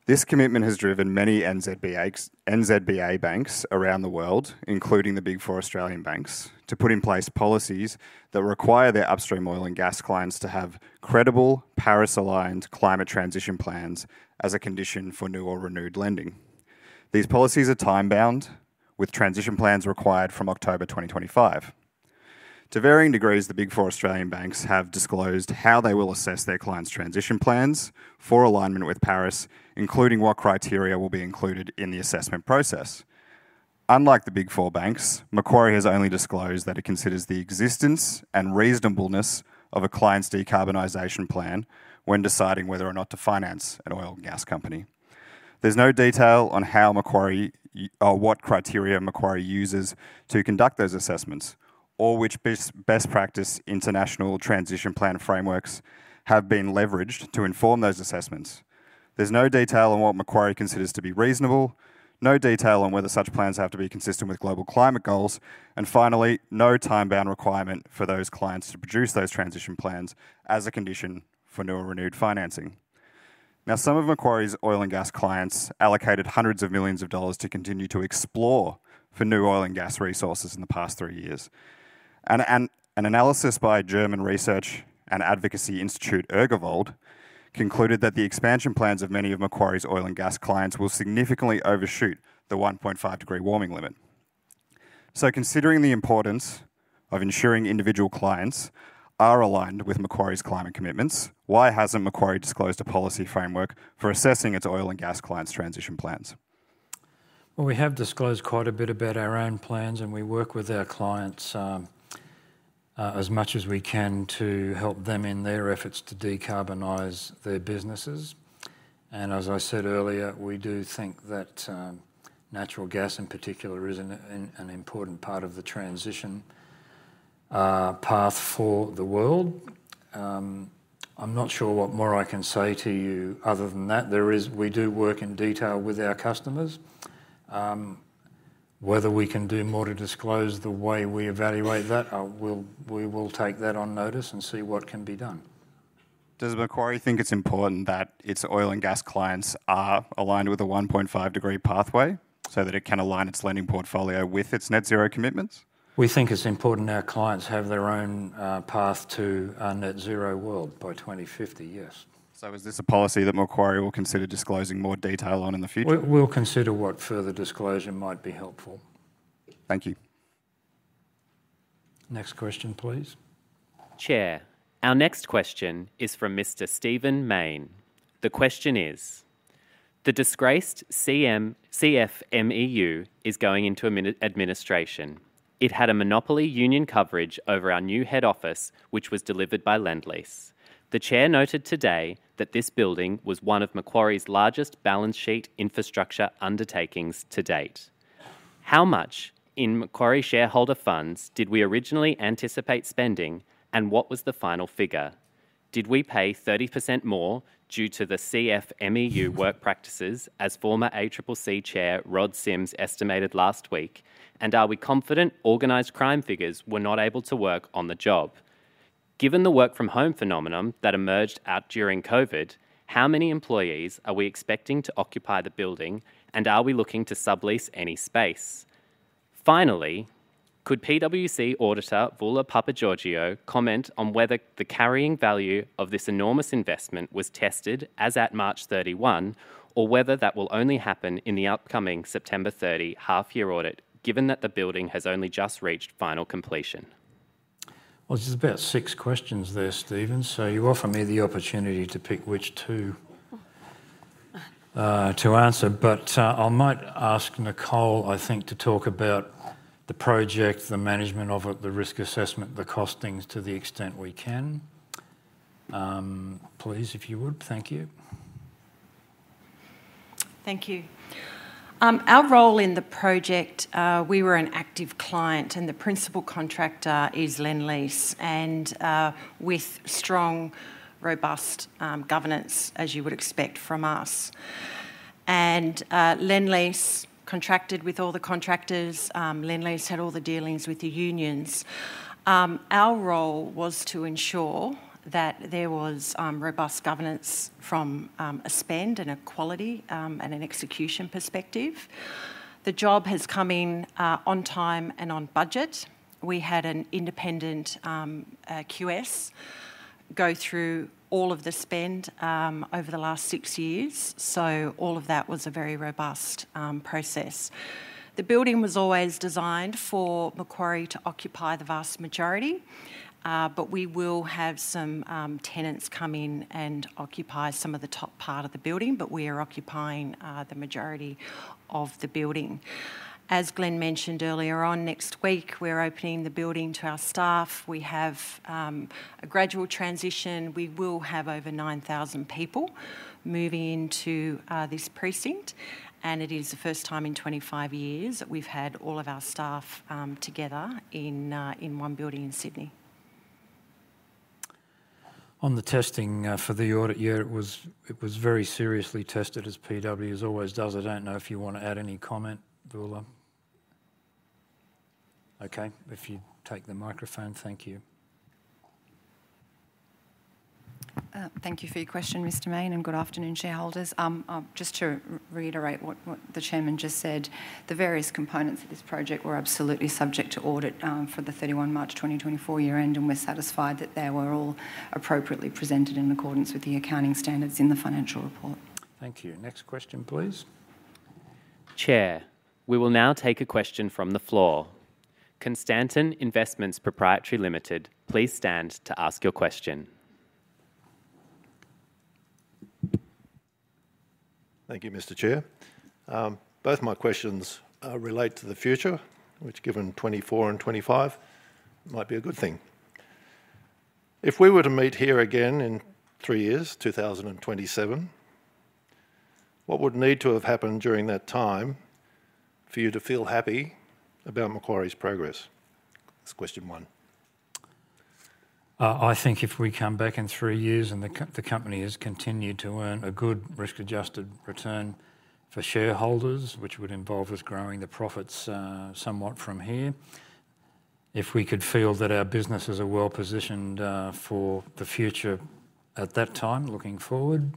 This commitment has driven many NZBA, NZBA banks around the world, including the Big Four Australian banks, to put in place policies that require their upstream oil and gas clients to have credible, Paris-aligned climate transition plans as a condition for new or renewed lending. These policies are time-bound, with transition plans required from October 2025. To varying degrees, the Big Four Australian banks have disclosed how they will assess their clients' transition plans for alignment with Paris, including what criteria will be included in the assessment process. Unlike the Big Four banks, Macquarie has only disclosed that it considers the existence and reasonableness of a client's decarbonization plan when deciding whether or not to finance an oil and gas company. There's no detail on how Macquarie or what criteria Macquarie uses to conduct those assessments, or which best practice international transition plan frameworks have been leveraged to inform those assessments. There's no detail on what Macquarie considers to be reasonable, no detail on whether such plans have to be consistent with global climate goals, and finally, no time-bound requirement for those clients to produce those transition plans as a condition for new or renewed financing. Now, some of Macquarie's oil and gas clients allocated hundreds of millions of AUD to continue to explore for new oil and gas resources in the past three years. An analysis by German research and advocacy institute, Urgewald, concluded that the expansion plans of many of Macquarie's oil and gas clients will significantly overshoot the 1.5-degree warming limit. So considering the importance of ensuring individual clients are aligned with Macquarie's climate commitments, why hasn't Macquarie disclosed a policy framework for assessing its oil and gas clients' transition plans? Well, we have disclosed quite a bit about our own plans, and we work with our clients, as much as we can to help them in their efforts to decarbonize their businesses. And as I said earlier, we do think that, natural gas in particular is an important part of the transition path for the world. I'm not sure what more I can say to you other than that. There is—we do work in detail with our customers. Whether we can do more to disclose the way we evaluate that, we will take that on notice and see what can be done. Does Macquarie think it's important that its oil and gas clients are aligned with a 1.5 degree pathway so that it can align its lending portfolio with its net zero commitments? We think it's important our clients have their own path to a net zero world by 2050, yes. Is this a policy that Macquarie will consider disclosing more detail on in the future? We'll consider what further disclosure might be helpful. Thank you. Next question, please. Chair, our next question is from Mr. Steven Mayne. The question is: The disgraced CFMEU is going into administration. It had a monopoly union coverage over our new head office, which was delivered by Lendlease. The chair noted today that this building was one of Macquarie's largest balance sheet infrastructure undertakings to date. How much in Macquarie shareholder funds did we originally anticipate spending, and what was the final figure? Did we pay 30% more due to the CFMEU work practices, as former ACCC chair Rod Sims estimated last week? And are we confident organized crime figures were not able to work on the job? Given the work-from-home phenomenon that emerged during COVID, how many employees are we expecting to occupy the building, and are we looking to sublease any space? Finally, could PwC auditor, Voula Papageorgiou, comment on whether the carrying value of this enormous investment was tested as at March 31, or whether that will only happen in the upcoming September 30 half-year audit, given that the building has only just reached final completion? Well, there's about six questions there, Steven, so you offer me the opportunity to pick which two to answer. But, I might ask Nicole, I think, to talk about the project, the management of it, the risk assessment, the costings, to the extent we can. Please, if you would. Thank you. Thank you. Our role in the project, we were an active client, and the principal contractor is Lendlease, with strong, robust, governance, as you would expect from us. Lendlease contracted with all the contractors. Lendlease had all the dealings with the unions. Our role was to ensure that there was robust governance from a spend and a quality, and an execution perspective. The job has come in on time and on budget. We had an independent QS go through all of the spend over the last six years, so all of that was a very robust process. The building was always designed for Macquarie to occupy the vast majority, but we will have some, tenants come in and occupy some of the top part of the building, but we are occupying, the majority of the building. As Glenn mentioned earlier on, next week, we're opening the building to our staff. We have, a gradual transition. We will have over 9,000 people moving into, this precinct, and it is the first time in 25 years that we've had all of our staff, together in, in one building in Sydney. ...On the testing, for the audit year, it was, it was very seriously tested, as PwC always does. I don't know if you want to add any comment, Voula? Okay, if you'd take the microphone. Thank you. Thank you for your question, Mr. Mayne, and good afternoon, shareholders. Just to reiterate what the chairman just said, the various components of this project were absolutely subject to audit, for the 31 March 2024 year-end, and we're satisfied that they were all appropriately presented in accordance with the accounting standards in the financial report. Thank you. Next question, please. Chair, we will now take a question from the floor. Constantin Investments Proprietary Limited, please stand to ask your question. Thank you, Mr. Chair. Both my questions relate to the future, which given 2024 and 2025, might be a good thing. If we were to meet here again in three years, 2027, what would need to have happened during that time for you to feel happy about Macquarie's progress? That's question one. I think if we come back in three years and the company has continued to earn a good risk-adjusted return for shareholders, which would involve us growing the profits somewhat from here. If we could feel that our businesses are well-positioned for the future at that time, looking forward,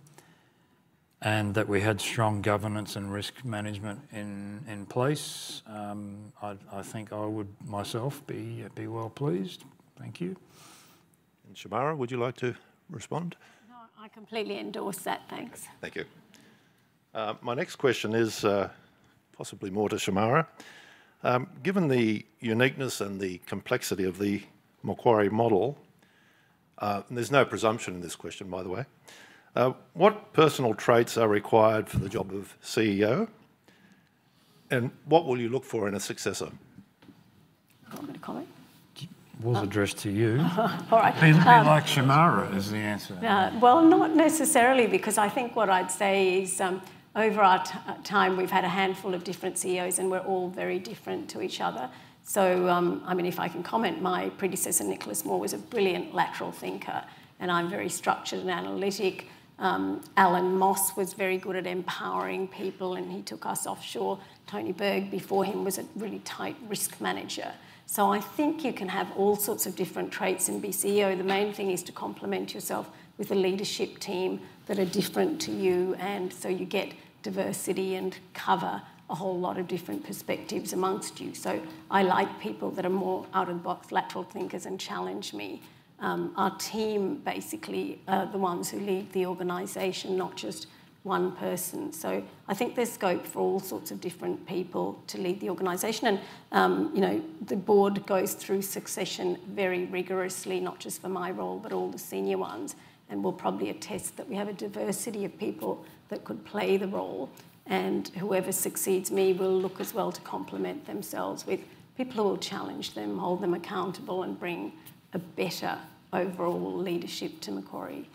and that we had strong governance and risk management in place, I'd, I think I would myself be well-pleased. Thank you. Shemara, would you like to respond? No, I completely endorse that. Thanks. Thank you. My next question is, possibly more to Shemara. Given the uniqueness and the complexity of the Macquarie model, and there's no presumption in this question, by the way, what personal traits are required for the job of CEO, and what will you look for in a successor? I'm gonna comment. It was addressed to you. All right. Be like Shemara, is the answer. Well, not necessarily, because I think what I'd say is, over our time, we've had a handful of different CEOs, and we're all very different to each other. So, I mean, if I can comment, my predecessor, Nicholas Moore, was a brilliant lateral thinker, and I'm very structured and analytic. Allan Moss was very good at empowering people, and he took us offshore. Tony Berg, before him, was a really tight risk manager. So I think you can have all sorts of different traits and be CEO. The main thing is to complement yourself with a leadership team that are different to you, and so you get diversity and cover a whole lot of different perspectives amongst you. So I like people that are more out-of-the-box, lateral thinkers, and challenge me. Our team basically are the ones who lead the organization, not just one person. So I think there's scope for all sorts of different people to lead the organization. And, you know, the Board goes through succession very rigorously, not just for my role, but all the senior ones, and will probably attest that we have a diversity of people that could play the role, and whoever succeeds me will look as well to complement themselves with people who will challenge them, hold them accountable, and bring a better overall leadership to Macquarie.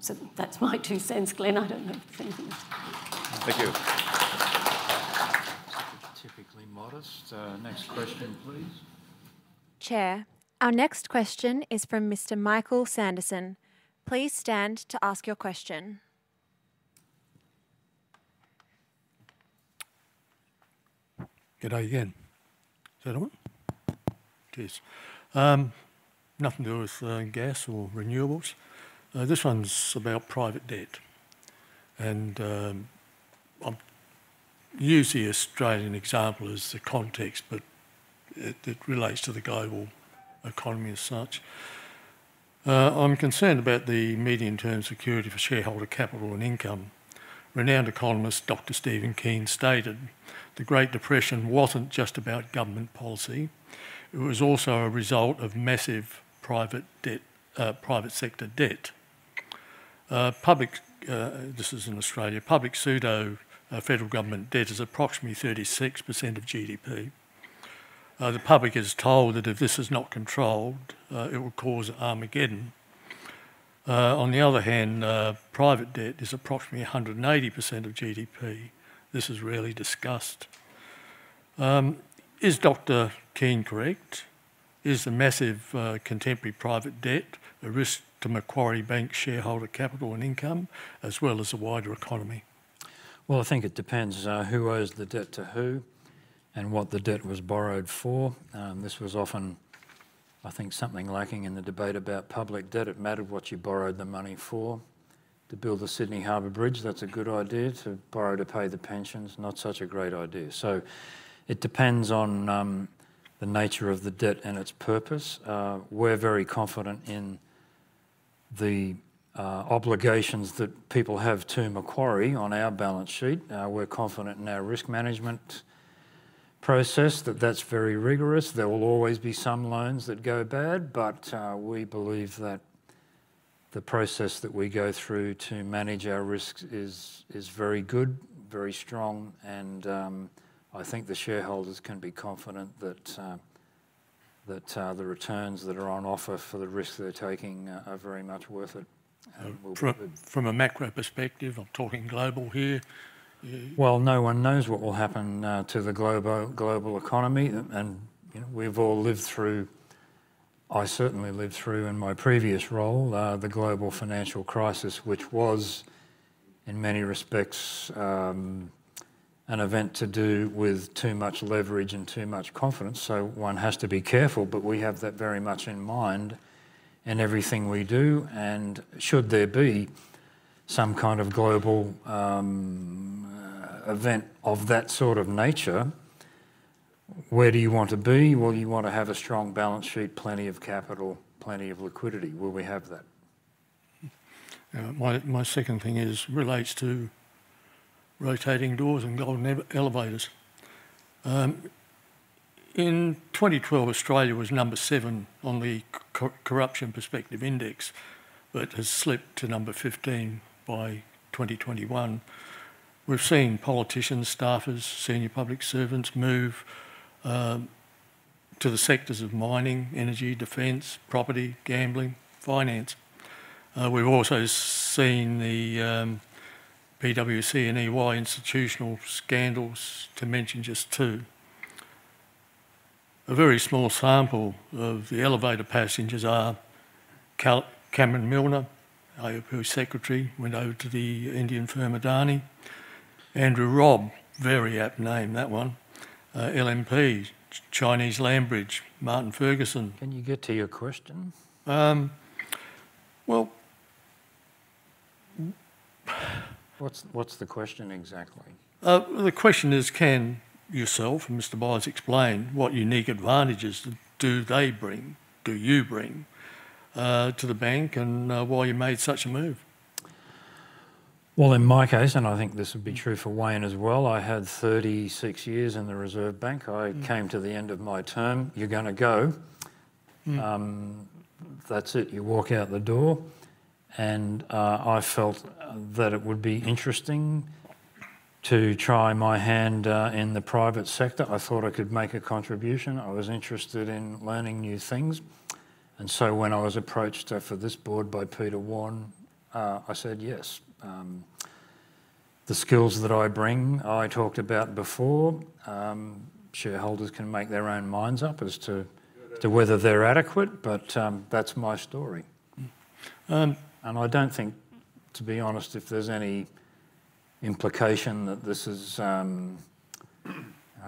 So that's my two cents, Glenn. I don't know if the same thing as you. Thank you. Typically modest. Next question, please. Chair, our next question is from Mr. Michael Sanderson. Please stand to ask your question. G'day again. Is that on? It is. Nothing to do with gas or renewables. This one's about private debt. I'll use the Australian example as the context, but it relates to the global economy as such. I'm concerned about the medium-term security for shareholder capital and income. Renowned economist, Dr. Stephen Keen, stated, "The Great Depression wasn't just about government policy. It was also a result of massive private debt, private sector debt." Public, this is in Australia, public sector federal government debt is approximately 36% of GDP. The public is told that if this is not controlled, it will cause Armageddon. On the other hand, private debt is approximately 180% of GDP. This is rarely discussed. Is Dr. Keen correct? Is the massive, contemporary private debt a risk to Macquarie Bank shareholder capital and income, as well as the wider economy? Well, I think it depends on who owes the debt to who, and what the debt was borrowed for. This was often, I think, something lacking in the debate about public debt. It mattered what you borrowed the money for. To build the Sydney Harbour Bridge, that's a good idea. To borrow to pay the pensions, not such a great idea. So it depends on the nature of the debt and its purpose. We're very confident in the obligations that people have to Macquarie on our balance sheet. We're confident in our risk management process, that that's very rigorous. There will always be some loans that go bad, but we believe that the process that we go through to manage our risks is very good, very strong, and I think the shareholders can be confident that the returns that are on offer for the risk they're taking are very much worth it.... from a macro perspective, I'm talking global here. Well, no one knows what will happen to the global economy. And, you know, we've all lived through... I certainly lived through in my previous role the global financial crisis, which was, in many respects, an event to do with too much leverage and too much confidence. So one has to be careful, but we have that very much in mind in everything we do. And should there be some kind of global event of that sort of nature, where do you want to be? Well, you want to have a strong balance sheet, plenty of capital, plenty of liquidity. Well, we have that. My second thing is relates to rotating doors and golden elevators. In 2012, Australia was number 7 on the Corruption Perceptions Index, but has slipped to number 15 by 2021. We've seen politicians, staffers, senior public servants move to the sectors of mining, energy, defense, property, gambling, finance. We've also seen the PwC and EY institutional scandals, to mention just two. A very small sample of the elevator passengers are Cameron Milner, ALP secretary, went over to the Indian firm, Adani. Andrew Robb, very apt name, that one, LNP, Chinese Landbridge, Martin Ferguson- Can you get to your question? Um, well... What's the question exactly? The question is, can yourself and Mr. Byres explain what unique advantages do they bring, do you bring, to the bank, and why you made such a move? Well, in my case, and I think this would be true for Wayne as well, I had 36 years in the Reserve Bank. Mm. I came to the end of my term. You're gonna go. Mm. That's it. You walk out the door, and I felt that it would be interesting to try my hand in the private sector. I thought I could make a contribution. I was interested in learning new things, and so when I was approached for this Board by Peter Warne, I said yes. The skills that I bring, I talked about before. Shareholders can make their own minds up as to whether they're adequate, but that's my story. Mm. I don't think, to be honest, if there's any implication that this is a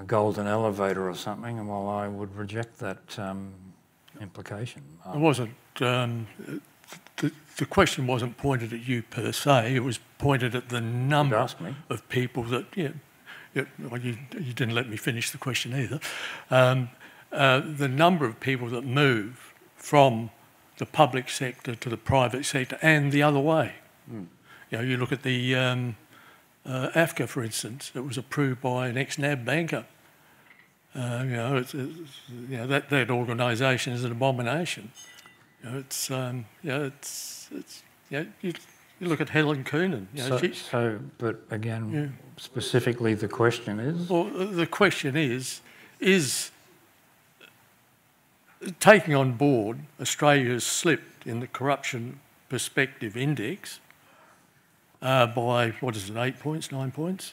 golden elevator or something, and well, I would reject that implication. It wasn't, the question wasn't pointed at you, per se. It was pointed at the number- You asked me.... of people that, yeah. Yeah, well, you, you didn't let me finish the question either. The number of people that move from the public sector to the private sector and the other way. Mm. You know, you look at the AFCA, for instance. It was approved by an ex-NAB banker. You know, it's that organization is an abomination. You know, it's yeah, it's... You know, you look at Helen Coonan. You know, she's- So, but again- Yeah... specifically, the question is? Well, the question is, is taking on Board, Australia's slipped in the Corruption Perceptions Index by, what is it? 8 points, 9 points.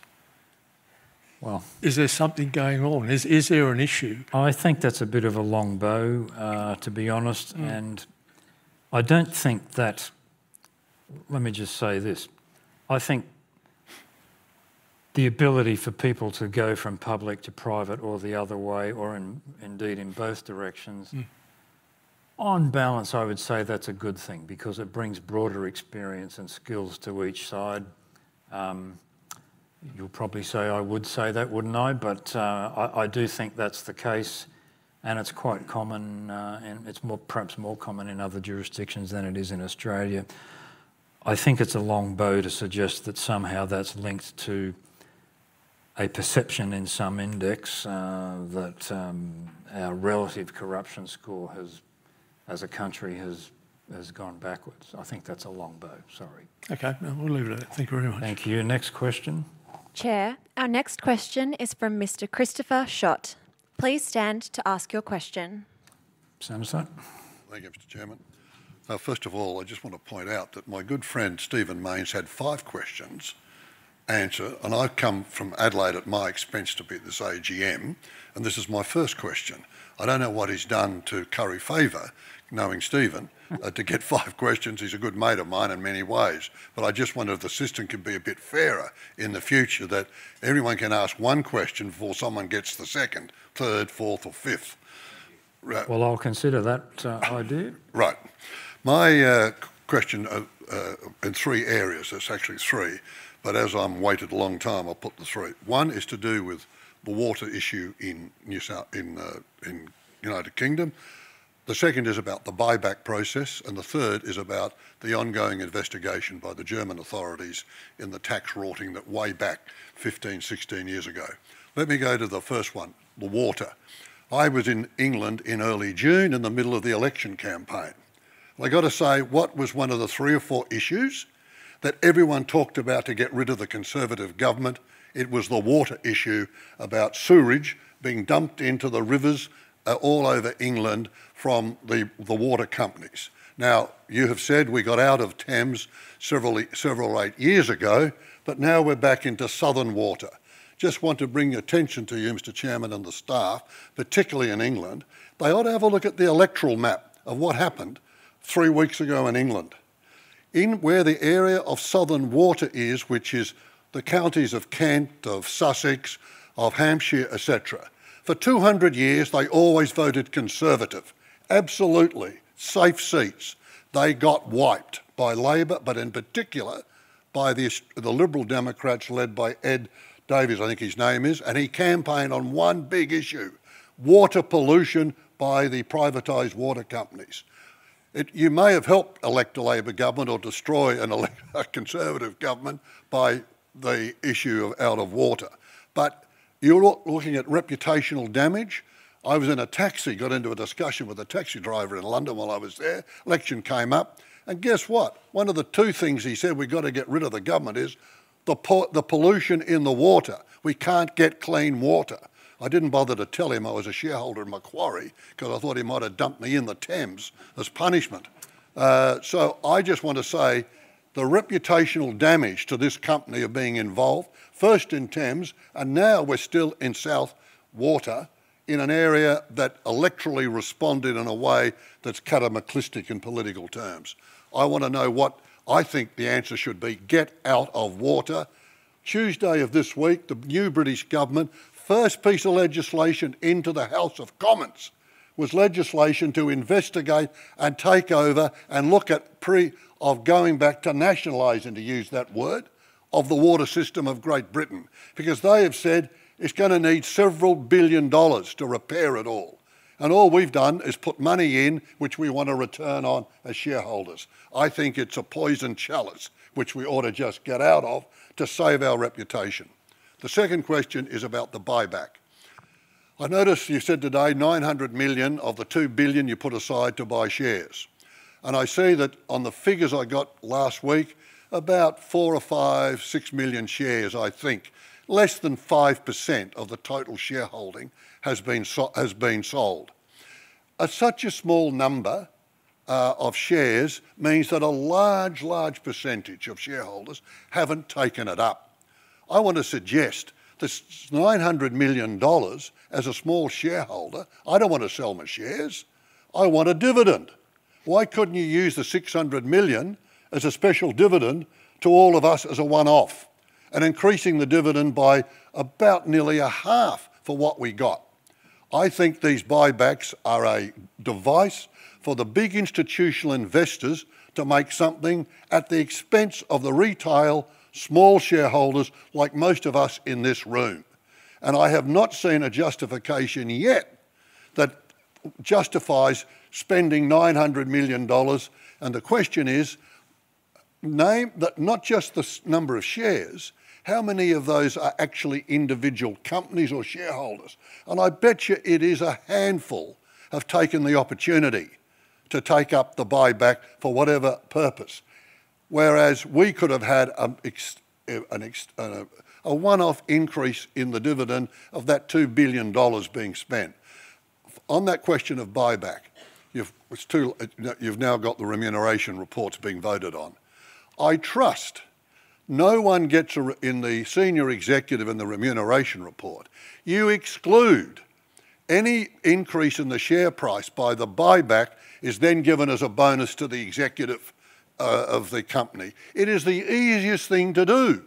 Well- Is there something going on? Is there an issue? I think that's a bit of a long bow, to be honest. Mm. I don't think that... Let me just say this: I think the ability for people to go from public to private or the other way, or indeed in both directions. Mm... on balance, I would say that's a good thing because it brings broader experience and skills to each side. You'll probably say I would say that, wouldn't I? But I do think that's the case, and it's quite common, and it's more, perhaps more common in other jurisdictions than it is in Australia. I think it's a long bow to suggest that somehow that's linked to a perception in some index that our relative corruption score has, as a country, gone backwards. I think that's a long bow. Sorry. Okay, we'll leave it at that. Thank you very much. Thank you. Next question? Chair, our next question is from Mr. Christopher Schott. Please stand to ask your question. Mr Schott. Thank you, Mr. Chairman. First of all, I just want to point out that my good friend, Steven Mayne, had five questions answered, and I've come from Adelaide at my expense to be at this AGM, and this is my first question. I don't know what he's done to curry favor, knowing Steven, to get five questions. He's a good mate of mine in many ways, but I just wonder if the system could be a bit fairer in the future, that everyone can ask one question before someone gets the second, third, fourth, or fifth. Right. Well, I'll consider that, idea. Right. My question in three areas, it's actually three, but as I'm waited a long time, I'll put the three. One is to do with the water issue in New South... In, in United Kingdom. The second is about the buyback process, and the third is about the ongoing investigation by the German authorities in the tax rorting that way back 15, 16 years ago. Let me go to the first one, the water. I was in England in early June, in the middle of the election campaign. I got to say, what was one of the three or four issues?... that everyone talked about to get rid of the Conservative government, it was the water issue about sewerage being dumped into the rivers, all over England from the water companies. Now, you have said we got out of Thames several eight years ago, but now we're back into Southern Water. Just want to bring your attention to you, Mr. Chairman, and the staff, particularly in England. They ought to have a look at the electoral map of what happened 3 weeks ago in England. In where the area of Southern Water is, which is the counties of Kent, of Sussex, of Hampshire, et cetera. For 200 years, they always voted Conservative. Absolutely safe seats. They got wiped by Labour, but in particular, by the Liberal Democrats led by Ed Davey, I think his name is, and he campaigned on one big issue: water pollution by the privatized water companies. You may have helped elect a Labour government or destroy an elected Conservative government by the issue of water, but you're looking at reputational damage. I was in a taxi, got into a discussion with a taxi driver in London while I was there. Election came up, and guess what? One of the two things he said, "We've got to get rid of the government," is the pollution in the water. We can't get clean water. I didn't bother to tell him I was a shareholder in Macquarie, 'cause I thought he might have dumped me in the Thames as punishment. So I just want to say, the reputational damage to this company of being involved, first in Thames, and now we're still in Southern Water, in an area that electorally responded in a way that's cataclysmic in political terms. I want to know what... I think the answer should be get out of water. Tuesday of this week, the new British government, first piece of legislation into the House of Commons, was legislation to investigate and take over and look at pre- of going back to nationalizing, to use that word, of the water system of Great Britain. Because they have said it's gonna need $several billion to repair it all, and all we've done is put money in, which we want a return on as shareholders. I think it's a poisoned chalice, which we ought to just get out of to save our reputation. The second question is about the buyback. I noticed you said today, 900 million of the 2 billion you put aside to buy shares. I see that on the figures I got last week, about 4 or 5 or 6 million shares, I think. Less than 5% of the total shareholding has been sold. At such a small number of shares, means that a large, large percentage of shareholders haven't taken it up. I want to suggest this 900 million dollars, as a small shareholder, I don't want to sell my shares. I want a dividend. Why couldn't you use the 600 million as a special dividend to all of us as a one-off, and increasing the dividend by about nearly a half for what we got? I think these buybacks are a device for the big institutional investors to make something at the expense of the retail, small shareholders, like most of us in this room. And I have not seen a justification yet that justifies spending 900 million dollars. And the question is, name not just the number of shares, how many of those are actually individual companies or shareholders? And I bet you it is a handful have taken the opportunity to take up the buyback for whatever purpose. Whereas we could have had a one-off increase in the dividend of that 2 billion dollars being spent. On that question of buyback, you've, it's two, you've now got the remuneration reports being voted on. I trust no one gets a r- in the senior executive in the remuneration report. You exclude any increase in the share price by the buyback, is then given as a bonus to the executive of the company. It is the easiest thing to do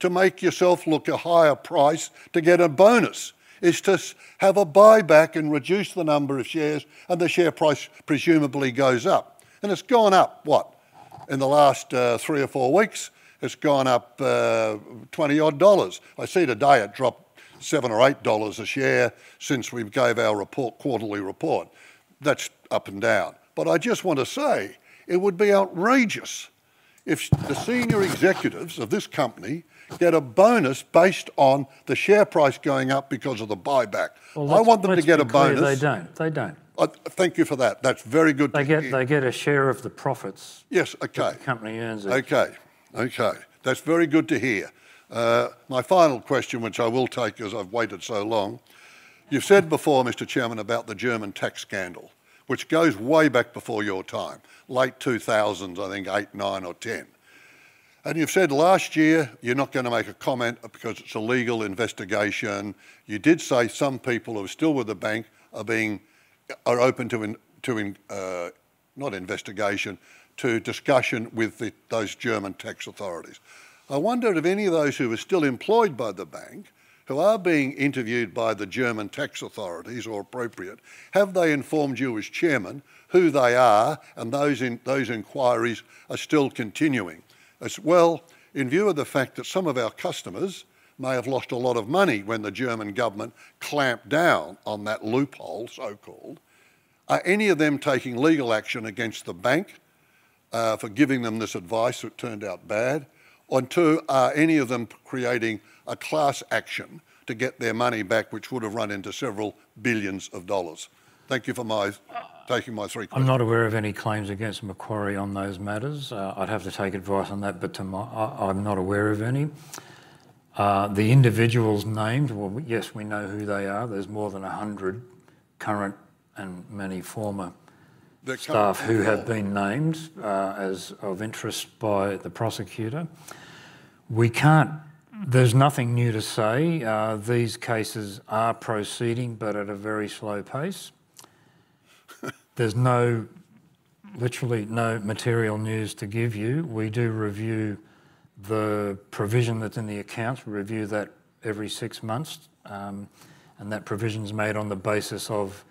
to make yourself look a higher price to get a bonus, is to have a buyback and reduce the number of shares, and the share price presumably goes up. It's gone up, what? In the last three or four weeks, it's gone up, 20-odd dollars. I see today it dropped 7 or 8 dollars a share since we've gave our report, quarterly report. That's up and down. But I just want to say, it would be outrageous if the senior executives of this company get a bonus based on the share price going up because of the buyback. I want them to get a bonus- Well, let's be clear, they don't. They don't. Thank you for that. That's very good to hear. They get, they get a share of the profits- Yes, okay. that the company earns. Okay. Okay, that's very good to hear. My final question, which I will take as I've waited so long: You've said before, Mr. Chairman, about the German tax scandal, which goes way back before your time, late 2000s, I think 2008, 2009 or 2010. You've said last year, you're not gonna make a comment because it's a legal investigation. You did say some people who are still with the bank are open to discussion with those German tax authorities. I wondered if any of those who are still employed by the bank, who are being interviewed by the German tax authorities, or appropriate, have they informed you as chairman, who they are, and those inquiries are still continuing? As well, in view of the fact that some of our customers may have lost a lot of money when the German government clamped down on that loophole, so-called, are any of them taking legal action against the bank for giving them this advice, which turned out bad? On two, are any of them creating a class action to get their money back, which would have run into several billions of dollars? Thank you for taking my three questions. I'm not aware of any claims against Macquarie on those matters. I'd have to take advice on that, but to my- I, I'm not aware of any. The individuals named, well, yes, we know who they are. There's more than 100 current and many former- That current- Staff who have been named as of interest by the prosecutor. We can't... There's nothing new to say. These cases are proceeding, but at a very slow pace. There's no, literally no material news to give you. We do review the provision that's in the accounts, we review that every six months. And that provision's made on the basis of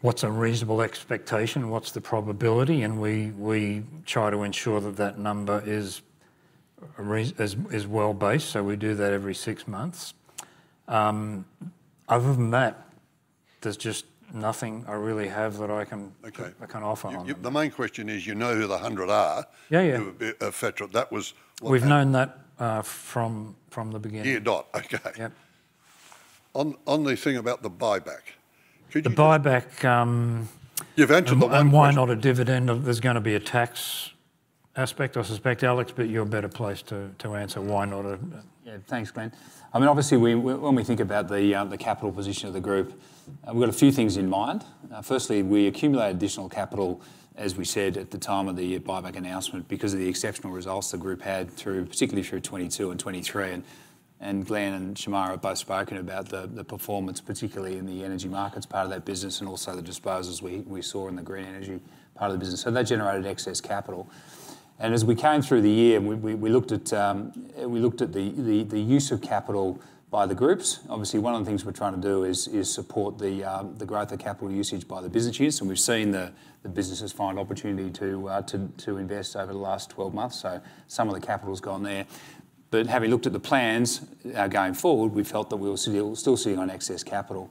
what's a reasonable expectation, what's the probability? And we, we try to ensure that that number is, is well-based, so we do that every six months. Other than that, there's just nothing I really have that I can- Okay... I can offer on it. The main question is, you know who the 100 are? Yeah, yeah. Who have been, et cetera. That was what- We've known that, from the beginning. Yeah. Dot. Okay. Yep. On the thing about the buyback, could you- The buyback, You've answered the one question. Why not a dividend of there's gonna be a tax aspect, I suspect, Alex, but you're better placed to answer why not a- Yeah, thanks, Glenn. I mean, obviously, we, when we think about the capital position of the group, we've got a few things in mind. Firstly, we accumulate additional capital, as we said, at the time of the buyback announcement, because of the exceptional results the group had through, particularly through 2022 and 2023. And Glenn and Shemara have both spoken about the performance, particularly in the energy markets, part of that business, and also the disposals we saw in the green energy part of the business, so that generated excess capital. And as we came through the year, we looked at the use of capital by the groups. Obviously, one of the things we're trying to do is support the growth of capital usage by the businesses, and we've seen the businesses find opportunity to invest over the last 12 months, so some of the capital's gone there. But having looked at the plans, going forward, we felt that we were still sitting on excess capital.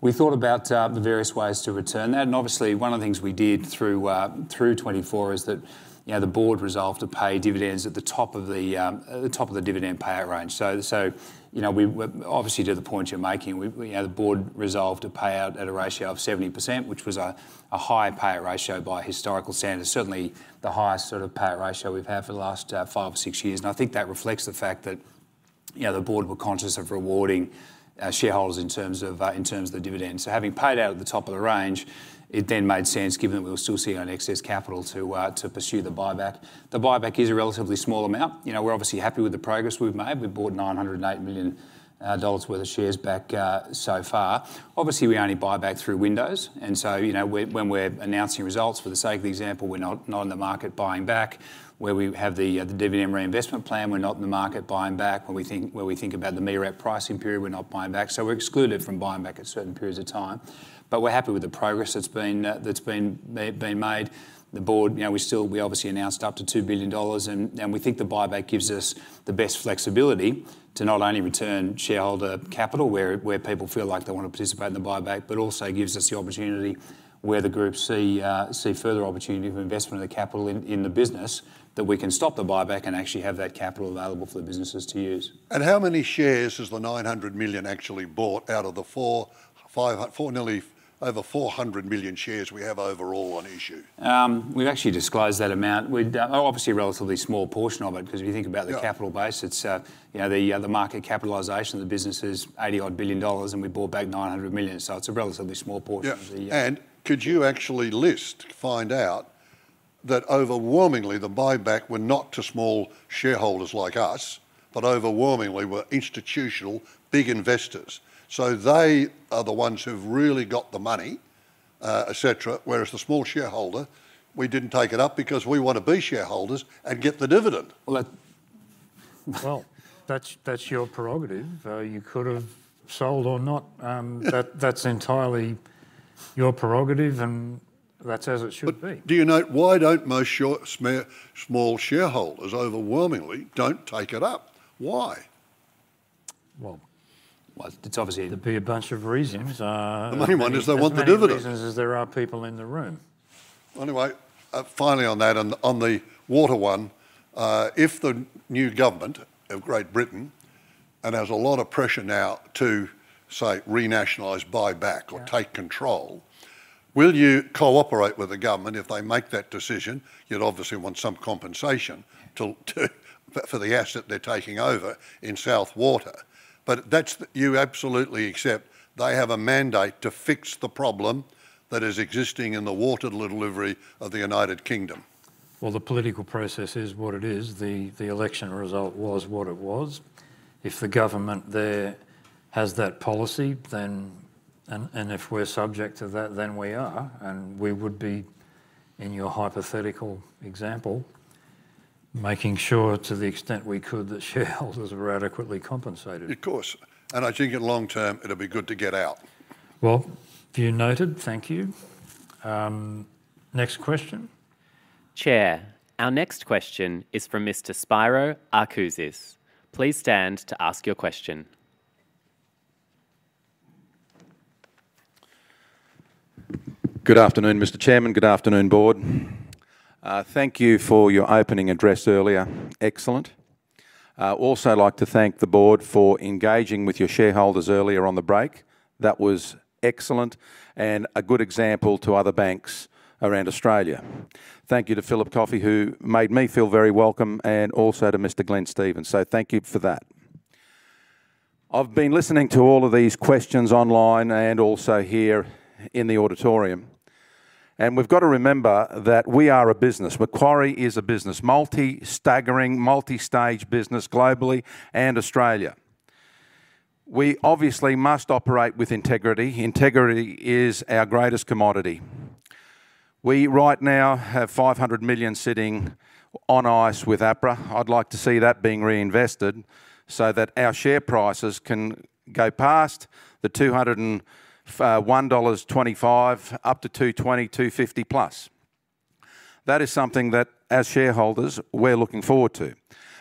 We thought about the various ways to return that, and obviously, one of the things we did through 2024 is that, you know, the Board resolved to pay dividends at the top of the dividend payout range. So, you know, we obviously, to the point you're making, we, you know, the Board resolved to pay out at a ratio of 70%, which was a high payout ratio by historical standards. Certainly, the highest sort of payout ratio we've had for the last 5 or 6 years. I think that reflects the fact that, you know, the Board were conscious of rewarding shareholders in terms of the dividends. So having paid out at the top of the range, it then made sense, given that we were still sitting on excess capital, to pursue the buyback. The buyback is a relatively small amount. You know, we're obviously happy with the progress we've made. We've bought 908 million dollars worth of shares back so far. Obviously, we only buy back through windows, and so, you know, when we're announcing results, for example, we're not in the market buying back. Where we have the dividend reinvestment plan, we're not in the market buying back. When we think about the MEREP pricing period, we're not buying back, so we're excluded from buying back at certain periods of time. But we're happy with the progress that's been made. The Board, you know, we obviously announced up to 2 billion dollars, and we think the buyback gives us the best flexibility to not only return shareholder capital, where people feel like they want to participate in the buyback, but also gives us the opportunity where the groups see further opportunity for investment of the capital in the business, that we can stop the buyback and actually have that capital available for the businesses to use. How many shares is the 900 million actually bought out of the nearly over 400 million shares we have overall on issue? We've actually disclosed that amount. We've obviously a relatively small portion of it- Yeah... 'cause if you think about the capital base, it's, you know, the market capitalization of the business is 80-odd billion dollars, and we bought back 900 million, so it's a relatively small portion of the- Yeah, and could you actually list, find out that overwhelmingly, the buyback were not to small shareholders like us, but overwhelmingly were institutional big investors. So they are the ones who've really got the money, et cetera, whereas the small shareholder, we didn't take it up because we want to be shareholders and get the dividend. Well, that- Well, that's, that's your prerogative. You could have sold or not. That's entirely your prerogative, and that's as it should be. But do you know, why don't most short, small shareholders overwhelmingly don't take it up? Why? Well- Well, it's obviously- There'd be a bunch of reasons. The main one is they want the dividend. The main reasons is there are people in the room. Anyway, finally on that, on the water one, if the new government of Great Britain, and there's a lot of pressure now to, say, renationalize, buy back- Yeah... or take control, will you cooperate with the government if they make that decision? You'd obviously want some compensation to for the asset they're taking over in Southern Water. But that's you absolutely accept they have a mandate to fix the problem that is existing in the water delivery of the United Kingdom. Well, the political process is what it is. The election result was what it was. If the government there has that policy, then and if we're subject to that, then we are, and we would be, in your hypothetical example, making sure to the extent we could, that shareholders are adequately compensated. Of course, and I think in long term, it'll be good to get out. Well, view noted. Thank you. Next question? Chair, our next question is from Mr. Spiro Arkoudis. Please stand to ask your question.... Good afternoon, Mr. Chairman. Good afternoon, Board. Thank you for your opening address earlier. Excellent. I'd also like to thank the Board for engaging with your shareholders earlier on the break. That was excellent, and a good example to other banks around Australia. Thank you to Philip Coffey, who made me feel very welcome, and also to Mr. Glenn Stevens, so thank you for that. I've been listening to all of these questions online and also here in the auditorium, and we've got to remember that we are a business. Macquarie is a business, multi-staggering, multi-stage business, globally and Australia. We obviously must operate with integrity. Integrity is our greatest commodity. We right now have 500 million sitting on ice with APRA. I'd like to see that being reinvested so that our share prices can go past the 201.25 dollars, up to 220, AUD 250+. That is something that, as shareholders, we're looking forward to.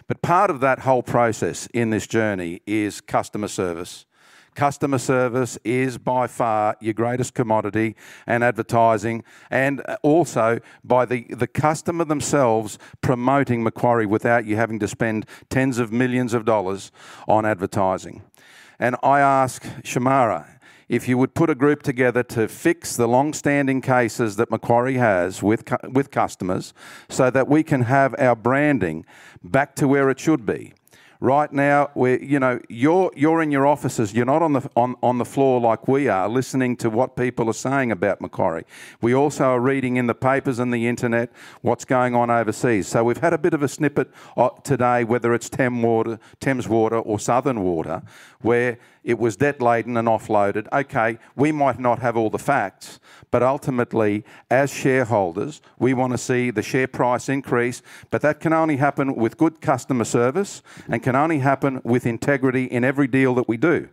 But part of that whole process in this journey is customer service. Customer service is, by far, your greatest commodity, and advertising, and also by the customer themselves promoting Macquarie without you having to spend tens of millions of dollars on advertising. And I ask Shemara if you would put a group together to fix the long-standing cases that Macquarie has with customers, so that we can have our branding back to where it should be. Right now, we're. You know, you're in your offices. You're not on the floor like we are, listening to what people are saying about Macquarie. We also are reading in the papers and the internet what's going on overseas. So we've had a bit of a snippet today, whether it's Thames Water or Southern Water, where it was debt-laden and offloaded. Okay, we might not have all the facts, but ultimately, as shareholders, we want to see the share price increase. But that can only happen with good customer service, and can only happen with integrity in every deal that we do.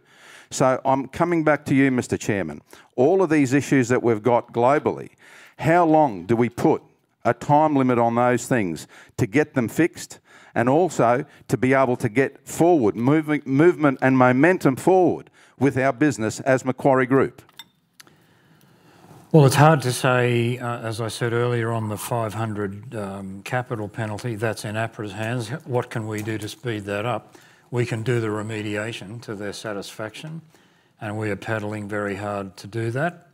So I'm coming back to you, Mr. Chairman. All of these issues that we've got globally, how long do we put a time limit on those things to get them fixed, and also to be able to get forward, moving, movement and momentum forward with our business as Macquarie Group? Well, it's hard to say, as I said earlier, on the 500 capital penalty. That's in APRA's hands. What can we do to speed that up? We can do the remediation to their satisfaction, and we are paddling very hard to do that.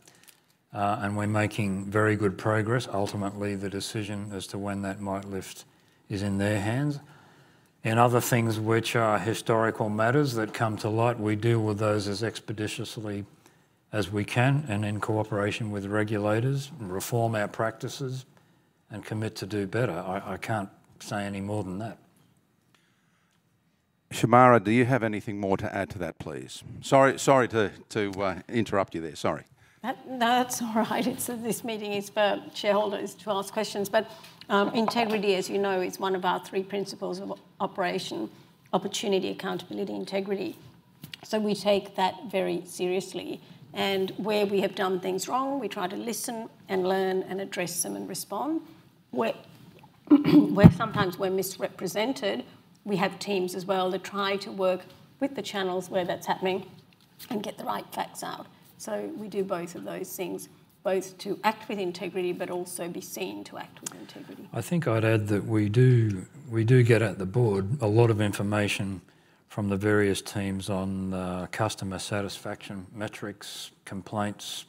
And we're making very good progress. Ultimately, the decision as to when that might lift is in their hands. In other things which are historical matters that come to light, we deal with those as expeditiously as we can, and in cooperation with regulators, and reform our practices, and commit to do better. I can't say any more than that. Shemara, do you have anything more to add to that, please? Sorry, sorry to interrupt you there. Sorry. No, it's all right. So this meeting is for shareholders to ask questions. But, integrity, as you know, is one of our three principles of operation: opportunity, accountability, integrity. So we take that very seriously, and where we have done things wrong, we try to listen, and learn, and address them, and respond. Where, where sometimes we're misrepresented, we have teams as well that try to work with the channels where that's happening and get the right facts out. So we do both of those things, both to act with integrity, but also be seen to act with integrity. I think I'd add that we do, we do get, at the Board, a lot of information from the various teams on, customer satisfaction, metrics, complaints,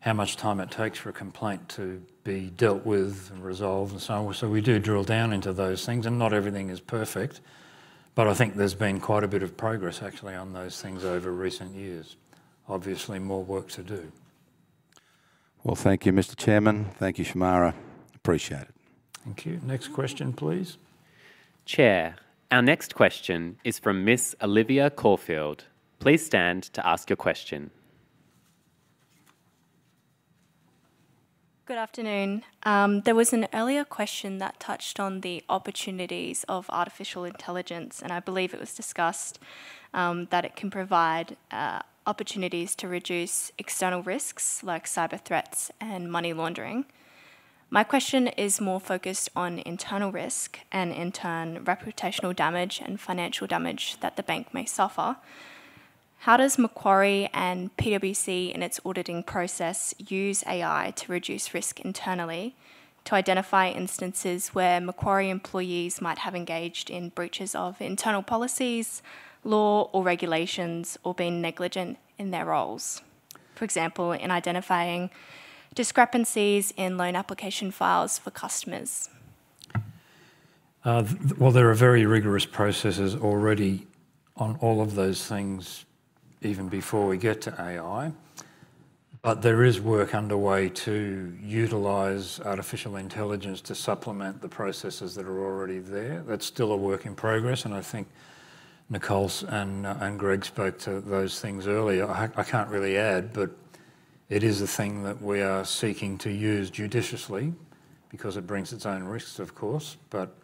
how much time it takes for a complaint to be dealt with and resolved, and so on. We do drill down into those things, and not everything is perfect, but I think there's been quite a bit of progress, actually, on those things over recent years. Obviously, more work to do. Well, thank you, Mr. Chairman. Thank you, Shemara. Appreciate it. Thank you. Next question, please. Chair, our next question is from Miss Olivia Corfield. Please stand to ask your question. Good afternoon. There was an earlier question that touched on the opportunities of artificial intelligence, and I believe it was discussed that it can provide opportunities to reduce external risks, like cyber threats and money laundering. My question is more focused on internal risk, and in turn, reputational damage and financial damage that the bank may suffer. How does Macquarie and PwC, in its auditing process, use AI to reduce risk internally, to identify instances where Macquarie employees might have engaged in breaches of internal policies, law, or regulations, or been negligent in their roles? For example, in identifying discrepancies in loan application files for customers. Well, there are very rigorous processes already on all of those things, even before we get to AI. But there is work underway to utilize artificial intelligence to supplement the processes that are already there. That's still a work in progress, and I think Nicole and Greg spoke to those things earlier. I can't really add, but it is a thing that we are seeking to use judiciously, because it brings its own risks, of course. But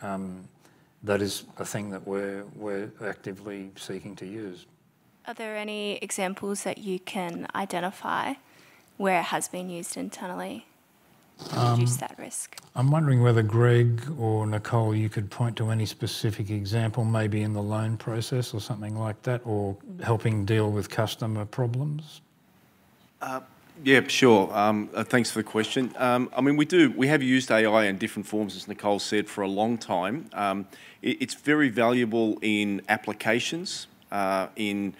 that is a thing that we're actively seeking to use. Are there any examples that you can identify where it has been used internally? ... I'm wondering whether Greg or Nicole, you could point to any specific example, maybe in the loan process or something like that, or helping deal with customer problems? Yeah, sure. Thanks for the question. I mean, we have used AI in different forms, as Nicole said, for a long time. It's very valuable in applications in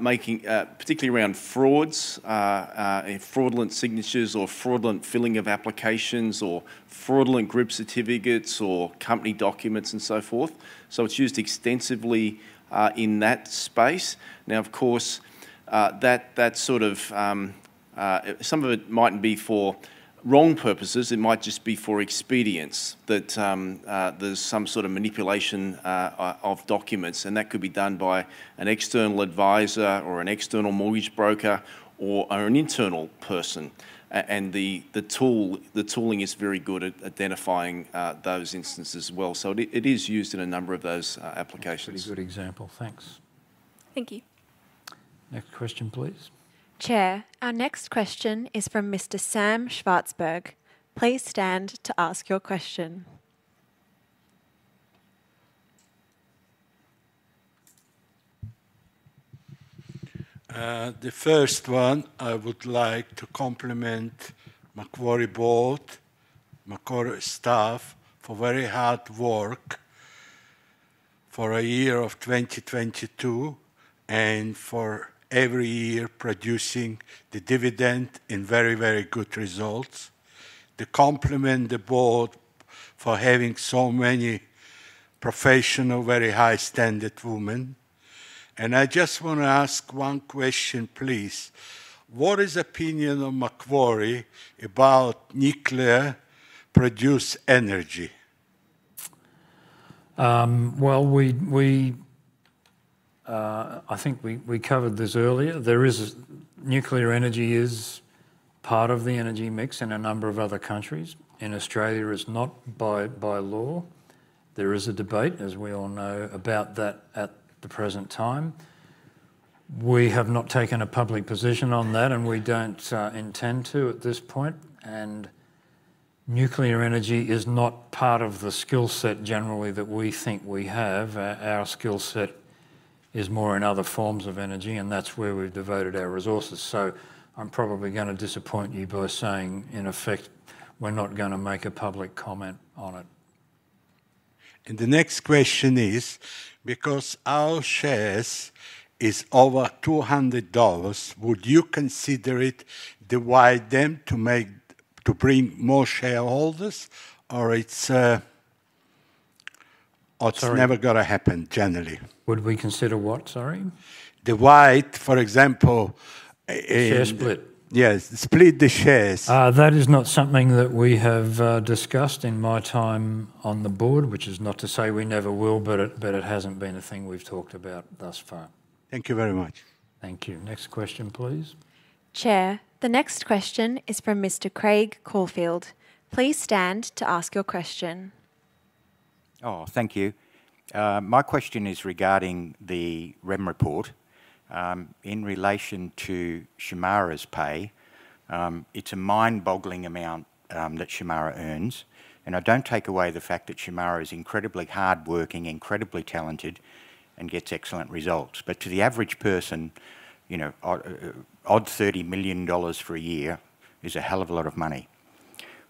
making, particularly around frauds, in fraudulent signatures or fraudulent filling of applications or fraudulent group certificates or company documents, and so forth. So it's used extensively in that space. Now, of course, that sort of... Some of it mightn't be for wrong purposes. It might just be for expedience, that there's some sort of manipulation of documents, and that could be done by an external advisor or an external mortgage broker or an internal person. And the tool, the tooling is very good at identifying those instances as well. So it is used in a number of those applications. Pretty good example. Thanks. Thank you. Next question, please. Chair, our next question is from Mr. Sam Schwartzberg. Please stand to ask your question. The first one, I would like to compliment Macquarie Board, Macquarie staff, for very hard work for a year of 2022, and for every year producing the dividend in very, very good results. To compliment the Board for having so many professional, very high-standard women. I just want to ask one question, please: What is opinion of Macquarie about nuclear-produced energy? Well, I think we covered this earlier. There is nuclear energy is part of the energy mix in a number of other countries. In Australia, it's not by law. There is a debate, as we all know, about that at the present time. We have not taken a public position on that, and we don't intend to at this point, and nuclear energy is not part of the skill set generally that we think we have. Our skill set is more in other forms of energy, and that's where we've devoted our resources. So I'm probably going to disappoint you by saying, in effect, we're not going to make a public comment on it. The next question is, because our shares is over 200 dollars, would you consider it divide them to make, to bring more shareholders, or it's, Sorry... or it's never gonna happen generally? Would we consider what, sorry? Divide, for example, Share split. Yes, split the shares. That is not something that we have discussed in my time on the Board, which is not to say we never will, but it hasn't been a thing we've talked about thus far. Thank you very much. Thank you. Next question, please. Chair, the next question is from Mr. Craig Corfield. Please stand to ask your question. Oh, thank you. My question is regarding the REM report, in relation to Shemara's pay. It's a mind-boggling amount, that Shemara earns, and I don't take away the fact that Shemara is incredibly hardworking, incredibly talented, and gets excellent results. But to the average person, you know, odd 30 million dollars for a year is a hell of a lot of money.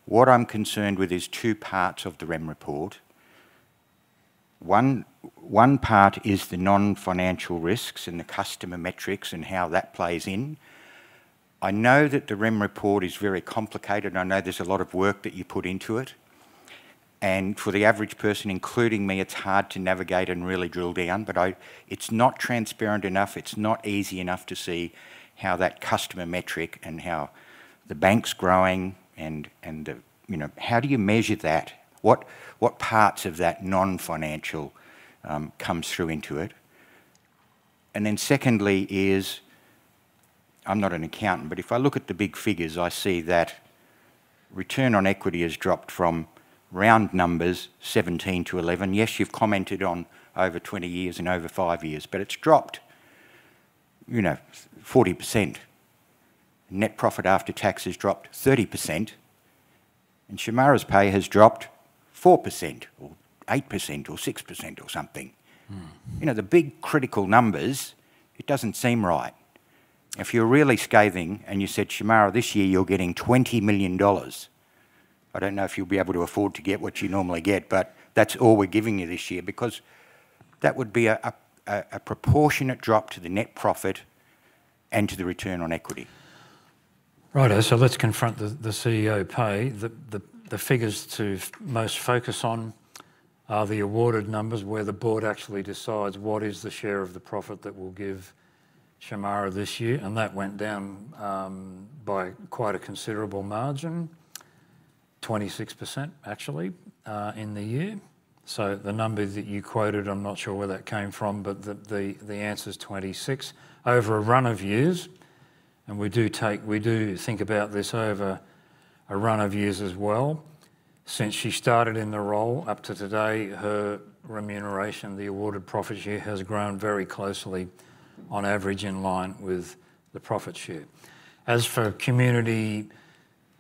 What I'm concerned with is two parts of the REM report. One, one part is the non-financial risks and the customer metrics and how that plays in. I know that the REM report is very complicated, and I know there's a lot of work that you put into it. And for the average person, including me, it's hard to navigate and really drill down, but I... It's not transparent enough. It's not easy enough to see how that customer metric and how the bank's growing and, and the, you know, how do you measure that? What, what parts of that non-financial, comes through into it? And then secondly is, I'm not an accountant, but if I look at the big figures, I see that return on equity has dropped from, round numbers, 17 to 11. Yes, you've commented on over 20 years and over 5 years, but it's dropped, you know, 40%. Net profit after tax has dropped 30%, and Shemara's pay has dropped 4% or 8% or 6% or something. Mm. You know, the big critical numbers, it doesn't seem right. If you're really scathing, and you said, "Shemara, this year, you're getting 20 million dollars. I don't know if you'll be able to afford to get what you normally get, but that's all we're giving you this year," because that would be a proportionate drop to the net profit and to the return on equity. Righto, so let's confront the CEO pay. The figures to most focus on are the awarded numbers, where the Board actually decides what is the share of the profit that we'll give Shemara this year, and that went down by quite a considerable margin, 26%, actually, in the year. So the number that you quoted, I'm not sure where that came from, but the answer's 26. Over a run of years, and we do think about this over a run of years as well... Since she started in the role up to today, her remuneration, the awarded profit share, has grown very closely on average in line with the profit share. As for community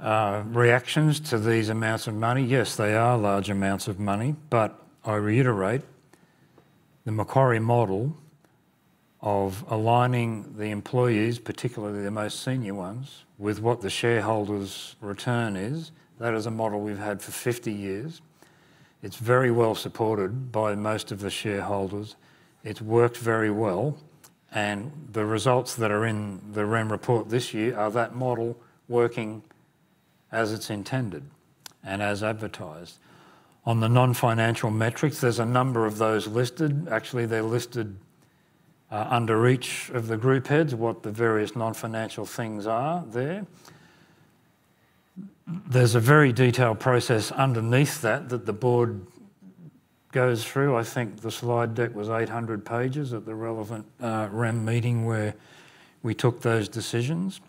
reactions to these amounts of money, yes, they are large amounts of money, but I reiterate the Macquarie model of aligning the employees, particularly the most senior ones, with what the shareholders' return is. That is a model we've had for 50 years. It's very well supported by most of the shareholders. It's worked very well, and the results that are in the REM report this year are that model working as it's intended and as advertised. On the non-financial metrics, there's a number of those listed. Actually, they're listed under each of the group heads, what the various non-financial things are there. There's a very detailed process underneath that, that the Board goes through. I think the slide deck was 800 pages at the relevant REM meeting where we took those decisions.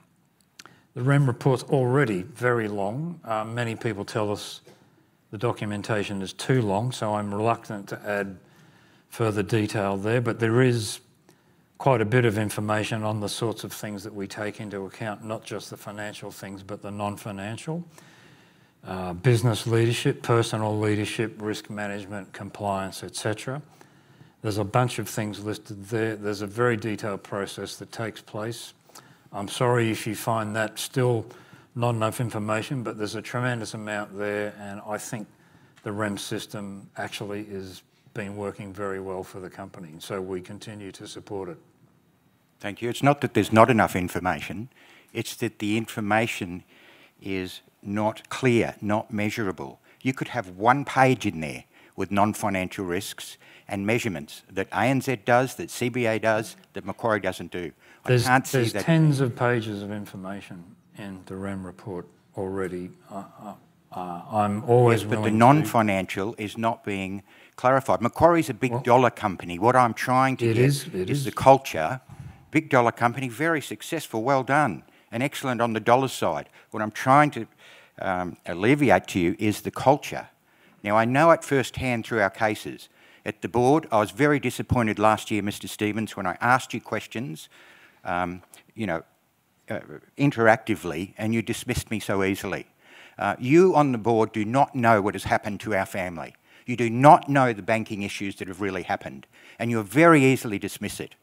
The REM report's already very long. Many people tell us the documentation is too long, so I'm reluctant to add further detail there. But there is quite a bit of information on the sorts of things that we take into account, not just the financial things, but the non-financial. Business leadership, personal leadership, risk management, compliance, et cetera. There's a bunch of things listed there. There's a very detailed process that takes place. I'm sorry if you find that still not enough information, but there's a tremendous amount there, and I think the REM system actually has been working very well for the company, so we continue to support it. Thank you. It's not that there's not enough information, it's that the information is not clear, not measurable. You could have one page in there with non-financial risks and measurements that ANZ does, that CBA does, that Macquarie doesn't do. I can't see that- There's tens of pages of information in the REM report already. I'm always willing to- Yes, but the non-financial is not being clarified. Well- Macquarie is a big dollar company. What I'm trying to get at- It is. It is... is the culture. Big dollar company, very successful, well done, and excellent on the dollar side. What I'm trying to alleviate to you is the culture. Now, I know it firsthand through our cases. At the Board, I was very disappointed last year, Mr. Stevens, when I asked you questions, you know, interactively, and you dismissed me so easily. You on the Board do not know what has happened to our family. You do not know the banking issues that have really happened, and you very easily dismiss it.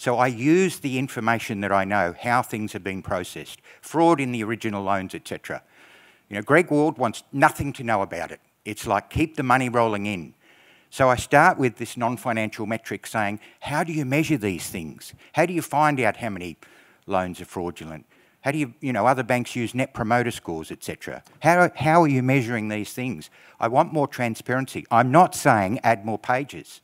So I use the information that I know, how things are being processed, fraud in the original loans, et cetera. You know, Greg Ward wants nothing to know about it. It's like, "Keep the money rolling in." So I start with this non-financial metric saying: How do you measure these things? How do you find out how many loans are fraudulent? How do you... You know, other banks use net promoter scores, et cetera. How, how are you measuring these things? I want more transparency. I'm not saying add more pages.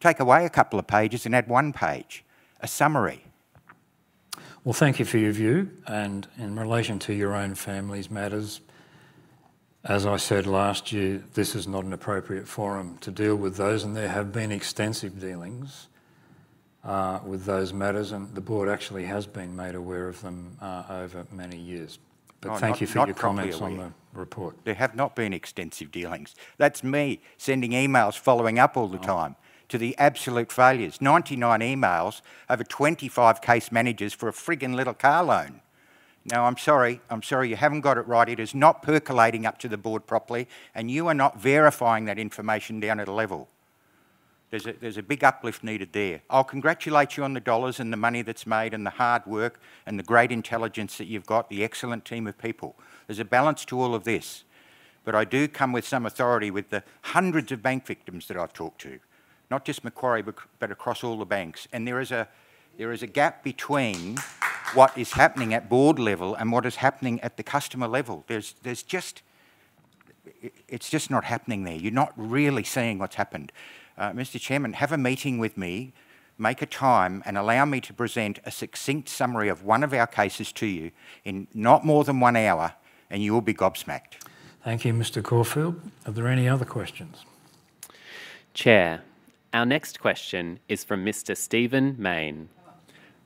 Take away a couple of pages and add one page, a summary. Well, thank you for your view, and in relation to your own family's matters, as I said last year, this is not an appropriate forum to deal with those, and there have been extensive dealings with those matters, and the Board actually has been made aware of them over many years. No, not, not properly. Thank you for your comments on the report. There have not been extensive dealings. That's me sending emails, following up all the time- Oh... to the absolute failures. 99 emails over 25 case managers for a frigging little car loan. Now, I'm sorry. I'm sorry you haven't got it right. It is not percolating up to the Board properly, and you are not verifying that information down at a level. There's a big uplift needed there. I'll congratulate you on the dollars and the money that's made and the hard work and the great intelligence that you've got, the excellent team of people. There's a balance to all of this, but I do come with some authority with the hundreds of bank victims that I've talked to, not just Macquarie, but across all the banks. And there is a gap between what is happening at Board level and what is happening at the customer level. There's just... It's just not happening there. You're not really seeing what's happened. Mr. Chairman, have a meeting with me, make a time, and allow me to present a succinct summary of one of our cases to you in not more than one hour, and you will be gobsmacked. Thank you, Mr. Corfield. Are there any other questions? Chair, our next question is from Mr. Steven Mayne.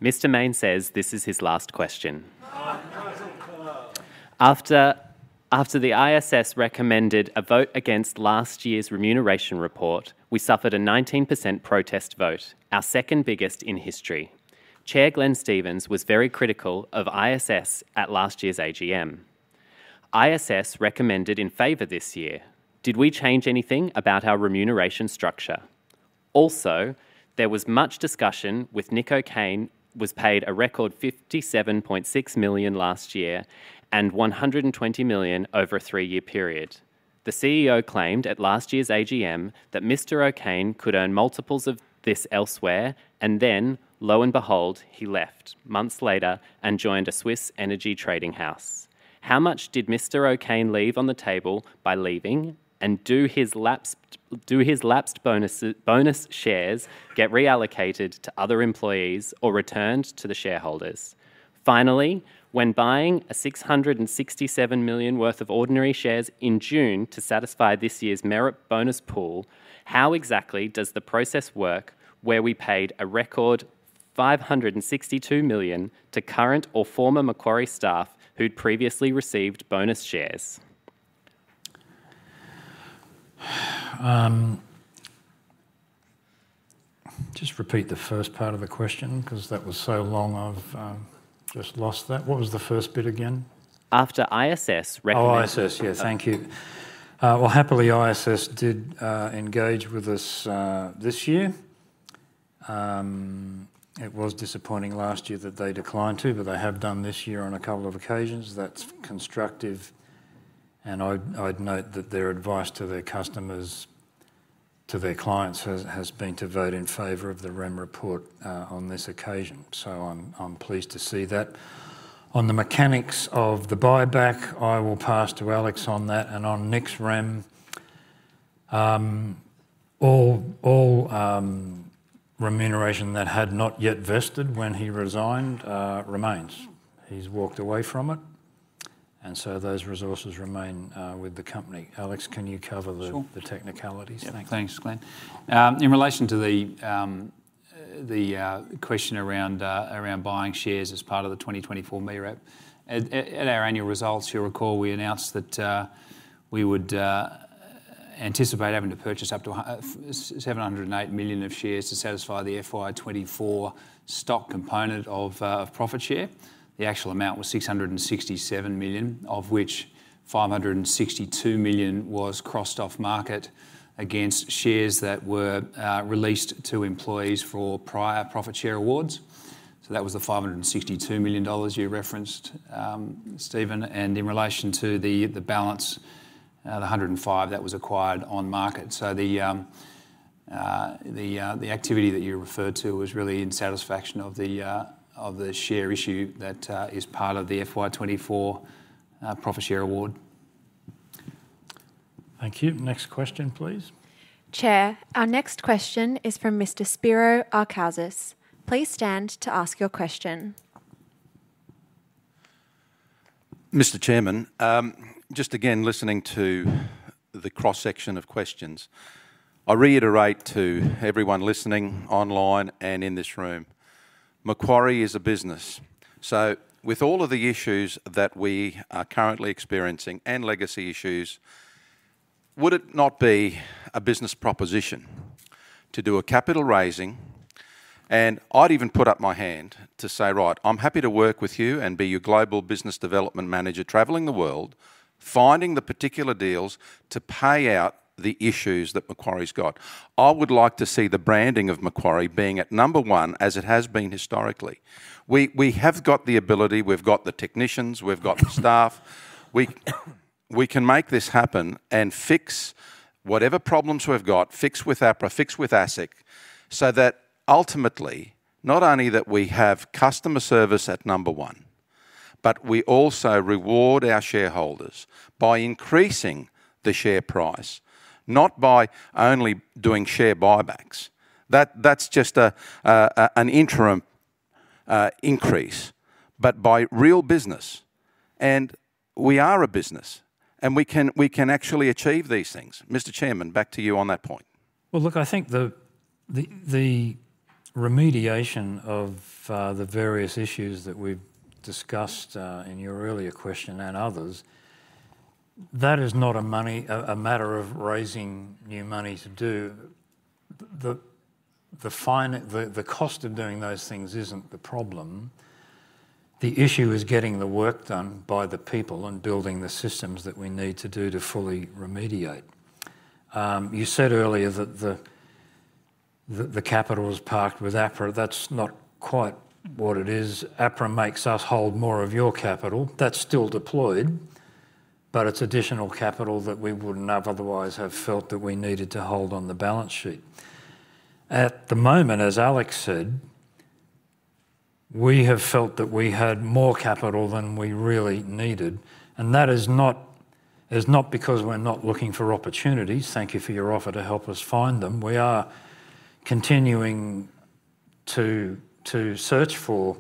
Mr. Mayne says this is his last question. Oh, not at all! After the ISS recommended a vote against last year's remuneration report, we suffered a 19% protest vote, our second biggest in history. Chair Glenn Stevens was very critical of ISS at last year's AGM. ISS recommended in favor this year. Did we change anything about our remuneration structure? Also, there was much discussion with Nick O'Kane, was paid a record 57.6 million last year and 120 million over a three-year period. The CEO claimed at last year's AGM that Mr. O'Kane could earn multiples of this elsewhere, and then, lo and behold, he left months later and joined a Swiss energy trading house. How much did Mr. O'Kane leave on the table by leaving, and do his lapsed bonuses, bonus shares get reallocated to other employees or returned to the shareholders? Finally, when buying 667 million worth of ordinary shares in June to satisfy this year's MEREP bonus pool, how exactly does the process work where we paid a record 562 million to current or former Macquarie staff who'd previously received bonus shares? Just repeat the first part of the question, 'cause that was so long, I've just lost that. What was the first bit again? After ISS recommended- Oh, ISS. Yeah, thank you. Well, happily, ISS did engage with us this year. It was disappointing last year that they declined to, but they have done this year on a couple of occasions. That's constructive, and I'd note that their advice to their customers, to their clients, has been to vote in favor of the REM report on this occasion. So I'm pleased to see that. On the mechanics of the buyback, I will pass to Alex on that, and on Nick's REM. All remuneration that had not yet vested when he resigned remains. He's walked away from it, and so those resources remain with the company. Alex, can you cover the- Sure... the technicalities? Yeah. Thanks. Thanks, Glenn. In relation to the question around buying shares as part of the 2024 MEREP. At our annual results, you'll recall we announced that we would anticipate having to purchase up to 708 million of shares to satisfy the FY24 stock component of profit share. The actual amount was 667 million, of which 562 million was crossed off market against shares that were released to employees for prior profit share awards. So that was the 562 million dollars you referenced, Steven. And in relation to the balance, the 105 million, that was acquired on market. So the activity that you referred to was really in satisfaction of the share issue that is part of the FY24 profit share award. Thank you. Next question, please. Chair, our next question is from Mr. Spiro Arkoudis. Please stand to ask your question. Mr. Chairman, just again, listening to the cross-section of questions, I reiterate to everyone listening online and in this room, Macquarie is a business. So with all of the issues that we are currently experiencing, and legacy issues, would it not be a business proposition to do a capital raising? And I'd even put up my hand to say, "Right, I'm happy to work with you and be your global business development manager, traveling the world, finding the particular deals to pay out the issues that Macquarie's got." I would like to see the branding of Macquarie being at number one, as it has been historically. We have got the ability, we've got the technicians, we've got the staff. We can make this happen and fix whatever problems we've got, fix with APRA, fix with ASIC, so that ultimately, not only that we have customer service at number one, but we also reward our shareholders by increasing the share price, not by only doing share buybacks. That's just an interim increase, but by real business, and we are a business, and we can actually achieve these things. Mr. Chairman, back to you on that point. Well, look, I think the remediation of the various issues that we've discussed in your earlier question and others, that is not a matter of raising new money to do. The fine, the cost of doing those things isn't the problem. The issue is getting the work done by the people and building the systems that we need to do to fully remediate. You said earlier that the capital was parked with APRA. That's not quite what it is. APRA makes us hold more of your capital. That's still deployed, but it's additional capital that we wouldn't have otherwise have felt that we needed to hold on the balance sheet. At the moment, as Alex said, we have felt that we had more capital than we really needed, and that is not because we're not looking for opportunities. Thank you for your offer to help us find them. We are continuing to search for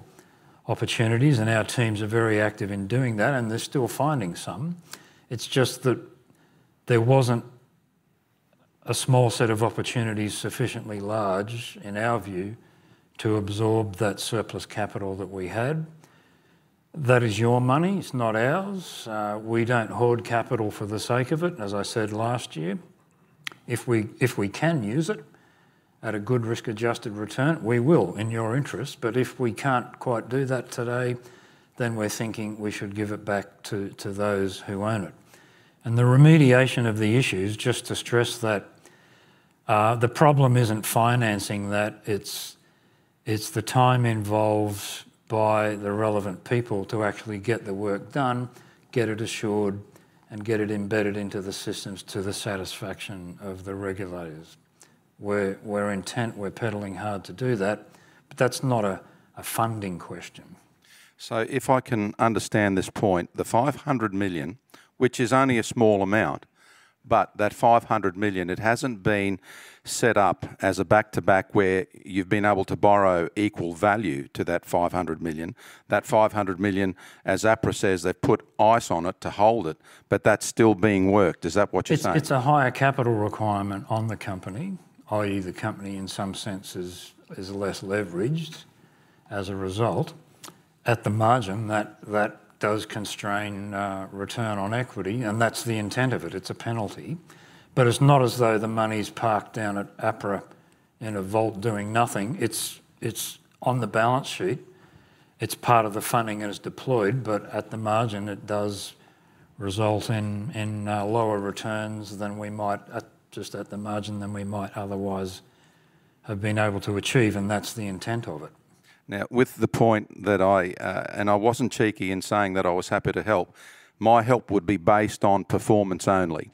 opportunities, and our teams are very active in doing that, and they're still finding some. It's just that there wasn't a small set of opportunities sufficiently large, in our view, to absorb that surplus capital that we had. That is your money, it's not ours. We don't hoard capital for the sake of it, as I said last year. If we can use it at a good risk-adjusted return, we will, in your interest. But if we can't quite do that today, then we're thinking we should give it back to those who own it. The remediation of the issues, just to stress that, the problem isn't financing that, it's the time involved by the relevant people to actually get the work done, get it assured, and get it embedded into the systems to the satisfaction of the regulators. We're intent, we're pedaling hard to do that, but that's not a funding question. So if I can understand this point, the 500 million, which is only a small amount, but that 500 million, it hasn't been set up as a back-to-back where you've been able to borrow equal value to that 500 million. That 500 million, as APRA says, they've put ice on it to hold it, but that's still being worked. Is that what you're saying? It's a higher capital requirement on the company, i.e., the company, in some sense, is less leveraged as a result, at the margin, that does constrain return on equity, and that's the intent of it. It's a penalty. But it's not as though the money's parked down at APRA in a vault doing nothing. It's on the balance sheet. It's part of the funding that is deployed, but at the margin, it does result in lower returns than we might, just at the margin, than we might otherwise have been able to achieve, and that's the intent of it. I wasn't cheeky in saying that I was happy to help. My help would be based on performance only.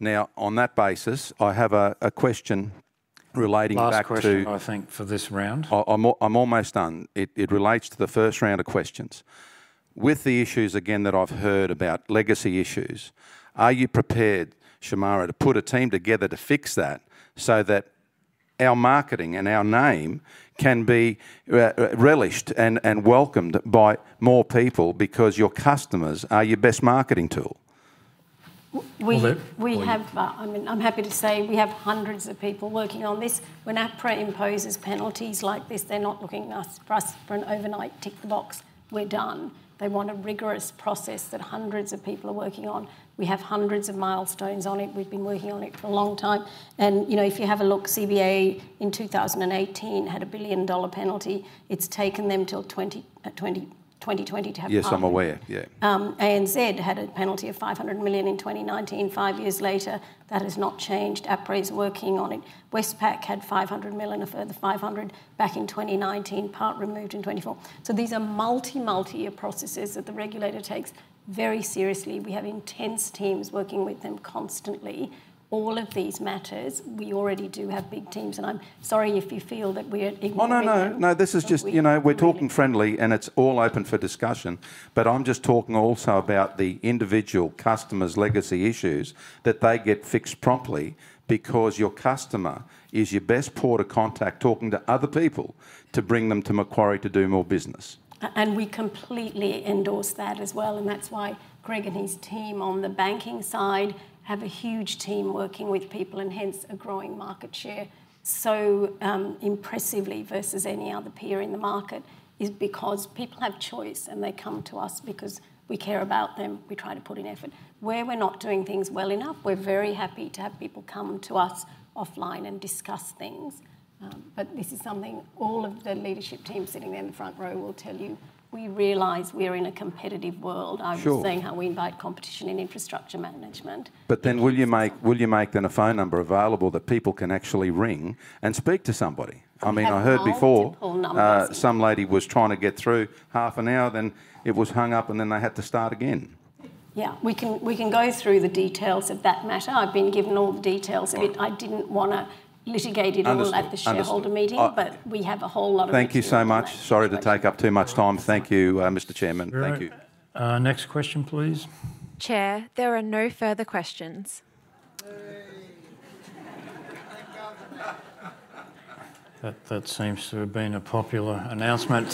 Now, on that basis, I have a question relating back to- Last question, I think, for this round. I'm almost done. It relates to the first round of questions. With the issues again that I've heard about, legacy issues, are you prepared, Shemara, to put a team together to fix that so that our marketing and our name can be relished and welcomed by more people? Because your customers are your best marketing tool. W- we- Olivia? We have, I mean, I'm happy to say we have hundreds of people working on this. When APRA imposes penalties like this, they're not looking at us, for us for an overnight tick the box, we're done. They want a rigorous process that hundreds of people are working on. We have hundreds of milestones on it. We've been working on it for a long time. And, you know, if you have a look, CBA in 2018 had a 1 billion dollar penalty. It's taken them till 2020 to have- Yes, I'm aware. Yeah. ANZ had a penalty of 500 million in 2019. Five years later, that has not changed. APRA is working on it. Westpac had 500 million, a further 500 million back in 2019, part removed in 2024. So these are multi, multi-year processes that the regulator takes very seriously. We have intense teams working with them constantly. All of these matters, we already do have big teams, and I'm sorry if you feel that we're ignoring- Oh, no, no, no, this is just- But we- You know, we're talking friendly, and it's all open for discussion. But I'm just talking also about the individual customer's legacy issues, that they get fixed promptly because your customer is your best port of contact talking to other people, to bring them to Macquarie to do more business. And we completely endorse that as well, and that's why Greg and his team on the banking side have a huge team working with people, and hence, a growing market share so impressively versus any other peer in the market, is because people have choice, and they come to us because we care about them. We try to put in effort. Where we're not doing things well enough, we're very happy to have people come to us offline and discuss things. But this is something all of the leadership team sitting there in the front row will tell you: we realize we're in a competitive world. Sure. I was saying how we invite competition in infrastructure management. Will you make, will you make then a phone number available that people can actually ring and speak to somebody? We have multiple- I mean, I heard before- Multiple numbers... some lady was trying to get through half an hour, then it was hung up, and then they had to start again. Yeah, we can, we can go through the details of that matter. I've been given all the details. Right. I didn't wanna litigate it all- Understood, understood... at the shareholder meeting, but we have a whole lot of- Thank you so much. Sorry to take up too much time. Thank you, Mr. Chairman. Thank you. Sure. Next question, please. Chair, there are no further questions. Hurray! Thank God for that. That seems to have been a popular announcement.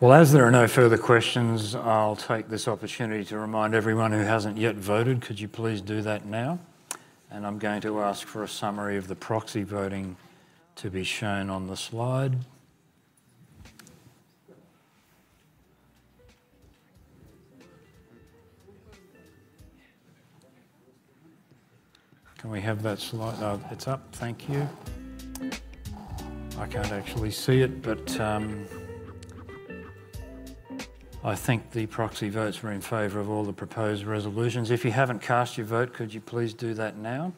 Well, as there are no further questions, I'll take this opportunity to remind everyone who hasn't yet voted, could you please do that now? And I'm going to ask for a summary of the proxy voting to be shown on the slide. Can we have that slide up? It's up. Thank you. I can't actually see it, but I think the proxy votes were in favor of all the proposed resolutions. If you haven't cast your vote, could you please do that now?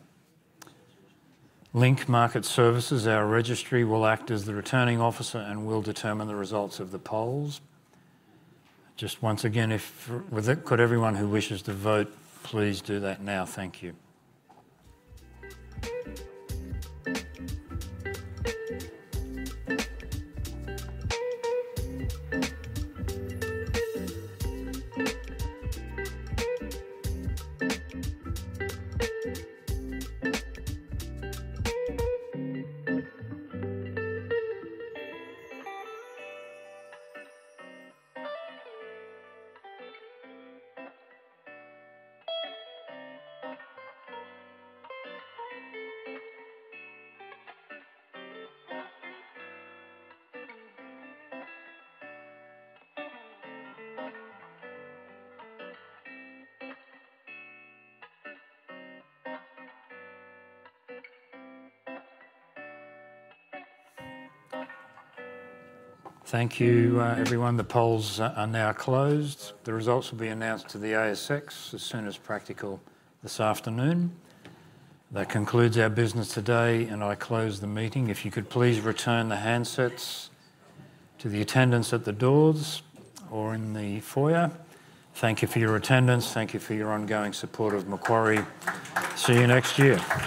Link Market Services, our registry, will act as the returning officer and will determine the results of the polls. Just once again, with that, could everyone who wishes to vote, please do that now? Thank you. Thank you, everyone. The polls are now closed. The results will be announced to the ASX as soon as practical this afternoon. That concludes our business today, and I close the meeting. If you could please return the handsets to the attendants at the doors or in the foyer. Thank you for your attendance. Thank you for your ongoing support of Macquarie. See you next year.